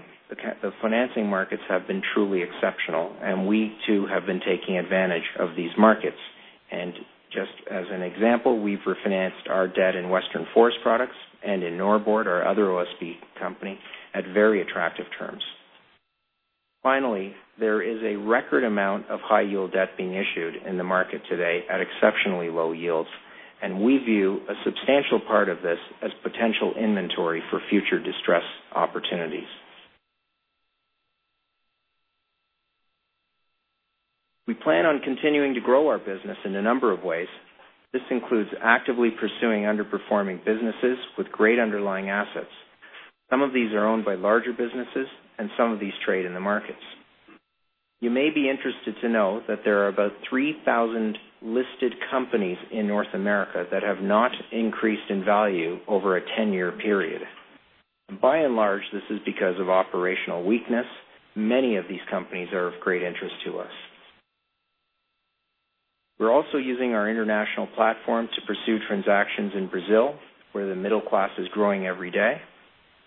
the financing markets have been truly exceptional, and we too have been taking advantage of these markets. Just as an example, we've refinanced our debt in Western Forest Products and in Norbord, our other OSB company, at very attractive terms. Finally, there is a record amount of high-yield debt being issued in the market today at exceptionally low yields, and we view a substantial part of this as potential inventory for future distress opportunities. We plan on continuing to grow our business in a number of ways. This includes actively pursuing underperforming businesses with great underlying assets. Some of these are owned by larger businesses, and some of these trade in the markets. You may be interested to know that there are about 3,000 listed companies in North America that have not increased in value over a 10-year period. By and large, this is because of operational weakness. Many of these companies are of great interest to us. We're also using our international platform to pursue transactions in Brazil, where the middle class is growing every day,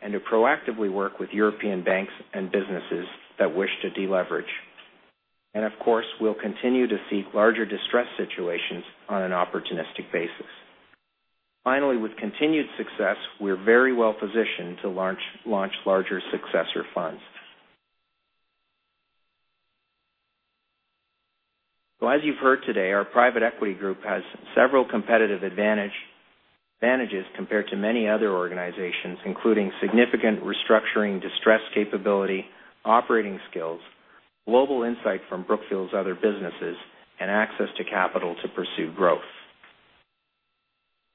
and to proactively work with European banks and businesses that wish to deleverage. Of course, we'll continue to seek larger distressed situations on an opportunistic basis. Finally, with continued success, we're very well positioned to launch larger successor funds. As you've heard today, our private equity group has several competitive advantages compared to many other organizations, including significant restructuring, distress capability, operating skills, global insight from Brookfield's other businesses, and access to capital to pursue growth.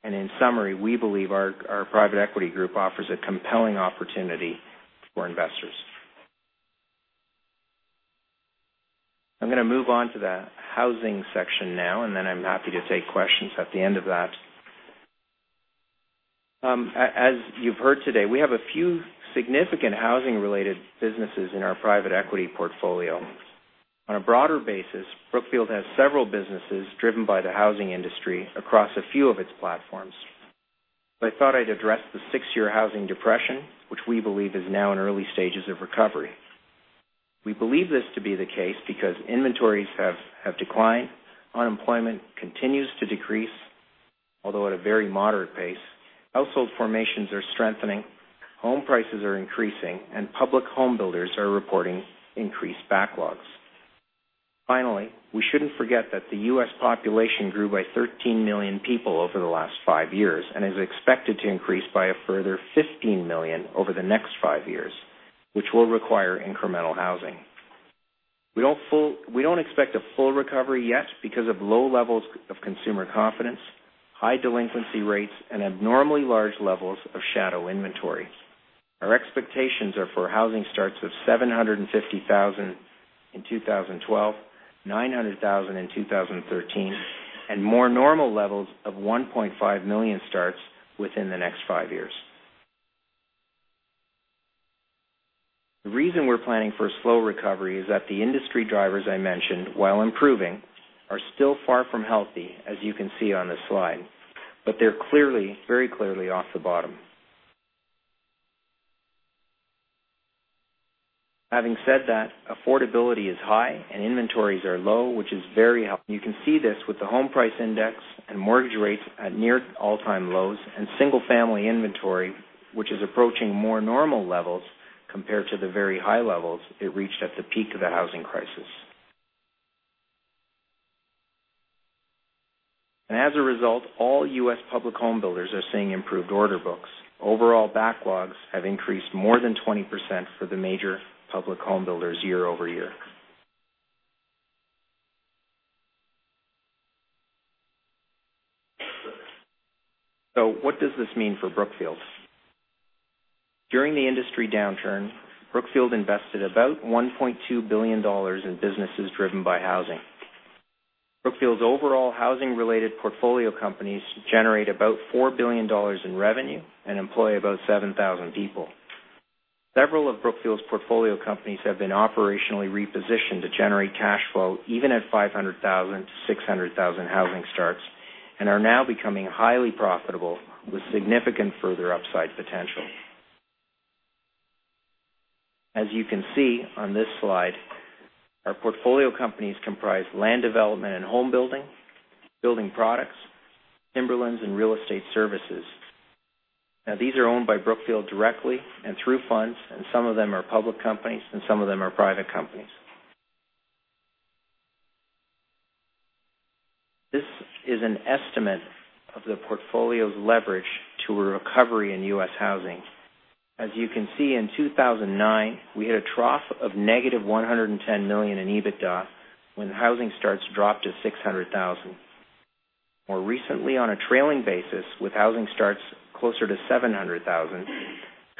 In summary, we believe our private equity group offers a compelling opportunity for investors. I'm going to move on to the housing section now. Then I'm happy to take questions at the end of that. As you've heard today, we have a few significant housing-related businesses in our private equity portfolio. On a broader basis, Brookfield has several businesses driven by the housing industry across a few of its platforms. I thought I'd address the six-year housing depression, which we believe is now in early stages of recovery. We believe this to be the case because inventories have declined, unemployment continues to decrease, although at a very moderate pace. Household formations are strengthening, home prices are increasing, and public home builders are reporting increased backlogs. Finally, we shouldn't forget that the U.S. population grew by 13 million people over the last five years and is expected to increase by a further 15 million over the next five years, which will require incremental housing. We don't expect a full recovery yet because of low levels of consumer confidence, high delinquency rates, and abnormally large levels of shadow inventory. Our expectations are for housing starts of 750,000 in 2012, 900,000 in 2013, and more normal levels of 1.5 million starts within the next five years. The reason we're planning for a slow recovery is that the industry drivers I mentioned, while improving, are still far from healthy, as you can see on this slide. They're very clearly off the bottom. Having said that, affordability is high and inventories are low, which is very helpful. You can see this with the home price index and mortgage rates at near all-time lows and single-family inventory, which is approaching more normal levels compared to the very high levels it reached at the peak of the housing crisis. As a result, all U.S. public home builders are seeing improved order books. Overall backlogs have increased more than 20% for the major public home builders year-over-year. What does this mean for Brookfield? During the industry downturn, Brookfield invested about $1.2 billion in businesses driven by housing. Brookfield's overall housing-related portfolio companies generate about $4 billion in revenue and employ about 7,000 people. Several of Brookfield's portfolio companies have been operationally repositioned to generate cash flow even at 500,000 to 600,000 housing starts. They are now becoming highly profitable with significant further upside potential. As you can see on this slide, our portfolio companies comprise land development and home building products, timberlands, and real estate services. These are owned by Brookfield directly and through funds. Some of them are public companies, and some of them are private companies. This is an estimate of the portfolio's leverage to a recovery in U.S. housing. As you can see, in 2009, we had a trough of negative $110 million in EBITDA when housing starts dropped to 600,000. More recently, on a trailing basis, with housing starts closer to 700,000,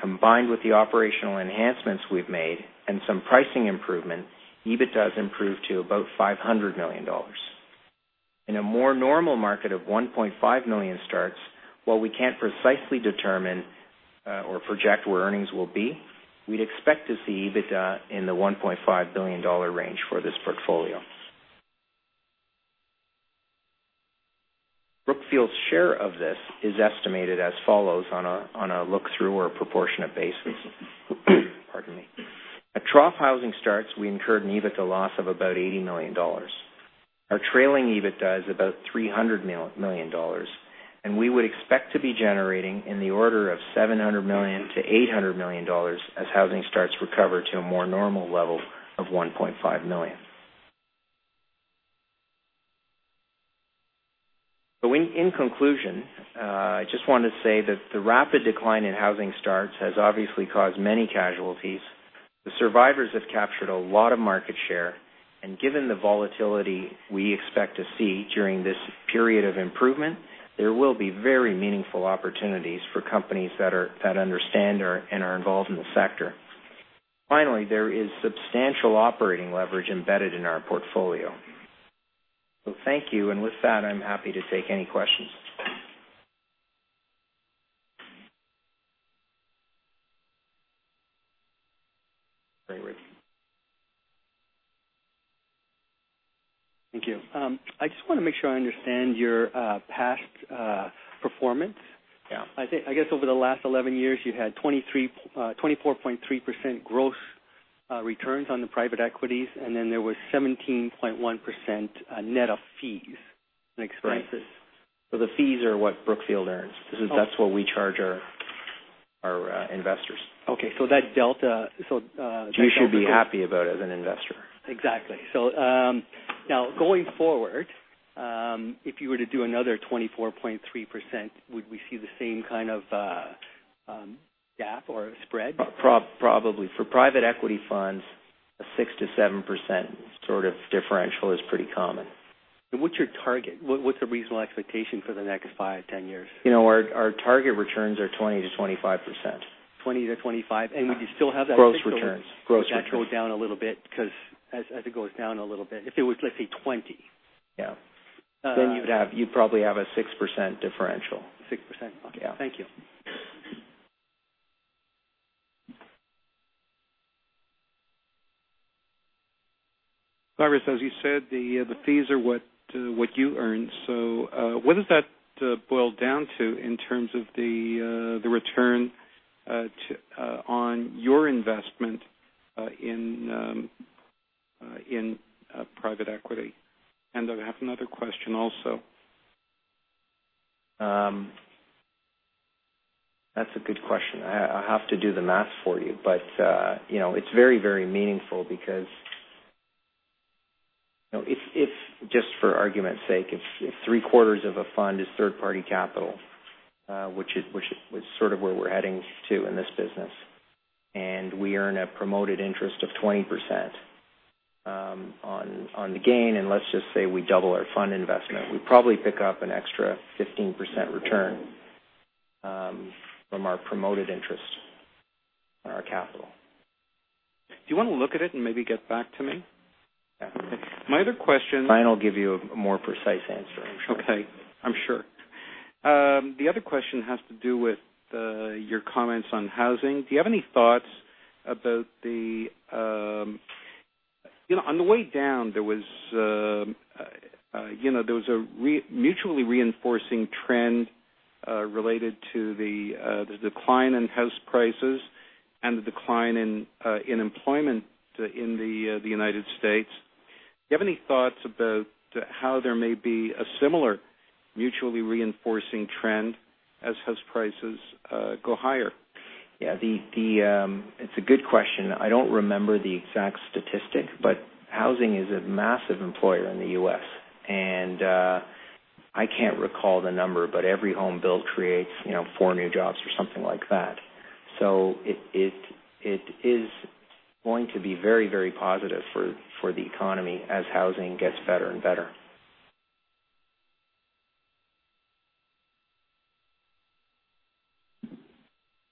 combined with the operational enhancements we've made and some pricing improvement, EBITDA has improved to about $500 million. In a more normal market of 1.5 million starts, while we can't precisely determine or project where earnings will be, we'd expect to see EBITDA in the $1.5 billion range for this portfolio. Brookfield's share of this is estimated as follows on a look-through or proportionate basis. Pardon me. At trough housing starts, we incurred an EBITDA loss of about $80 million. Our trailing EBITDA is about $300 million, and we would expect to be generating in the order of $700 million to $800 million as housing starts to recover to a more normal level of 1.5 million. In conclusion, I just want to say that the rapid decline in housing starts has obviously caused many casualties. The survivors have captured a lot of market share, and given the volatility we expect to see during this period of improvement, there will be very meaningful opportunities for companies that understand and are involved in the sector. Finally, there is substantial operating leverage embedded in our portfolio. Thank you. With that, I'm happy to take any questions. Great. Ric. Thank you. I just want to make sure I understand your past performance. Yeah. I guess over the last 11 years, you had 24.3% gross returns on the private equities, and then there was 17.1% net of fees and expenses. Right. The fees are what Brookfield earns. That's what we charge our investors. Okay. That delta- You should be happy about as an investor. Exactly. Now going forward, if you were to do another 24.3%, would we see the same kind of gap or spread? Probably. For private equity funds, a 6%-7% sort of differential is pretty common. What's your target? What's a reasonable expectation for the next five, 10 years? Our target returns are 20%-25%. 20%-25%. Would you still have that? Gross returns. -that goes down a little bit because as it goes down a little bit, if it was, let's say, 20. Yeah. You'd probably have a 6% differential. 6%. Okay. Yeah. Thank you. Cyrus, as you said, the fees are what you earn. What does that boil down to in terms of the return on your investment in private equity? I have another question also. That's a good question. I have to do the math for you, but it's very meaningful because if, just for argument's sake, if three-quarters of a fund is third-party capital, which is sort of where we're heading to in this business, and we earn a promoted interest of 20% on the gain, and let's just say we double our fund investment. We probably pick up an extra 15% return from our promoted interest on our capital. Do you want to look at it and maybe get back to me? Yeah. My other question. Brian will give you a more precise answer, I'm sure. Okay, I'm sure. The other question has to do with your comments on housing. Do you have any thoughts about the On the way down, there was a mutually reinforcing trend related to the decline in house prices and the decline in employment in the United States. Do you have any thoughts about how there may be a similar mutually reinforcing trend as house prices go higher? Yeah. It's a good question. I don't remember the exact statistic, but housing is a massive employer in the U.S. I can't recall the number, but every home build creates four new jobs or something like that. It is going to be very, very positive for the economy as housing gets better and better.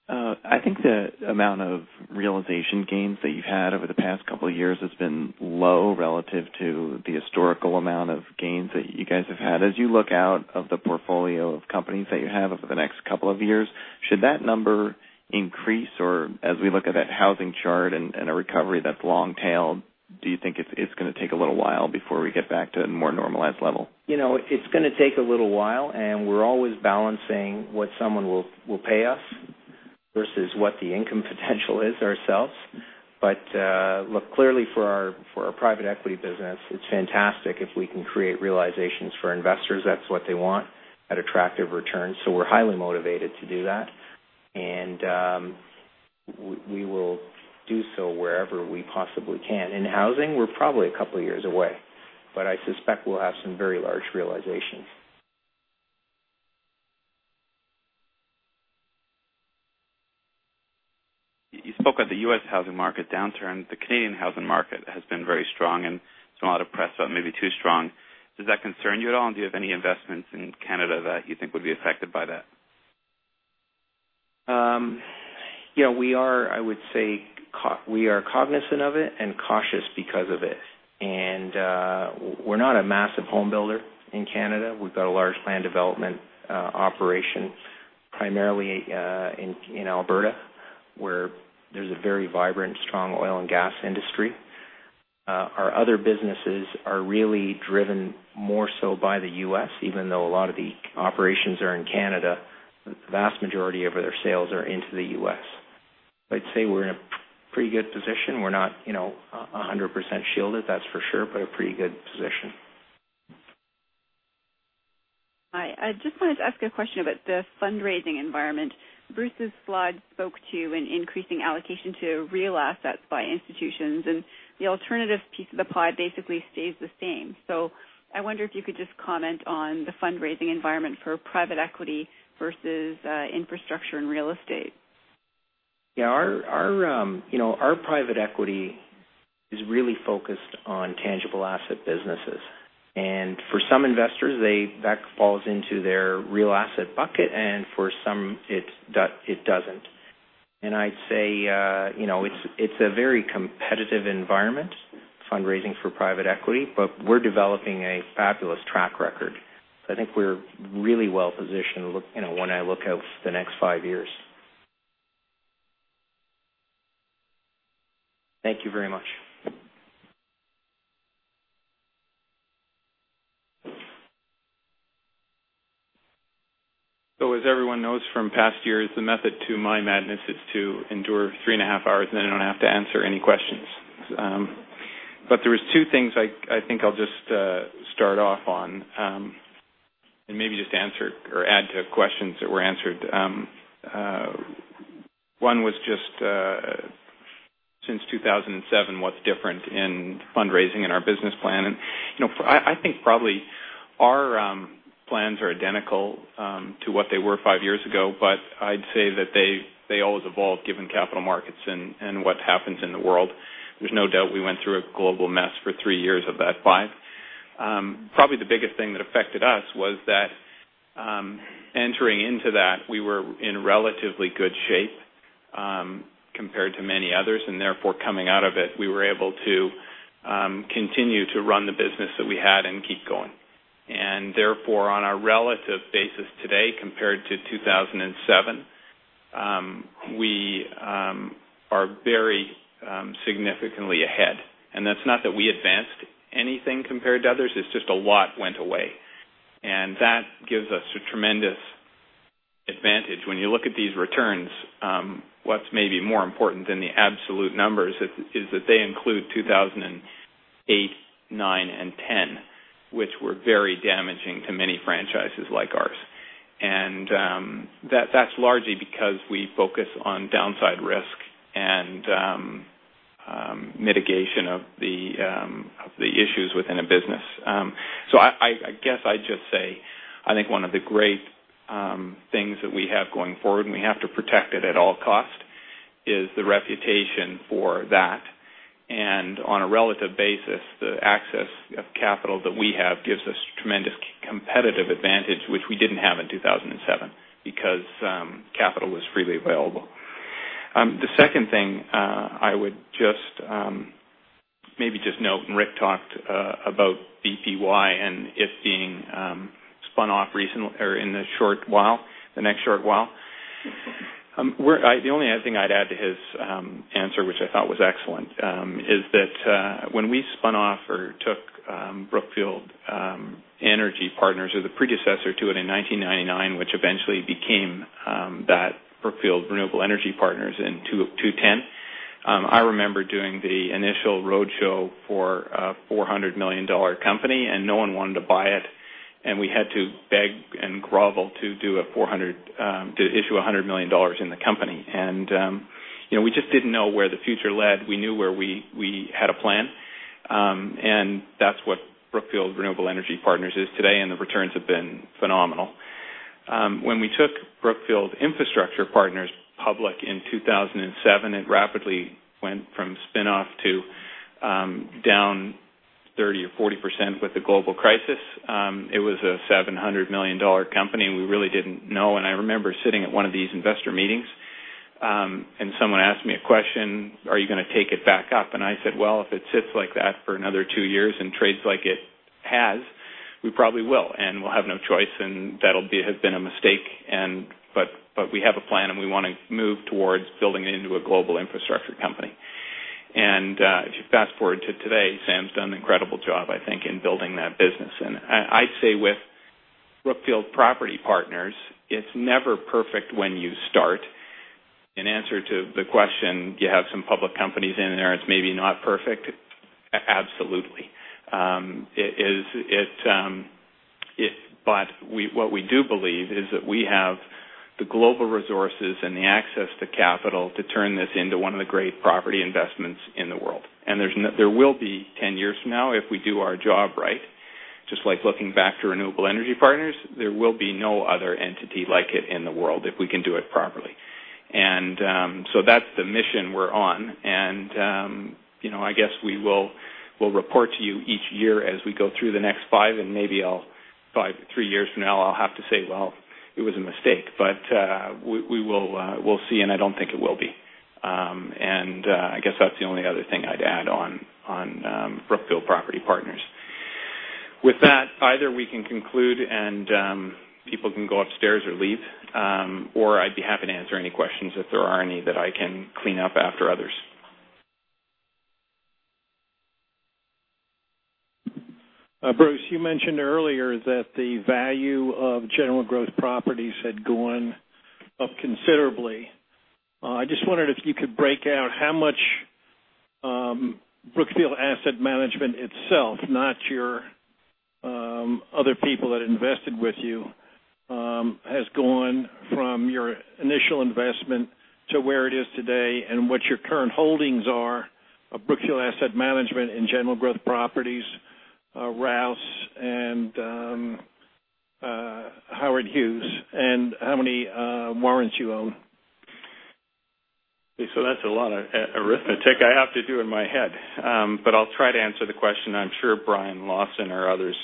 I think the amount of realization gains that you've had over the past couple of years has been low relative to the historical amount of gains that you guys have had. As you look out of the portfolio of companies that you have over the next couple of years, should that number increase? As we look at that housing chart and a recovery that's long tail, do you think it's going to take a little while before we get back to a more normalized level? It's going to take a little while. We're always balancing what someone will pay us versus what the income potential is ourselves. Look, clearly for our private equity business, it's fantastic if we can create realizations for investors. That's what they want at attractive returns. We're highly motivated to do that. We will do so wherever we possibly can. In housing, we're probably a couple of years away, I suspect we'll have some very large realizations. You spoke of the U.S. housing market downturn. The Canadian housing market has been very strong. There's a lot of press about maybe too strong. Does that concern you at all, and do you have any investments in Canada that you think would be affected by that? Yeah. I would say we are cognizant of it and cautious because of it. We're not a massive home builder in Canada. We've got a large land development operation, primarily in Alberta, where there's a very vibrant, strong oil and gas industry. Our other businesses are really driven more so by the U.S. Even though a lot of the operations are in Canada, the vast majority of their sales are into the U.S. I'd say we're in a pretty good position. We're not 100% shielded, that's for sure, but a pretty good position. Hi. I just wanted to ask a question about the fundraising environment. Bruce's slide spoke to an increasing allocation to real assets by institutions, and the alternative piece of the pie basically stays the same. I wonder if you could just comment on the fundraising environment for private equity versus infrastructure and real estate. Yeah. Our private equity is really focused on tangible asset businesses. For some investors, that falls into their real asset bucket, and for some, it doesn't. I'd say it's a very competitive environment, fundraising for private equity, but we're developing a fabulous track record. I think we're really well-positioned when I look out the next five years. Thank you very much. As everyone knows from past years, the method to my madness is to endure three and a half hours, and then I don't have to answer any questions. There was two things I think I'll just start off on, and maybe just answer or add to questions that were answered. One was just since 2007, what's different in fundraising and our business plan. I think probably our plans are identical to what they were five years ago, but I'd say that they always evolve given capital markets and what happens in the world. There's no doubt we went through a global mess for three years of that five. Probably the biggest thing that affected us was that entering into that, we were in relatively good shape compared to many others, and therefore, coming out of it, we were able to continue to run the business that we had and keep going. Therefore, on a relative basis today compared to 2007, we are very significantly ahead. That's not that we advanced anything compared to others, it's just a lot went away. That gives us a tremendous advantage. When you look at these returns, what's maybe more important than the absolute numbers is that they include 2008, '09, and '10, which were very damaging to many franchises like ours. That's largely because we focus on downside risk and mitigation of the issues within a business. I guess I'd just say, I think one of the great things that we have going forward, and we have to protect it at all cost, is the reputation for that. On a relative basis, the access of capital that we have gives us tremendous competitive advantage, which we didn't have in 2007, because capital was freely available. The second thing, I would maybe just note, Ric talked about BPY and it being spun off in the next short while. The only other thing I'd add to his answer, which I thought was excellent, is that when we spun off or took Brookfield Energy Partners as a predecessor to it in 1999, which eventually became that Brookfield Renewable Energy Partners in 2010. I remember doing the initial road show for a $400 million company, no one wanted to buy it, and we had to beg and grovel to issue $100 million in the company. We just didn't know where the future led. We had a plan. That's what Brookfield Renewable Energy Partners is today, and the returns have been phenomenal. When we took Brookfield Infrastructure Partners public in 2007, it rapidly went from spinoff to down 30% or 40% with the global crisis. It was a $700 million company, we really didn't know. I remember sitting at one of these investor meetings, and someone asked me a question, "Are you going to take it back up?" I said, "Well, if it sits like that for another two years and trades like it has, we probably will, and we'll have no choice, and that'll have been a mistake, we have a plan, and we want to move towards building it into a global infrastructure company." If you fast-forward to today, Sam's done an incredible job, I think, in building that business. I'd say with Brookfield Property Partners, it's never perfect when you start. In answer to the question, do you have some public companies in there that's maybe not perfect? Absolutely. What we do believe is that we have the global resources and the access to capital to turn this into one of the great property investments in the world. There will be, 10 years from now, if we do our job right, just like looking back to Renewable Energy Partners, there will be no other entity like it in the world if we can do it properly. That's the mission we're on. I guess we'll report to you each year as we go through the next five, and maybe three years from now, I'll have to say, "Well, it was a mistake." We'll see, and I don't think it will be. I guess that's the only other thing I'd add on Brookfield Property Partners. With that, either we can conclude, and people can go upstairs or leave. I'd be happy to answer any questions if there are any that I can clean up after others. Bruce, you mentioned earlier that the value of General Growth Properties had gone up considerably. I just wondered if you could break out how much Brookfield Asset Management itself, not your other people that invested with you, has gone from your initial investment to where it is today, and what your current holdings are of Brookfield Asset Management and General Growth Properties, Rouse, and Howard Hughes, and how many warrants you own. That's a lot of arithmetic I have to do in my head. I'll try to answer the question. I'm sure Brian Lawson or others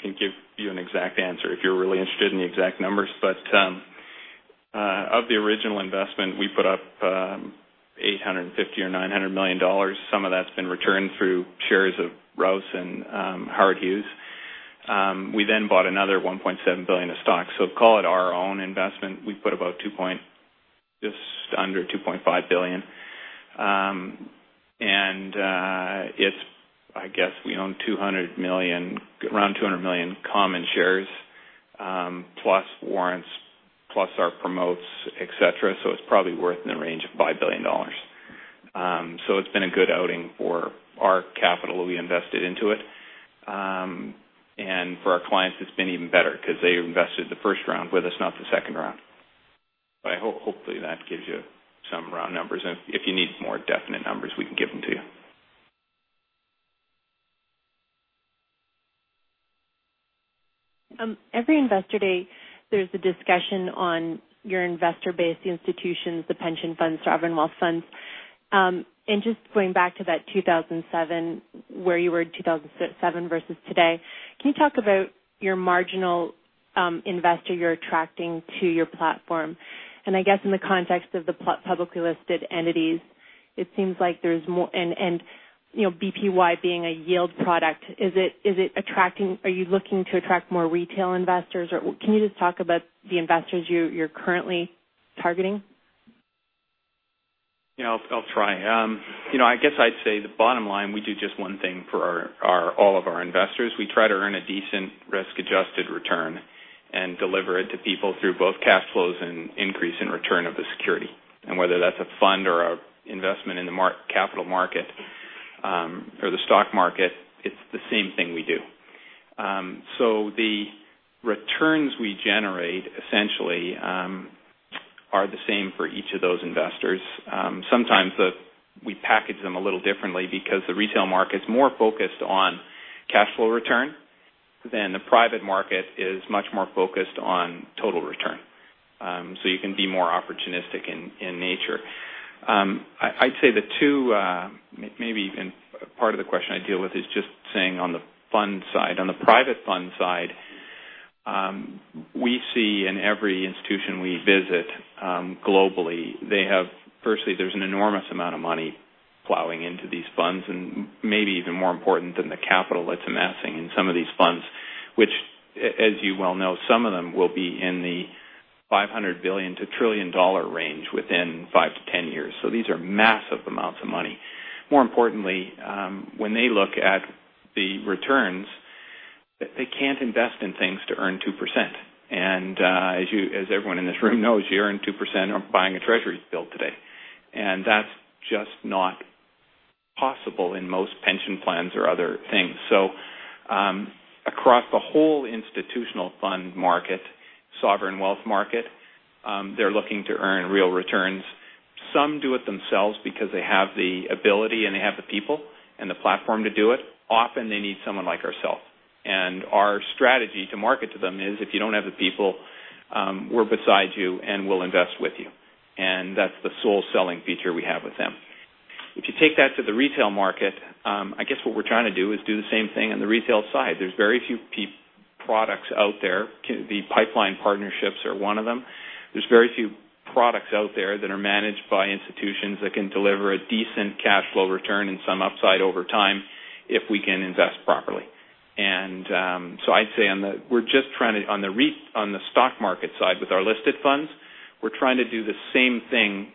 can give you an exact answer if you're really interested in the exact numbers. Of the original investment, we put up $850 or $900 million. Some of that's been returned through shares of Rouse and Howard Hughes. We then bought another $1.7 billion of stock. Call it our own investment. We put about just under $2.5 billion. I guess we own around 200 million common shares, plus warrants, plus our promotes, et cetera. It's probably worth in the range of $5 billion. It's been a good outing for our capital that we invested into it. For our clients, it's been even better because they invested the first round with us, not the second round. Hopefully, that gives you some round numbers, and if you need more definite numbers, we can give them to you. Every Investor Day, there's a discussion on your investor base, the institutions, the pension funds, sovereign wealth funds. Just going back to that 2007, where you were in 2007 versus today, can you talk about your marginal investor you're attracting to your platform? I guess in the context of the publicly listed entities, and BPY being a yield product, are you looking to attract more retail investors? Can you just talk about the investors you're currently targeting? Yeah, I'll try. I guess I'd say the bottom line, we do just one thing for all of our investors. We try to earn a decent risk-adjusted return and deliver it to people through both cash flows and increase in return of the security. Whether that's a fund or an investment in the capital market or the stock market, it's the same thing we do. The returns we generate essentially are the same for each of those investors. Sometimes we package them a little differently because the retail market's more focused on cash flow return than the private market is much more focused on total return. You can be more opportunistic in nature. I'd say the two, maybe even part of the question I deal with, is just saying on the fund side. On the private fund side, we see in every institution we visit globally, firstly, there's an enormous amount of money plowing into these funds and maybe even more important than the capital that's amassing in some of these funds, which, as you well know, some of them will be in the $500 billion-$1 trillion range within 5 to 10 years. These are massive amounts of money. More importantly, when they look at the returns, they can't invest in things to earn 2%. As everyone in this room knows, you earn 2% on buying a treasury bill today, and that's just not possible in most pension plans or other things. Across the whole institutional fund market, sovereign wealth market, they're looking to earn real returns. Some do it themselves because they have the ability, and they have the people and the platform to do it. Often, they need someone like ourselves. Our strategy to market to them is, if you don't have the people, we're beside you, and we'll invest with you. That's the sole selling feature we have with them. If you take that to the retail market, I guess what we're trying to do is do the same thing on the retail side. There's very few products out there. The pipeline partnerships are one of them. There's very few products out there that are managed by institutions that can deliver a decent cash flow return and some upside over time if we can invest properly. I'd say on the stock market side with our listed funds, we're trying to do the same thing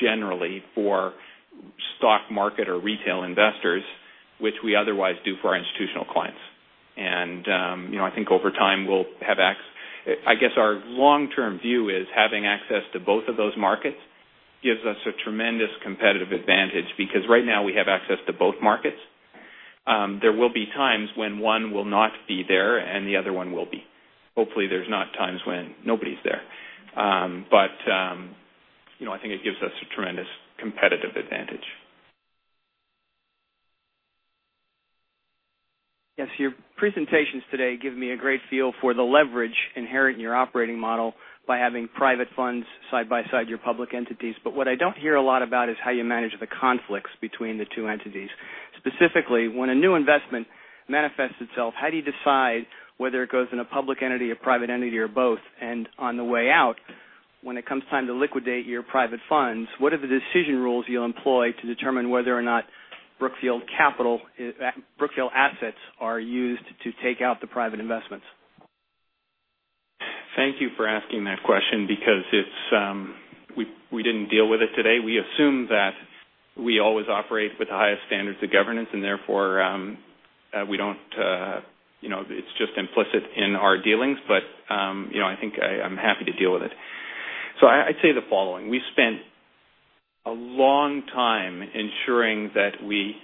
generally for stock market or retail investors, which we otherwise do for our institutional clients. I think over time, I guess our long-term view is having access to both of those markets gives us a tremendous competitive advantage because right now we have access to both markets. There will be times when one will not be there and the other one will be. Hopefully, there's not times when nobody's there. I think it gives us a tremendous competitive advantage. Yes. Your presentations today give me a great feel for the leverage inherent in your operating model by having private funds side by side your public entities. What I don't hear a lot about is how you manage the conflicts between the two entities. Specifically, when a new investment manifests itself, how do you decide whether it goes in a public entity, a private entity, or both? On the way out, when it comes time to liquidate your private funds, what are the decision rules you'll employ to determine whether or not Brookfield assets are used to take out the private investments? Thank you for asking that question because we didn't deal with it today. We assume that we always operate with the highest standards of governance, and therefore, it's just implicit in our dealings. I think I'm happy to deal with it. I'd say the following. We spent a long time ensuring that we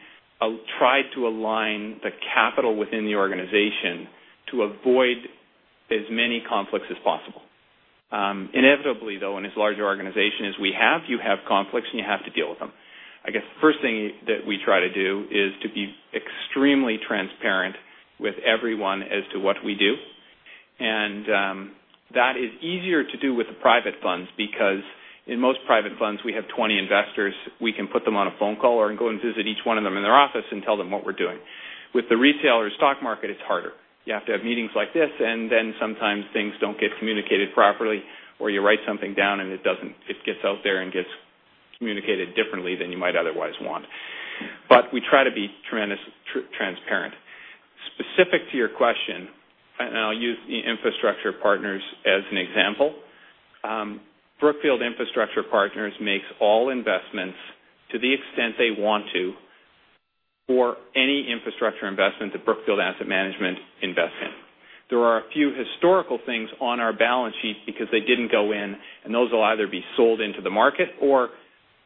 try to align the capital within the organization to avoid as many conflicts as possible. Inevitably, though, in as large an organization as we have, you have conflicts, and you have to deal with them. I guess the first thing that we try to do is to be extremely transparent with everyone as to what we do. That is easier to do with the private funds because in most private funds, we have 20 investors. We can put them on a phone call or go and visit each one of them in their office and tell them what we're doing. With the retail or stock market, it's harder. You have to have meetings like this, and then sometimes things don't get communicated properly, or you write something down, and it gets out there and gets communicated differently than you might otherwise want. We try to be tremendously transparent. Specific to your question, I'll use the Infrastructure Partners as an example. Brookfield Infrastructure Partners makes all investments to the extent they want to for any infrastructure investment that Brookfield Asset Management invests in. There are a few historical things on our balance sheet because they didn't go in, and those will either be sold into the market or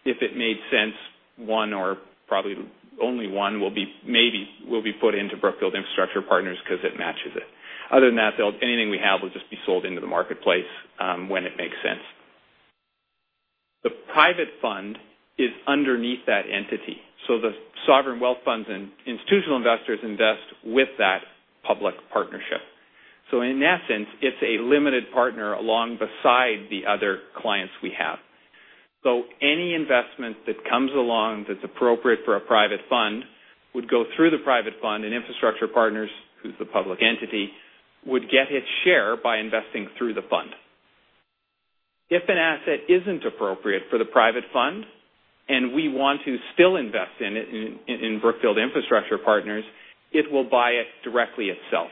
if it made sense, one or probably only one maybe will be put into Brookfield Infrastructure Partners because it matches it. Other than that, anything we have will just be sold into the marketplace when it makes sense. The private fund is underneath that entity. The sovereign wealth funds and institutional investors invest with that public partnership. In essence, it's a limited partner alongside the other clients we have. Any investment that comes along that's appropriate for a private fund would go through the private fund, and Infrastructure Partners, who's the public entity, would get its share by investing through the fund. If an asset isn't appropriate for the private fund and we want to still invest in it in Brookfield Infrastructure Partners, it will buy it directly itself.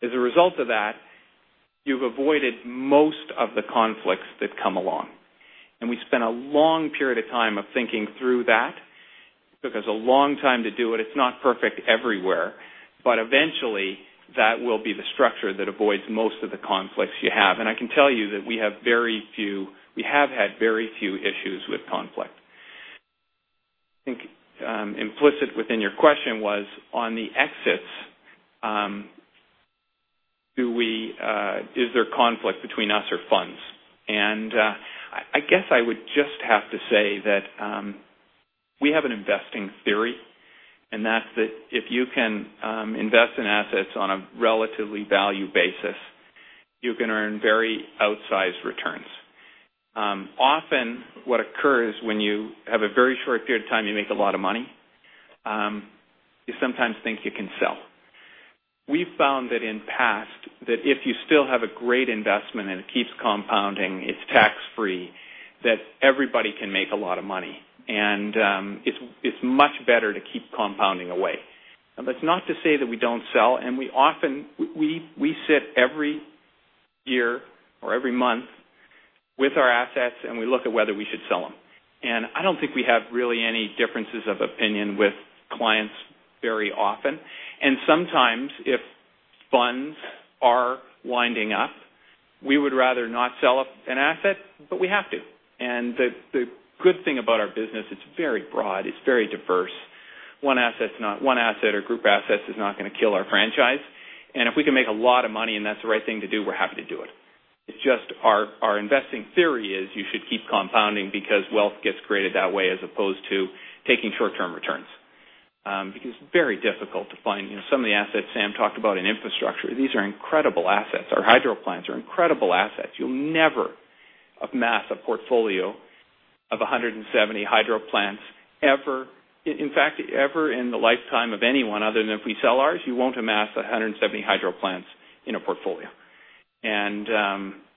As a result of that, you've avoided most of the conflicts that come along. We spent a long period of time thinking through that. Took us a long time to do it. It's not perfect everywhere. Eventually, that will be the structure that avoids most of the conflicts you have. I can tell you that we have had very few issues with conflict. I think implicit within your question was on the exits, is there conflict between us or funds? I guess I would just have to say that we have an investing theory, and that's that if you can invest in assets on a relatively value basis, you can earn very outsized returns. Often, what occurs when you have a very short period of time, you make a lot of money. You sometimes think you can sell. We've found that in the past, that if you still have a great investment and it keeps compounding, it's tax-free, that everybody can make a lot of money. It's much better to keep compounding away. It's not to say that we don't sell, and we sit every year or every month with our assets, and we look at whether we should sell them. I don't think we have really any differences of opinion with clients very often. Sometimes, if funds are winding up, we would rather not sell up an asset, but we have to. The good thing about our business, it's very broad, it's very diverse. One asset or group asset is not going to kill our franchise. If we can make a lot of money, and that's the right thing to do, we're happy to do it. It's just our investing theory is you should keep compounding because wealth gets created that way, as opposed to taking short-term returns. It's very difficult to find some of the assets Sam talked about in infrastructure. These are incredible assets. Our hydro plants are incredible assets. You'll never amass a portfolio of 170 hydro plants, ever. In fact, ever in the lifetime of anyone other than if we sell ours, you won't amass 170 hydro plants in a portfolio.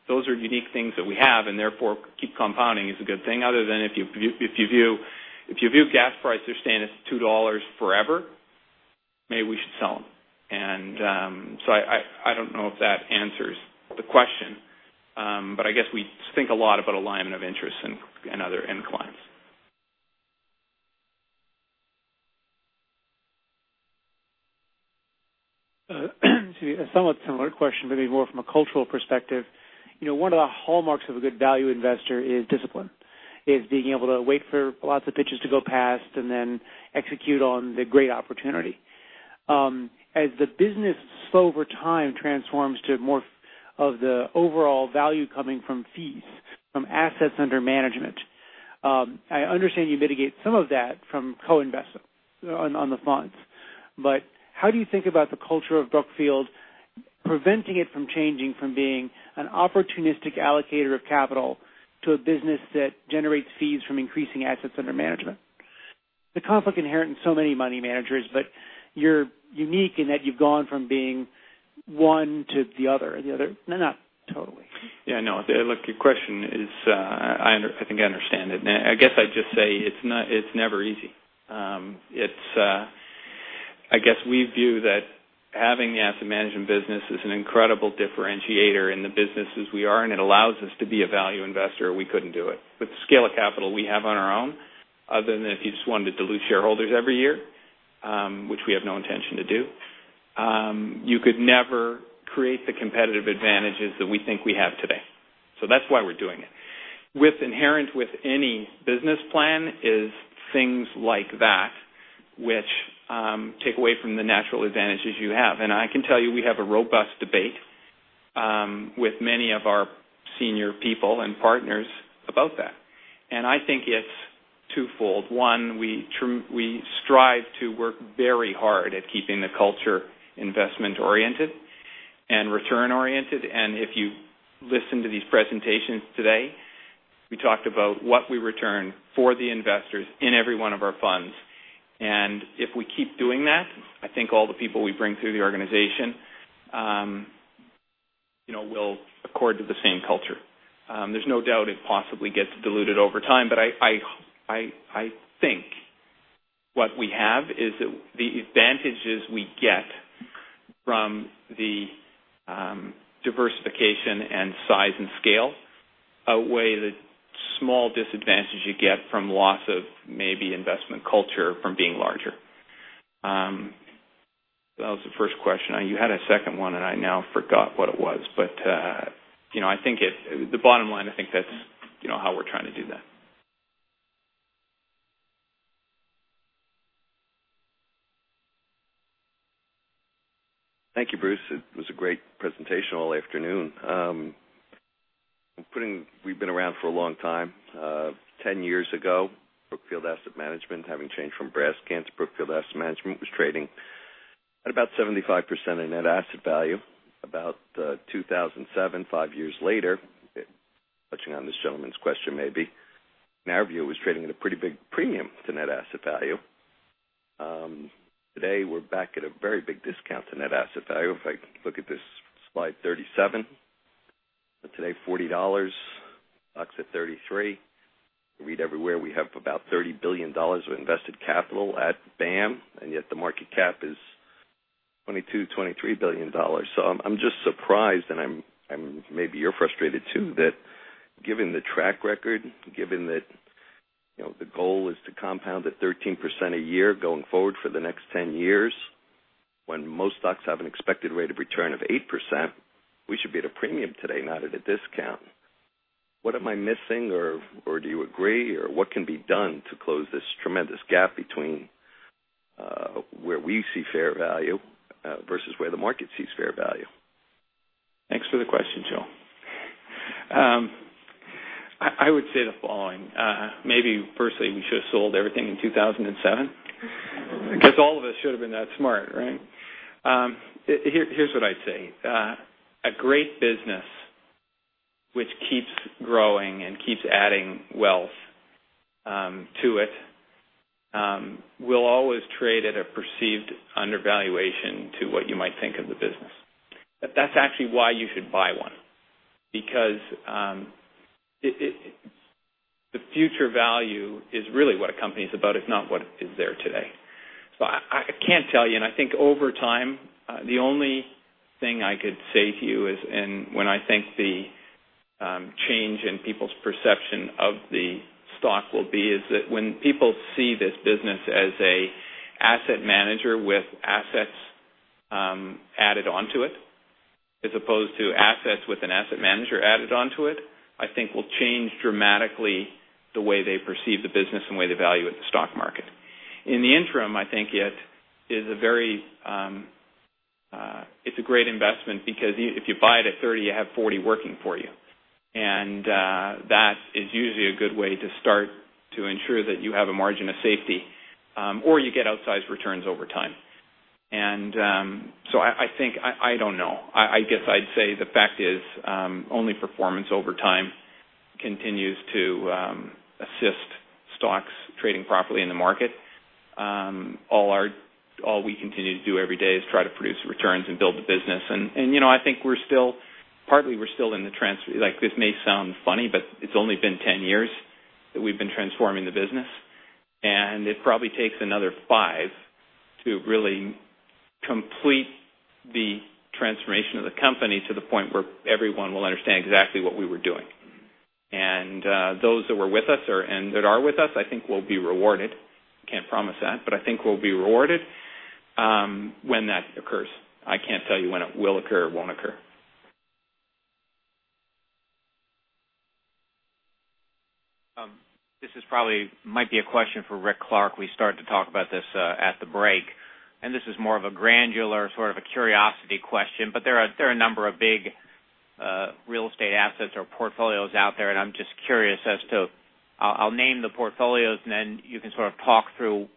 Those are unique things that we have and therefore keep compounding is a good thing other than if you view gas prices staying at $2 forever, maybe we should sell them. I don't know if that answers the question. I guess we think a lot about alignment of interests in clients. A somewhat similar question, maybe more from a cultural perspective. One of the hallmarks of a good value investor is discipline. Is being able to wait for lots of pitches to go past and then execute on the great opportunity. As the business slowly over time transforms to more of the overall value coming from fees from assets under management. I understand you mitigate some of that from co-investment on the funds. How do you think about the culture of Brookfield preventing it from changing from being an opportunistic allocator of capital to a business that generates fees from increasing assets under management? The conflict inherent in so many money managers, but you're unique in that you've gone from being one to the other. Not totally. Yeah, no. Look, your question is, I think I understand it now. I guess I'd just say it's never easy. I guess we view that having the asset management business is an incredible differentiator in the business as we are, and it allows us to be a value investor, or we couldn't do it. With the scale of capital we have on our own, other than if you just wanted to dilute shareholders every year, which we have no intention to do. You could never create the competitive advantages that we think we have today. That's why we're doing it. Inherent with any business plan is things like that which take away from the natural advantages you have. I can tell you, we have a robust debate with many of our senior people and partners about that. I think it's twofold. One, we strive to work very hard at keeping the culture investment-oriented and return-oriented. If you listen to these presentations today, we talked about what we return for the investors in every one of our funds. If we keep doing that, I think all the people we bring through the organization will accord to the same culture. There's no doubt it possibly gets diluted over time, I think what we have is the advantages we get from the diversification in size and scale outweigh the small disadvantages you get from loss of maybe investment culture from being larger. That was the first question. You had a second one, I now forgot what it was. The bottom line, I think that's how we're trying to do that. Thank you, Bruce. It was a great presentation all afternoon. We've been around for a long time. 10 years ago, Brookfield Asset Management, having changed from Brascan to Brookfield Asset Management, was trading at about 75% in net asset value. About 2007, 5 years later, touching on this gentleman's question maybe. In our view, it was trading at a pretty big premium to net asset value. Today, we're back at a very big discount to net asset value. If I look at this slide 37, today, $40. Exit $33. Read everywhere, we have about $30 billion of invested capital at BAM, and yet the market cap is $22 billion-$23 billion. I'm just surprised, and maybe you're frustrated, too, that given the track record, given that the goal is to compound at 13% a year going forward for the next 10 years. When most stocks have an expected rate of return of 8%, we should be at a premium today, not at a discount. What am I missing? Do you agree? What can be done to close this tremendous gap between where we see fair value versus where the market sees fair value? Thanks for the question, Joe. I would say the following. Maybe firstly, we should've sold everything in 2007. All of us should've been that smart, right? Here's what I'd say. A great business which keeps growing and keeps adding wealth to it will always trade at a perceived undervaluation to what you might think of the business. That's actually why you should buy one. The future value is really what a company's about, it's not what is there today. I can't tell you, and I think over time, the only thing I could say to you is, and when I think the change in people's perception of the stock will be, is that when people see this business as a asset manager with assets added onto it, as opposed to assets with an asset manager added onto it, I think will change dramatically the way they perceive the business and the way they value it in the stock market. In the interim, I think it's a great investment because if you buy it at $30, you have $40 working for you. That is usually a good way to start to ensure that you have a margin of safety, or you get outsized returns over time. I think, I don't know. I guess I'd say the fact is, only performance over time continues to assist stocks trading properly in the market. All we continue to do every day is try to produce returns and build the business. I think partly, we're still in the trans-- This may sound funny, but it's only been 10 years that we've been transforming the business. It probably takes another five to really complete the transformation of the company to the point where everyone will understand exactly what we were doing. Those that were with us or, and that are with us, I think will be rewarded. Can't promise that, but I think we'll be rewarded when that occurs. I can't tell you when it will occur or won't occur. This is probably, might be a question for Ric Clark. We started to talk about this at the break, this is more of a granular sort of a curiosity question. There are a number of big real estate assets or portfolios out there, I'm just curious as to I'll name the portfolios, then you can sort of talk through,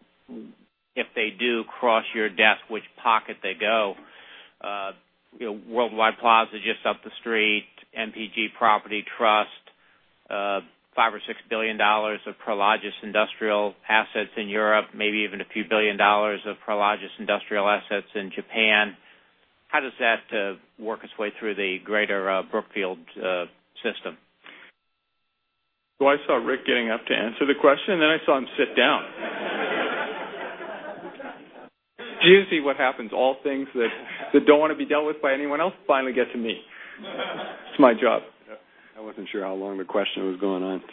if they do cross your desk, which pocket they go. Worldwide Plaza, just up the street, MPG Property Trust, $5 or $6 billion of Prologis industrial assets in Europe, maybe even a few billion of Prologis industrial assets in Japan. How does that work its way through the greater Brookfield system? I saw Ric getting up to answer the question, I saw him sit down. Do you see what happens? All things that don't want to be dealt with by anyone else finally get to me. It's my job. I wasn't sure how long the question was going on.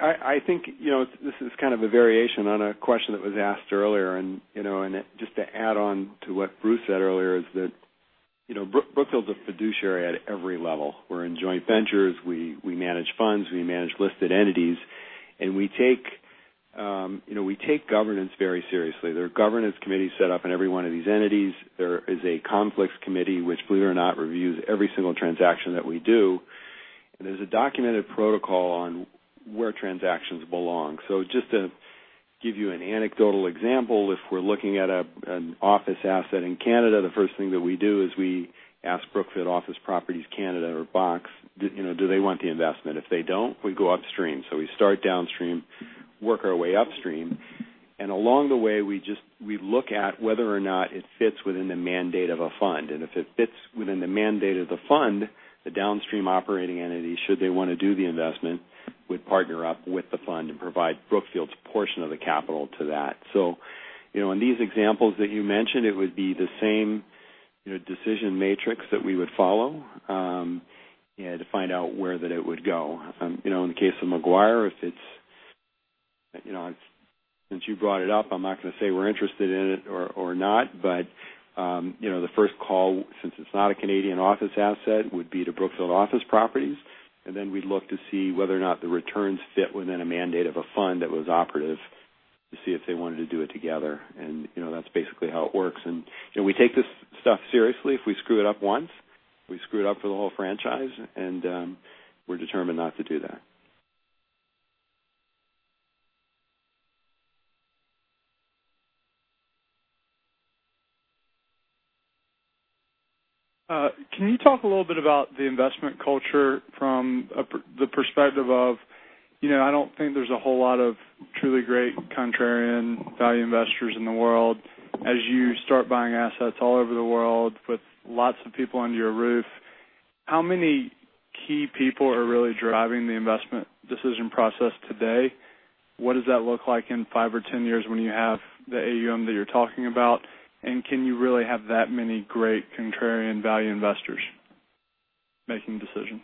I think this is kind of a variation on a question that was asked earlier, just to add on to what Bruce said earlier, is that Brookfield's a fiduciary at every level. We're in joint ventures. We manage funds. We manage listed entities. We take governance very seriously. There are governance committees set up in every one of these entities. There is a conflicts committee, which believe it or not, reviews every single transaction that we do. There's a documented protocol on where transactions belong. Just to give you an anecdotal example, if we're looking at an office asset in Canada, the first thing that we do is we ask Brookfield Office Properties Canada or Box, do they want the investment? If they don't, we go upstream. We start downstream, work our way upstream, and along the way we look at whether or not it fits within the mandate of a fund. If it fits within the mandate of the fund, the downstream operating entity, should they want to do the investment, would partner up with the fund and provide Brookfield's portion of the capital to that. In these examples that you mentioned, it would be the same decision matrix that we would follow, to find out where it would go. In the case of Maguire, since you brought it up, I'm not going to say we're interested in it or not, but the first call, since it's not a Canadian office asset, would be to Brookfield Office Properties, and then we'd look to see whether or not the returns fit within a mandate of a fund that was operative to see if they wanted to do it together. That's basically how it works. We take this stuff seriously. If we screw it up once, we screw it up for the whole franchise. We're determined not to do that. Can you talk a little bit about the investment culture from the perspective of, I don't think there's a whole lot of truly great contrarian value investors in the world. As you start buying assets all over the world with lots of people under your roof, how many key people are really driving the investment decision process today? What does that look like in five or 10 years when you have the AUM that you're talking about? Can you really have that many great contrarian value investors making decisions?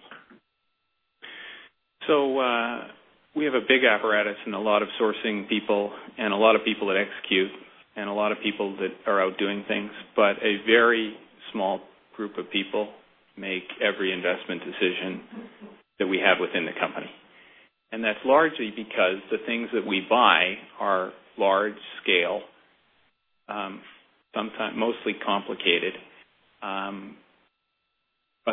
We have a big apparatus and a lot of sourcing people and a lot of people that execute and a lot of people that are out doing things, but a very small group of people make every investment decision that we have within the company. That's largely because the things that we buy are large scale, mostly complicated.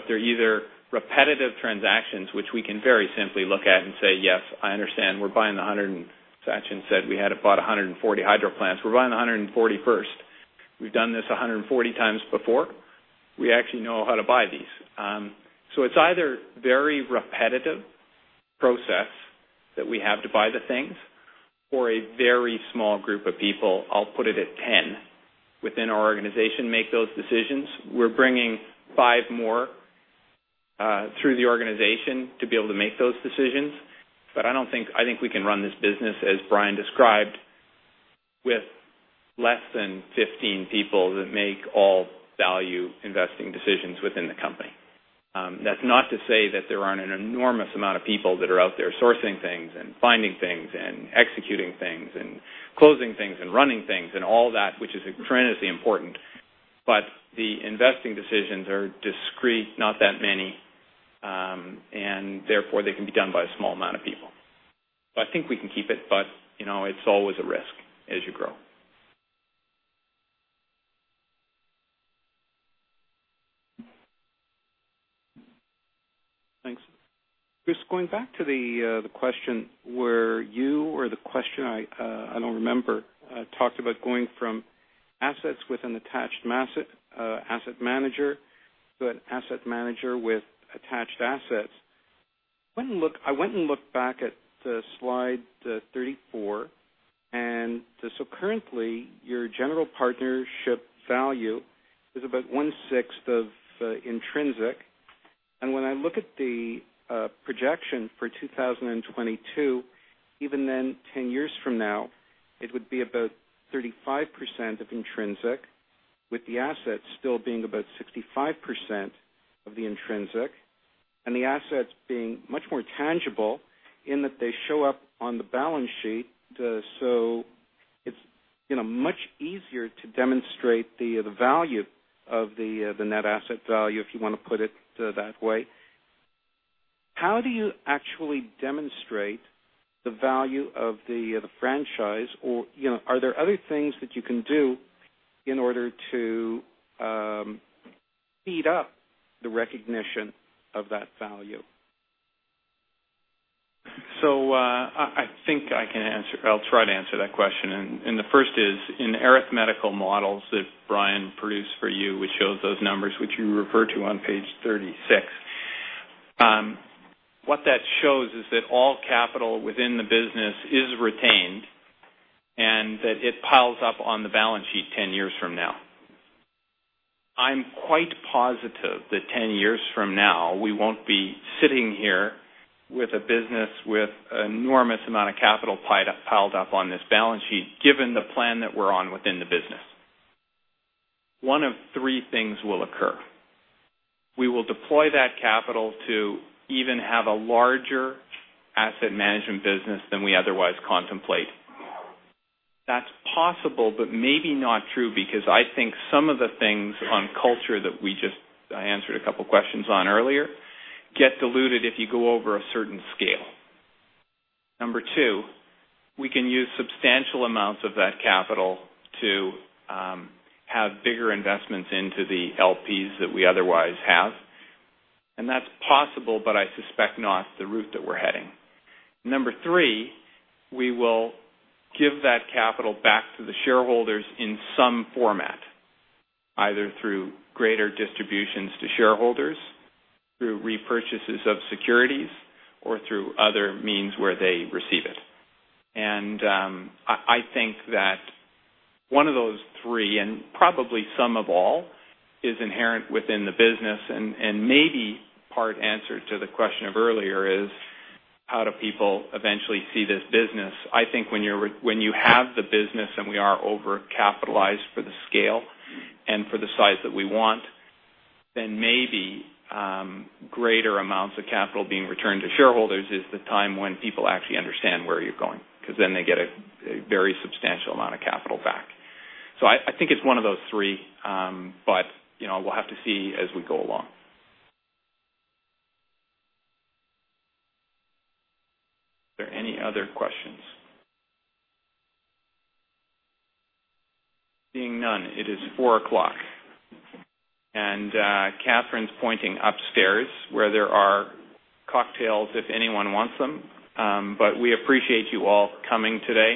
They're either repetitive transactions, which we can very simply look at and say, "Yes, I understand." Sachin said we had about 140 hydro plants. We're buying 141st. We've done this 140 times before. We actually know how to buy these. It's either very repetitive process that we have to buy the things or a very small group of people, I'll put it at 10, within our organization, make those decisions. We're bringing five more through the organization to be able to make those decisions. I think we can run this business, as Brian described, with less than 15 people that make all value investing decisions within the company. That's not to say that there aren't an enormous amount of people that are out there sourcing things and finding things and executing things and closing things and running things and all that, which is incredibly important. The investing decisions are discrete, not that many, and therefore, they can be done by a small amount of people. I think we can keep it, but it's always a risk as you grow. Thanks. Just going back to the question where you or the question, I don't remember, talked about going from assets with an attached asset manager to an asset manager with attached assets. I went and looked back at slide 34. Currently, your general partnership value is about one-sixth of intrinsic. When I look at the projection for 2022, even then, 10 years from now, it would be about 35% of intrinsic, with the assets still being about 65% of the intrinsic and the assets being much more tangible in that they show up on the balance sheet. It's much easier to demonstrate the value of the net asset value, if you want to put it that way. How do you actually demonstrate the value of the franchise? Are there other things that you can do in order to speed up the recognition of that value? I think I'll try to answer that question. The first is, in arithmetical models that Brian produced for you, which shows those numbers which you refer to on page 36. What that shows is that all capital within the business is retained and that it piles up on the balance sheet 10 years from now. I'm quite positive that 10 years from now, we won't be sitting here with a business with enormous amount of capital piled up on this balance sheet, given the plan that we're on within the business. One of three things will occur. We will deploy that capital to even have a larger asset management business than we otherwise contemplate. That's possible, but maybe not true because I think some of the things on culture that I answered a couple of questions on earlier, get diluted if you go over a certain scale. Number two, we can use substantial amounts of that capital to have bigger investments into the LPs that we otherwise have. That's possible, but I suspect not the route that we're heading. Number three, we will give that capital back to the shareholders in some format. Either through greater distributions to shareholders, through repurchases of securities, or through other means where they receive it. I think that one of those three, and probably some of all, is inherent within the business. Maybe part answer to the question of earlier is how do people eventually see this business? I think when you have the business and we are over-capitalized for the scale and for the size that we want, then maybe greater amounts of capital being returned to shareholders is the time when people actually understand where you're going. They get a very substantial amount of capital back. I think it's one of those three. We'll have to see as we go along. Are there any other questions? Seeing none, it is 4:00 P.M. Catherine's pointing upstairs where there are cocktails if anyone wants them. We appreciate you all coming today